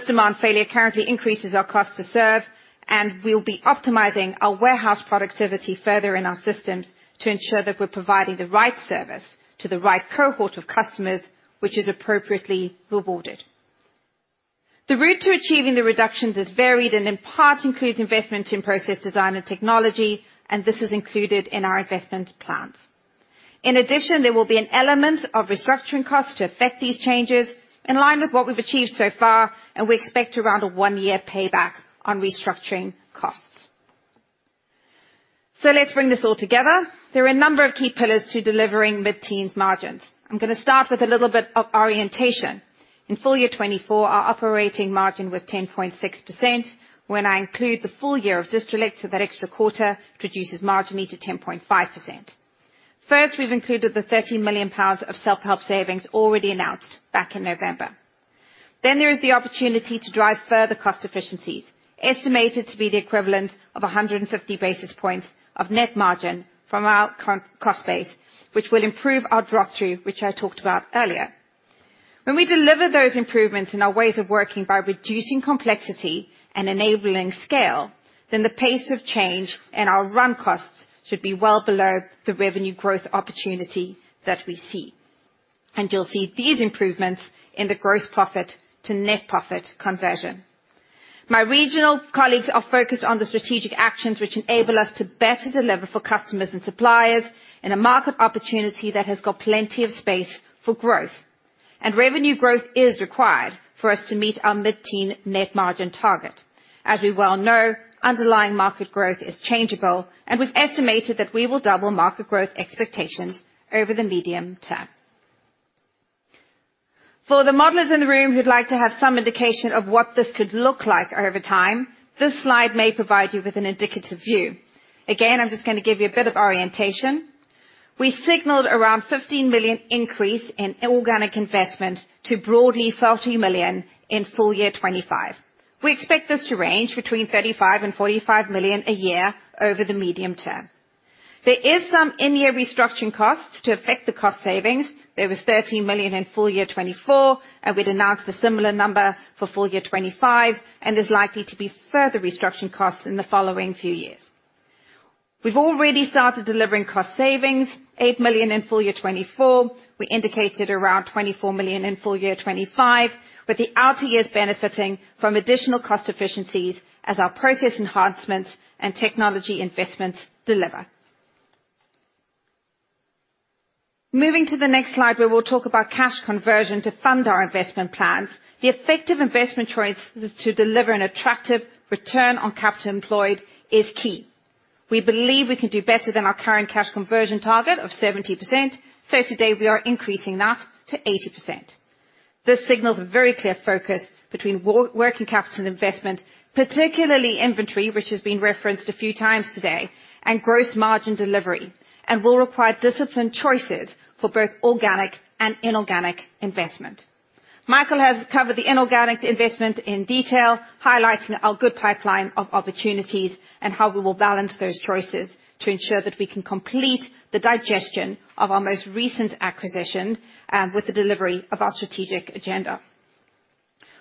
demand failure currently increases our cost to serve, and we'll be optimizing our warehouse productivity further in our systems to ensure that we're providing the right service to the right cohort of customers, which is appropriately rewarded. The route to achieving the reductions is varied, and in part includes investment in process design and technology, and this is included in our investment plans. In addition, there will be an element of restructuring costs to effect these changes in line with what we've achieved so far, and we expect around a one-year payback on restructuring costs. So let's bring this all together. There are a number of key pillars to delivering mid-teens margins. I'm gonna start with a little bit of orientation. In full year 2024, our operating margin was 10.6%. When I include the full year of Distrelec, so that extra quarter, it reduces marginally to 10.5%. First, we've included the 13 million pounds of self-help savings already announced back in November. Then there is the opportunity to drive further cost efficiencies, estimated to be the equivalent of 150 basis points of net margin from our cost base, which will improve our drop-through, which I talked about earlier. When we deliver those improvements in our ways of working by reducing complexity and enabling scale, then the pace of change and our run costs should be well below the revenue growth opportunity that we see. You'll see these improvements in the gross profit to net profit conversion. My regional colleagues are focused on the strategic actions which enable us to better deliver for customers and suppliers in a market opportunity that has got plenty of space for growth. Revenue growth is required for us to meet our mid-teen net margin target. As we well know, underlying market growth is changeable, and we've estimated that we will double market growth expectations over the medium term. For the modelers in the room who'd like to have some indication of what this could look like over time, this slide may provide you with an indicative view. Again, I'm just gonna give you a bit of orientation. We signaled around £15 million increase in organic investment to broadly £30 million in full year 2025. We expect this to range between 35 million and 45 million a year over the medium term. There is some in-year restructuring costs to affect the cost savings. There was 13 million in full year 2024, and we'd announced a similar number for full year 2025, and there's likely to be further restructuring costs in the following few years. We've already started delivering cost savings, 8 million in full year 2024. We indicated around 24 million in full year 2025, with the outer years benefiting from additional cost efficiencies as our process enhancements and technology investments deliver. Moving to the next slide, where we'll talk about cash conversion to fund our investment plans. The effective investment choice is to deliver an attractive return on capital employed is key. We believe we can do better than our current cash conversion target of 70%, so today we are increasing that to 80%. This signals a very clear focus between working capital investment, particularly inventory, which has been referenced a few times today, and gross margin delivery, and will require disciplined choices for both organic and inorganic investment. Michael has covered the inorganic investment in detail, highlighting our good pipeline of opportunities and how we will balance those choices to ensure that we can complete the digestion of our most recent acquisition with the delivery of our strategic agenda.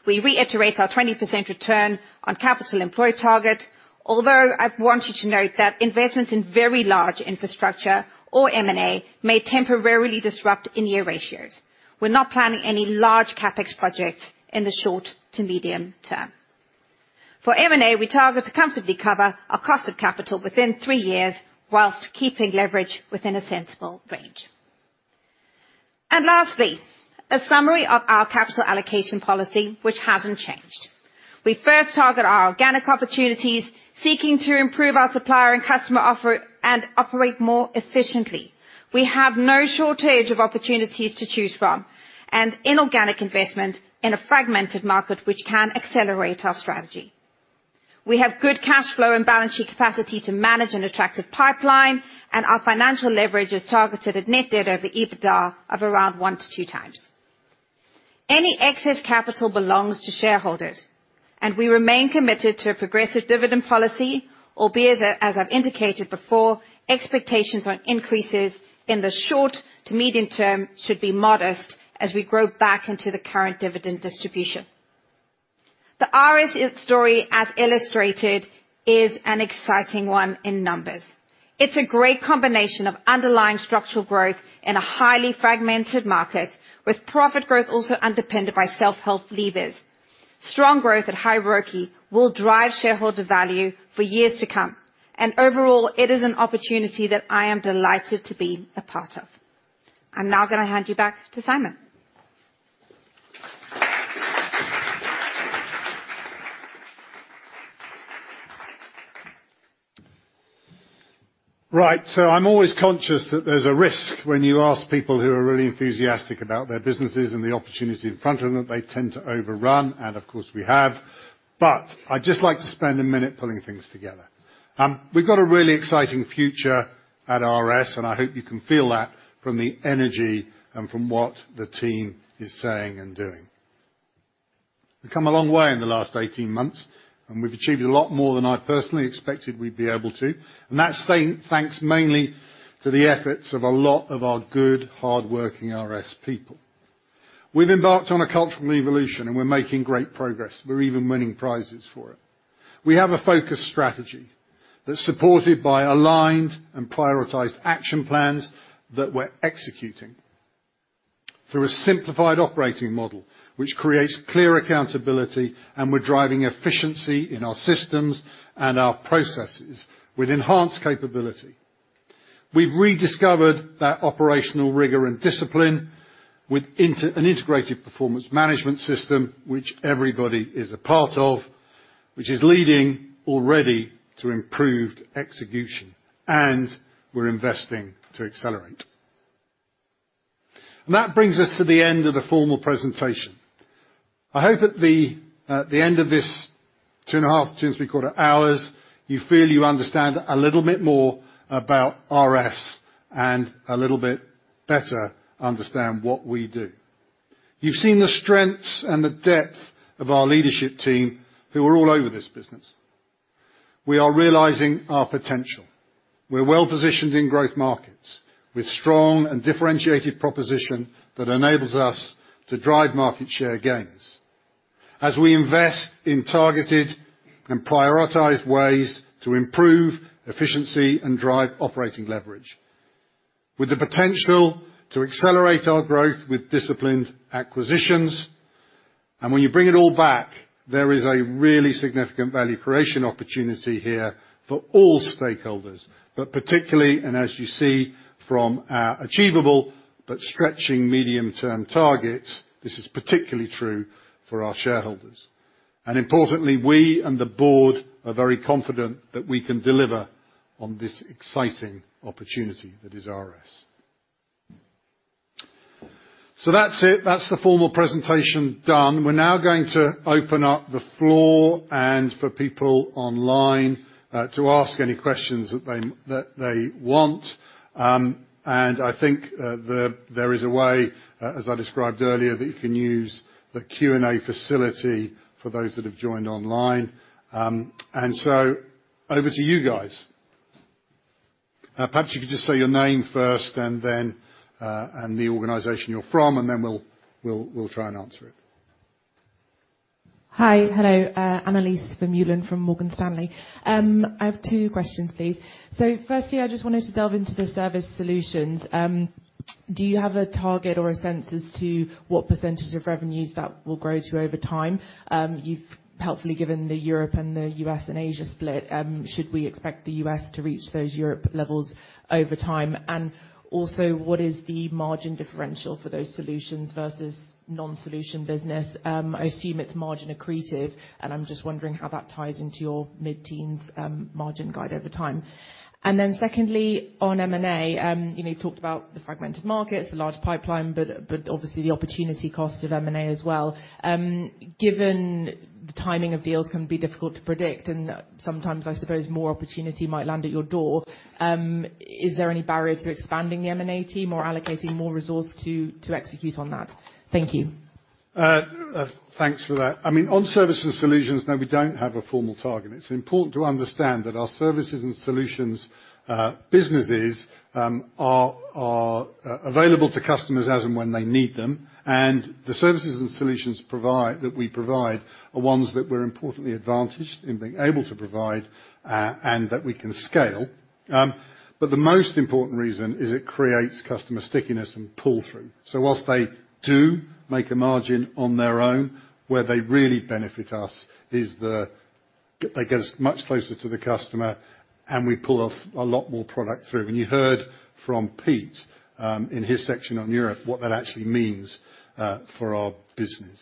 We reiterate our 20% return on capital employed target, although I want you to note that investments in very large infrastructure or M&A may temporarily disrupt in-year ratios. We're not planning any large CapEx projects in the short to medium term. For M&A, we target to comfortably cover our cost of capital within three years, while keeping leverage within a sensible range, and lastly, a summary of our capital allocation policy, which hasn't changed. We first target our organic opportunities, seeking to improve our supplier and customer offer and operate more efficiently. We have no shortage of opportunities to choose from, and inorganic investment in a fragmented market, which can accelerate our strategy. We have good cash flow and balance sheet capacity to manage an attractive pipeline, and our financial leverage is targeted at net debt over EBITDA of around one to two times. Any excess capital belongs to shareholders, and we remain committed to a progressive dividend policy, albeit, as I've indicated before, expectations on increases in the short to medium term should be modest as we grow back into the current dividend distribution. The RS story, as illustrated, is an exciting one in numbers. It's a great combination of underlying structural growth in a highly fragmented market, with profit growth also underpinned by self-help levers. Strong growth at high ROI will drive shareholder value for years to come, and overall, it is an opportunity that I am delighted to be a part of. I'm now gonna hand you back to Simon. Right. So I'm always conscious that there's a risk when you ask people who are really enthusiastic about their businesses and the opportunity in front of them, they tend to overrun, and of course, we have. But I'd just like to spend a minute pulling things together. We've got a really exciting future at RS, and I hope you can feel that from the energy and from what the team is saying and doing. We've come a long way in the last 18 months, and we've achieved a lot more than I personally expected we'd be able to, and that's thanks mainly to the efforts of a lot of our good, hardworking RS people. We've embarked on a cultural evolution, and we're making great progress. We're even winning prizes for it. We have a focused strategy that's supported by aligned and prioritized action plans that we're executing through a simplified operating model, which creates clear accountability, and we're driving efficiency in our systems and our processes with enhanced capability. We've rediscovered that operational rigor and discipline with an integrated performance management system, which everybody is a part of, which is leading already to improved execution, and we're investing to accelerate. And that brings us to the end of the formal presentation. I hope at the end of this two and a half, two and three-quarter hours, you feel you understand a little bit more about RS and a little bit better understand what we do. You've seen the strengths and the depth of our leadership team, who are all over this business. We are realizing our potential. We're well-positioned in growth markets, with strong and differentiated proposition that enables us to drive market share gains as we invest in targeted and prioritized ways to improve efficiency and drive operating leverage, with the potential to accelerate our growth with disciplined acquisitions. And when you bring it all back, there is a really significant value creation opportunity here for all stakeholders, but particularly, and as you see from our achievable but stretching medium-term targets, this is particularly true for our shareholders. And importantly, we and the board are very confident that we can deliver on this exciting opportunity that is RS. So that's it. That's the formal presentation done. We're now going to open up the floor, and for people online, to ask any questions that they want. I think there is a way, as I described earlier, that you can use the Q&A facility for those that have joined online. So over to you guys. Perhaps you could just say your name first and then the organization you're from, and then we'll try and answer it. Hi. Hello, Annelies Vermeulen from Morgan Stanley. I have two questions, please. So firstly, I just wanted to delve into the service solutions. Do you have a target or a sense as to what percentage of revenues that will grow to over time? You've helpfully given the Europe and the U.S. and Asia split. Should we expect the U.S. to reach those Europe levels over time? And also, what is the margin differential for those solutions versus non-solution business? I assume it's margin accretive, and I'm just wondering how that ties into your mid-teens margin guide over time. And then secondly, on M&A, you know, you talked about the fragmented markets, the large pipeline, but obviously the opportunity cost of M&A as well. Given the timing of deals can be difficult to predict, and sometimes I suppose more opportunity might land at your door, is there any barrier to expanding the M&A team or allocating more resource to execute on that? Thank you. Thanks for that. I mean, on services and solutions, no, we don't have a formal target. It's important to understand that our services and solutions businesses are available to customers as and when they need them, and the services and solutions that we provide are ones that we're importantly advantaged in being able to provide and that we can scale. But the most important reason is it creates customer stickiness and pull-through. So while they do make a margin on their own, where they really benefit us is they get us much closer to the customer, and we pull a lot more product through. You heard from Pete in his section on Europe what that actually means for our business.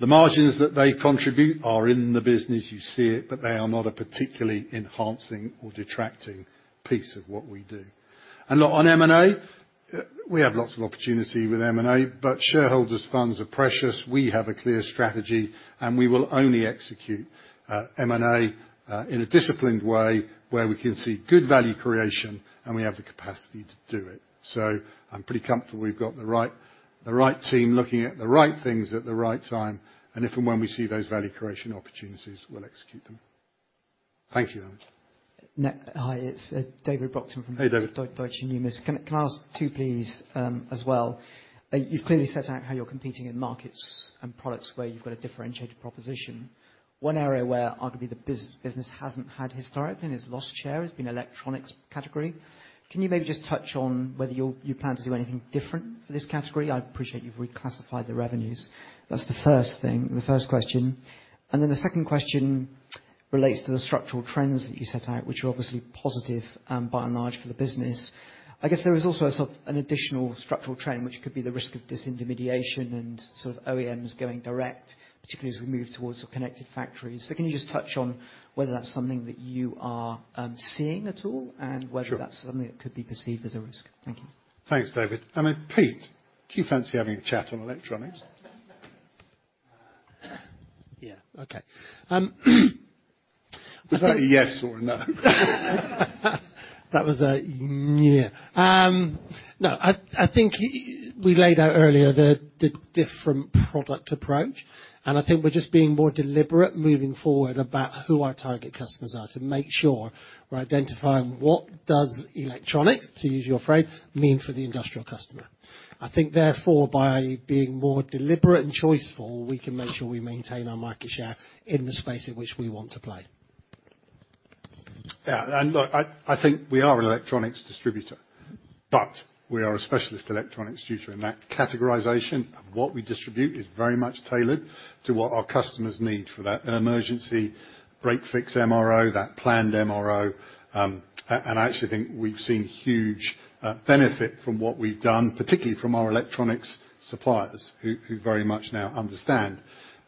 The margins that they contribute are in the business. You see it, but they are not a particularly enhancing or detracting piece of what we do. And on M&A, we have lots of opportunity with M&A, but shareholders' funds are precious. We have a clear strategy, and we will only execute M&A in a disciplined way, where we can see good value creation, and we have the capacity to do it. So I'm pretty comfortable we've got the right team looking at the right things at the right time, and if and when we see those value creation opportunities, we'll execute them. Thank you, Annelies. Hi, it's David Brockton from Hey, David. Deutsche Bank. Can I ask two, please, as well? You've clearly set out how you're competing in markets and products where you've got a differentiated proposition. One area where arguably the business hasn't had historically and has lost share has been electronics category. Can you maybe just touch on whether you plan to do anything different for this category? I appreciate you've reclassified the revenues. That's the first thing, the first question. And then the second question relates to the structural trends that you set out, which are obviously positive, by and large, for the business. I guess there is also a sort of an additional structural trend, which could be the risk of disintermediation and sort of OEMs going direct, particularly as we move towards connected factories. So can you just touch on whether that's something that you are seeing at all? Sure. And whether that's something that could be perceived as a risk? Thank you. Thanks, David. I mean, Pete, do you fancy having a chat on electronics? Yeah, okay. Was that a yes or a no? That was a yeah. No, I think we laid out earlier the different product approach, and I think we're just being more deliberate moving forward about who our target customers are, to make sure we're identifying what does electronics, to use your phrase, mean for the industrial customer. I think, therefore, by being more deliberate and choiceful, we can make sure we maintain our market share in the space in which we want to play. Yeah, and look, I think we are an electronics distributor, but we are a specialist electronics distributor, and that categorization of what we distribute is very much tailored to what our customers need for that emergency break-fix MRO, that planned MRO. And I actually think we've seen huge benefit from what we've done, particularly from our electronics suppliers, who very much now understand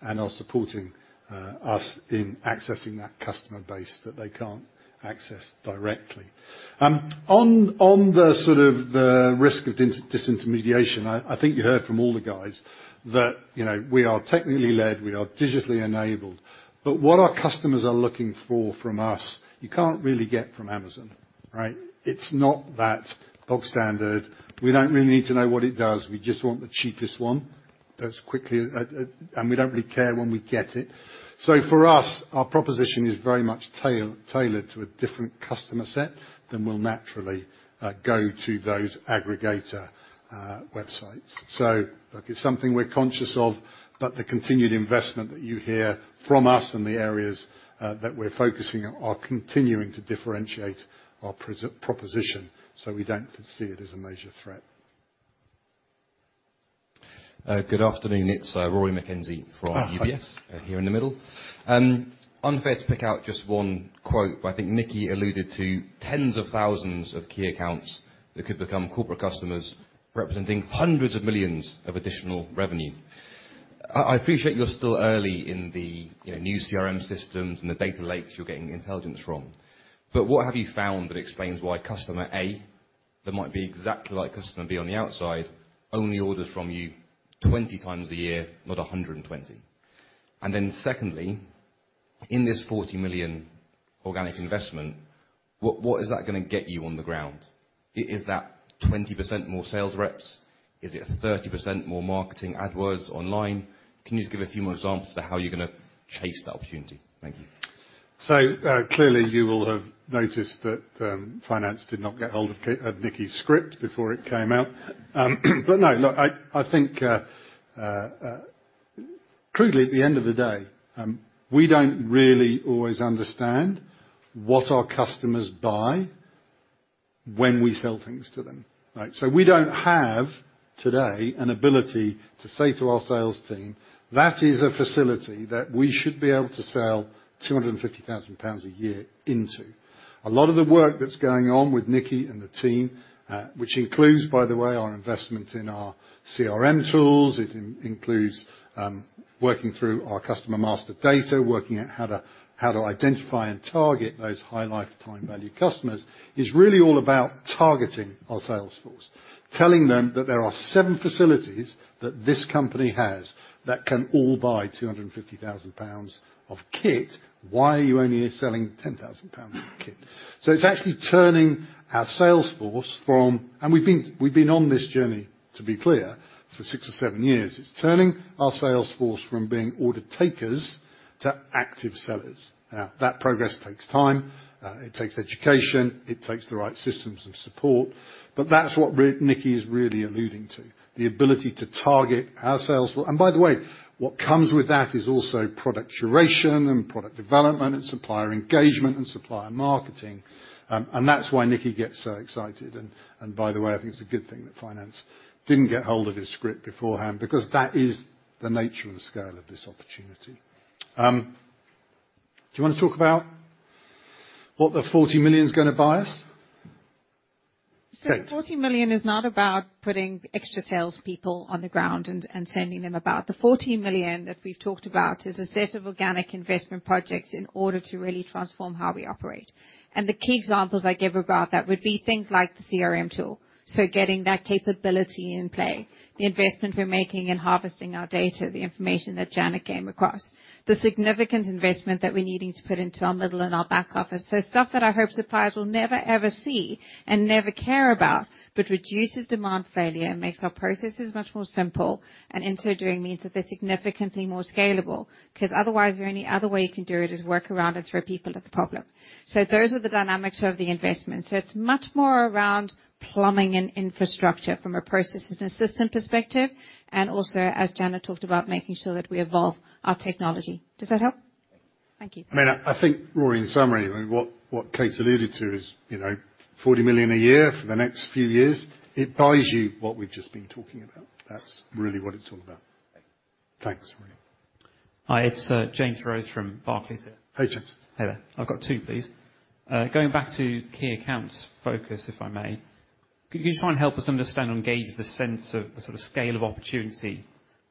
and are supporting us in accessing that customer base that they can't access directly. On the sort of the risk of disintermediation, I think you heard from all the guys that, you know, we are technology led, we are digitally enabled. But what our customers are looking for from us, you can't really get from Amazon, right? It's not that bog standard, we don't really need to know what it does, we just want the cheapest one as quickly, and we don't really care when we get it. So for us, our proposition is very much tailored to a different customer set than will naturally go to those aggregator websites. So, look, it's something we're conscious of, but the continued investment that you hear from us and the areas that we're focusing on are continuing to differentiate our proposition, so we don't see it as a major threat. Good afternoon. It's Rory McKenzie from UBS- Ah. Here in the middle. It is unfair to pick out just one quote, but I think Nicky alluded to tens of thousands of key accounts that could become corporate customers, representing hundreds of millions of additional revenue. I appreciate you're still early in the, you know, new CRM systems and the data lakes you're getting intelligence from. But what have you found that explains why customer A, that might be exactly like customer B on the outside, only orders from you 20 times a year, not 120? And then secondly, in this 40 million organic investment, what is that gonna get you on the ground? Is that 20% more sales reps? Is it 30% more marketing AdWords online? Can you just give a few more examples to how you're gonna chase that opportunity? Thank you. So, clearly, you will have noticed that finance did not get hold of a copy of Nicky's script before it came out. But no, look, I think, crudely, at the end of the day, we don't really always understand what our customers buy when we sell things to them. Right? So we don't have, today, an ability to say to our sales team: "That is a facility that we should be able to sell 250,000 pounds a year into." A lot of the work that's going on with Nicky and the team, which includes, by the way, our investment in our CRM tools, includes working through our customer master data, working out how to identify and target those high lifetime value customers, is really all about targeting our sales force. Telling them that there are seven facilities that this company has that can all buy 250,000 pounds of kit. Why are you only selling 10,000 pounds of kit? So it's actually turning our sales force, and we've been on this journey, to be clear, for six or seven years. It's turning our sales force from being order takers to active sellers. Now, that progress takes time, it takes education, it takes the right systems and support, but that's what Nicky is really alluding to, the ability to target our sales force, and by the way, what comes with that is also product curation and product development and supplier engagement and supplier marketing, and that's why Nicky gets so excited. And by the way, I think it's a good thing that finance didn't get hold of his script beforehand, because that is the nature and scale of this opportunity. Do you want to talk about what the 40 million is gonna buy us? So the 40 million is not about putting extra salespeople on the ground and sending them about. The 40 million that we've talked about is a set of organic investment projects in order to really transform how we operate. And the key examples I gave about that would be things like the CRM tool, so getting that capability in play, the investment we're making in harvesting our data, the information that Janet came across. The significant investment that we're needing to put into our middle and our back office. So stuff that I hope suppliers will never, ever see and never care about, but reduces demand failure and makes our processes much more simple, and in so doing, means that they're significantly more scalable, 'cause otherwise, your only other way you can do it is work around it and throw people at the problem. So those are the dynamics of the investment. So it's much more around plumbing and infrastructure from a processes and system perspective, and also, as Janet talked about, making sure that we evolve our technology. Does that help? Thank you. I mean, I think, Rory, in summary, I mean, what Kate alluded to is, you know, 40 million a year for the next few years. It buys you what we've just been talking about. That's really what it's all about. Thank you. Thanks, Rory. Hi, it's James Rose from Barclays, here. Hey, James. Hey there. I've got two, please. Going back to key accounts focus, if I may. Could you just try and help us understand and gauge the sense of the sort of scale of opportunity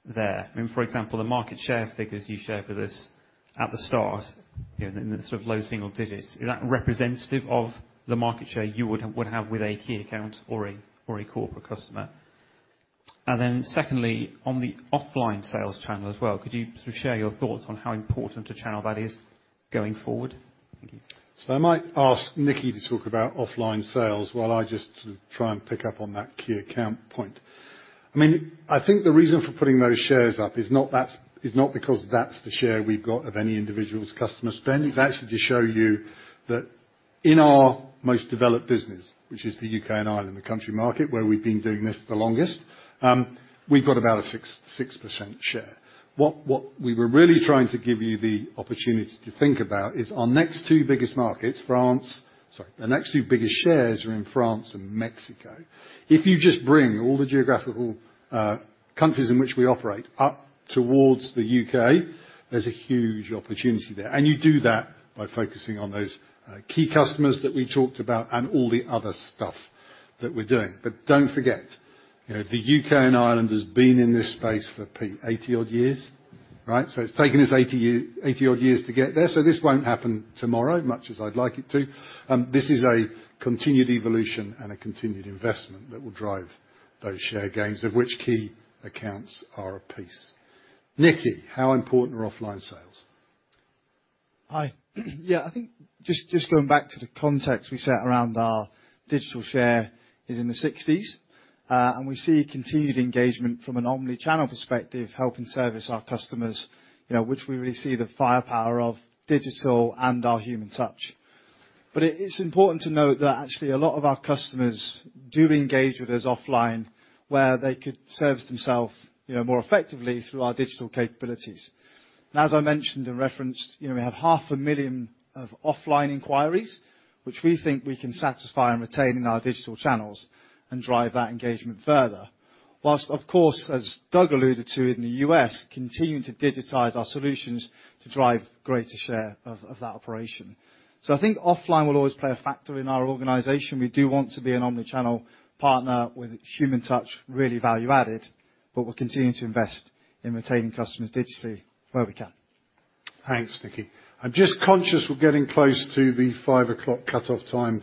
there? I mean, for example, the market share figures you shared with us at the start, you know, in the sort of low single digits, is that representative of the market share you would have with a key account or a corporate customer? And then secondly, on the offline sales channel as well, could you sort of share your thoughts on how important a channel that is going forward? Thank you. So I might ask Nicky to talk about offline sales, while I just try and pick up on that key account point. I mean, I think the reason for putting those shares up is not that, is not because that's the share we've got of any individual's customer spend. It's actually to show you that in our most developed business, which is the U.K. and Ireland, the country market, where we've been doing this the longest, we've got about a 6% share. What we were really trying to give you the opportunity to think about is our next two biggest markets, France- sorry, the next two biggest shares are in France and Mexico. If you just bring all the geographical countries in which we operate up towards the U.K., there's a huge opportunity there. And you do that by focusing on those key customers that we talked about and all the other stuff that we're doing. But don't forget, you know, the U.K. and Ireland has been in this space for 80-odd years, right? So it's taken us 80-odd years to get there, so this won't happen tomorrow, much as I'd like it to. This is a continued evolution and a continued investment that will drive those share gains, of which key accounts are a piece. Nicky, how important are offline sales? Hi. Yeah, I think just going back to the context we set around our digital share is in the 60s. And we see continued engagement from an omni-channel perspective, helping service our customers, you know, which we really see the firepower of digital and our human touch. But it's important to note that actually a lot of our customers do engage with us offline, where they could service themselves, you know, more effectively through our digital capabilities. And as I mentioned and referenced, you know, we have 500,000 offline inquiries, which we think we can satisfy and retain in our digital channels and drive that engagement further. While, of course, as Doug alluded to in the U.S., continuing to digitize our solutions to drive greater share of that operation. So I think offline will always play a factor in our organization. We do want to be an omni-channel partner with human touch, really value-added, but we'll continue to invest in retaining customers digitally where we can. Thanks, Nicky. I'm just conscious we're getting close to the 5:00 P.M. cut-off time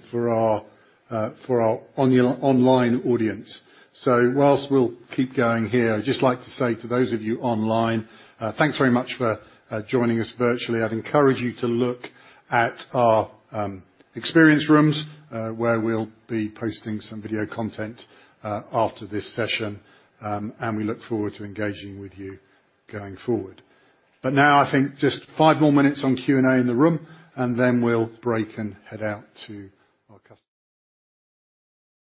for our online audience. So while we'll keep going here, I'd just like to say to those of you online, thanks very much for joining us virtually. I'd encourage you to look at our experience rooms, where we'll be posting some video content after this session. And we look forward to engaging with you going forward. But now, I think just five more minutes on Q&A in the room, and then we'll break and head out to our customers.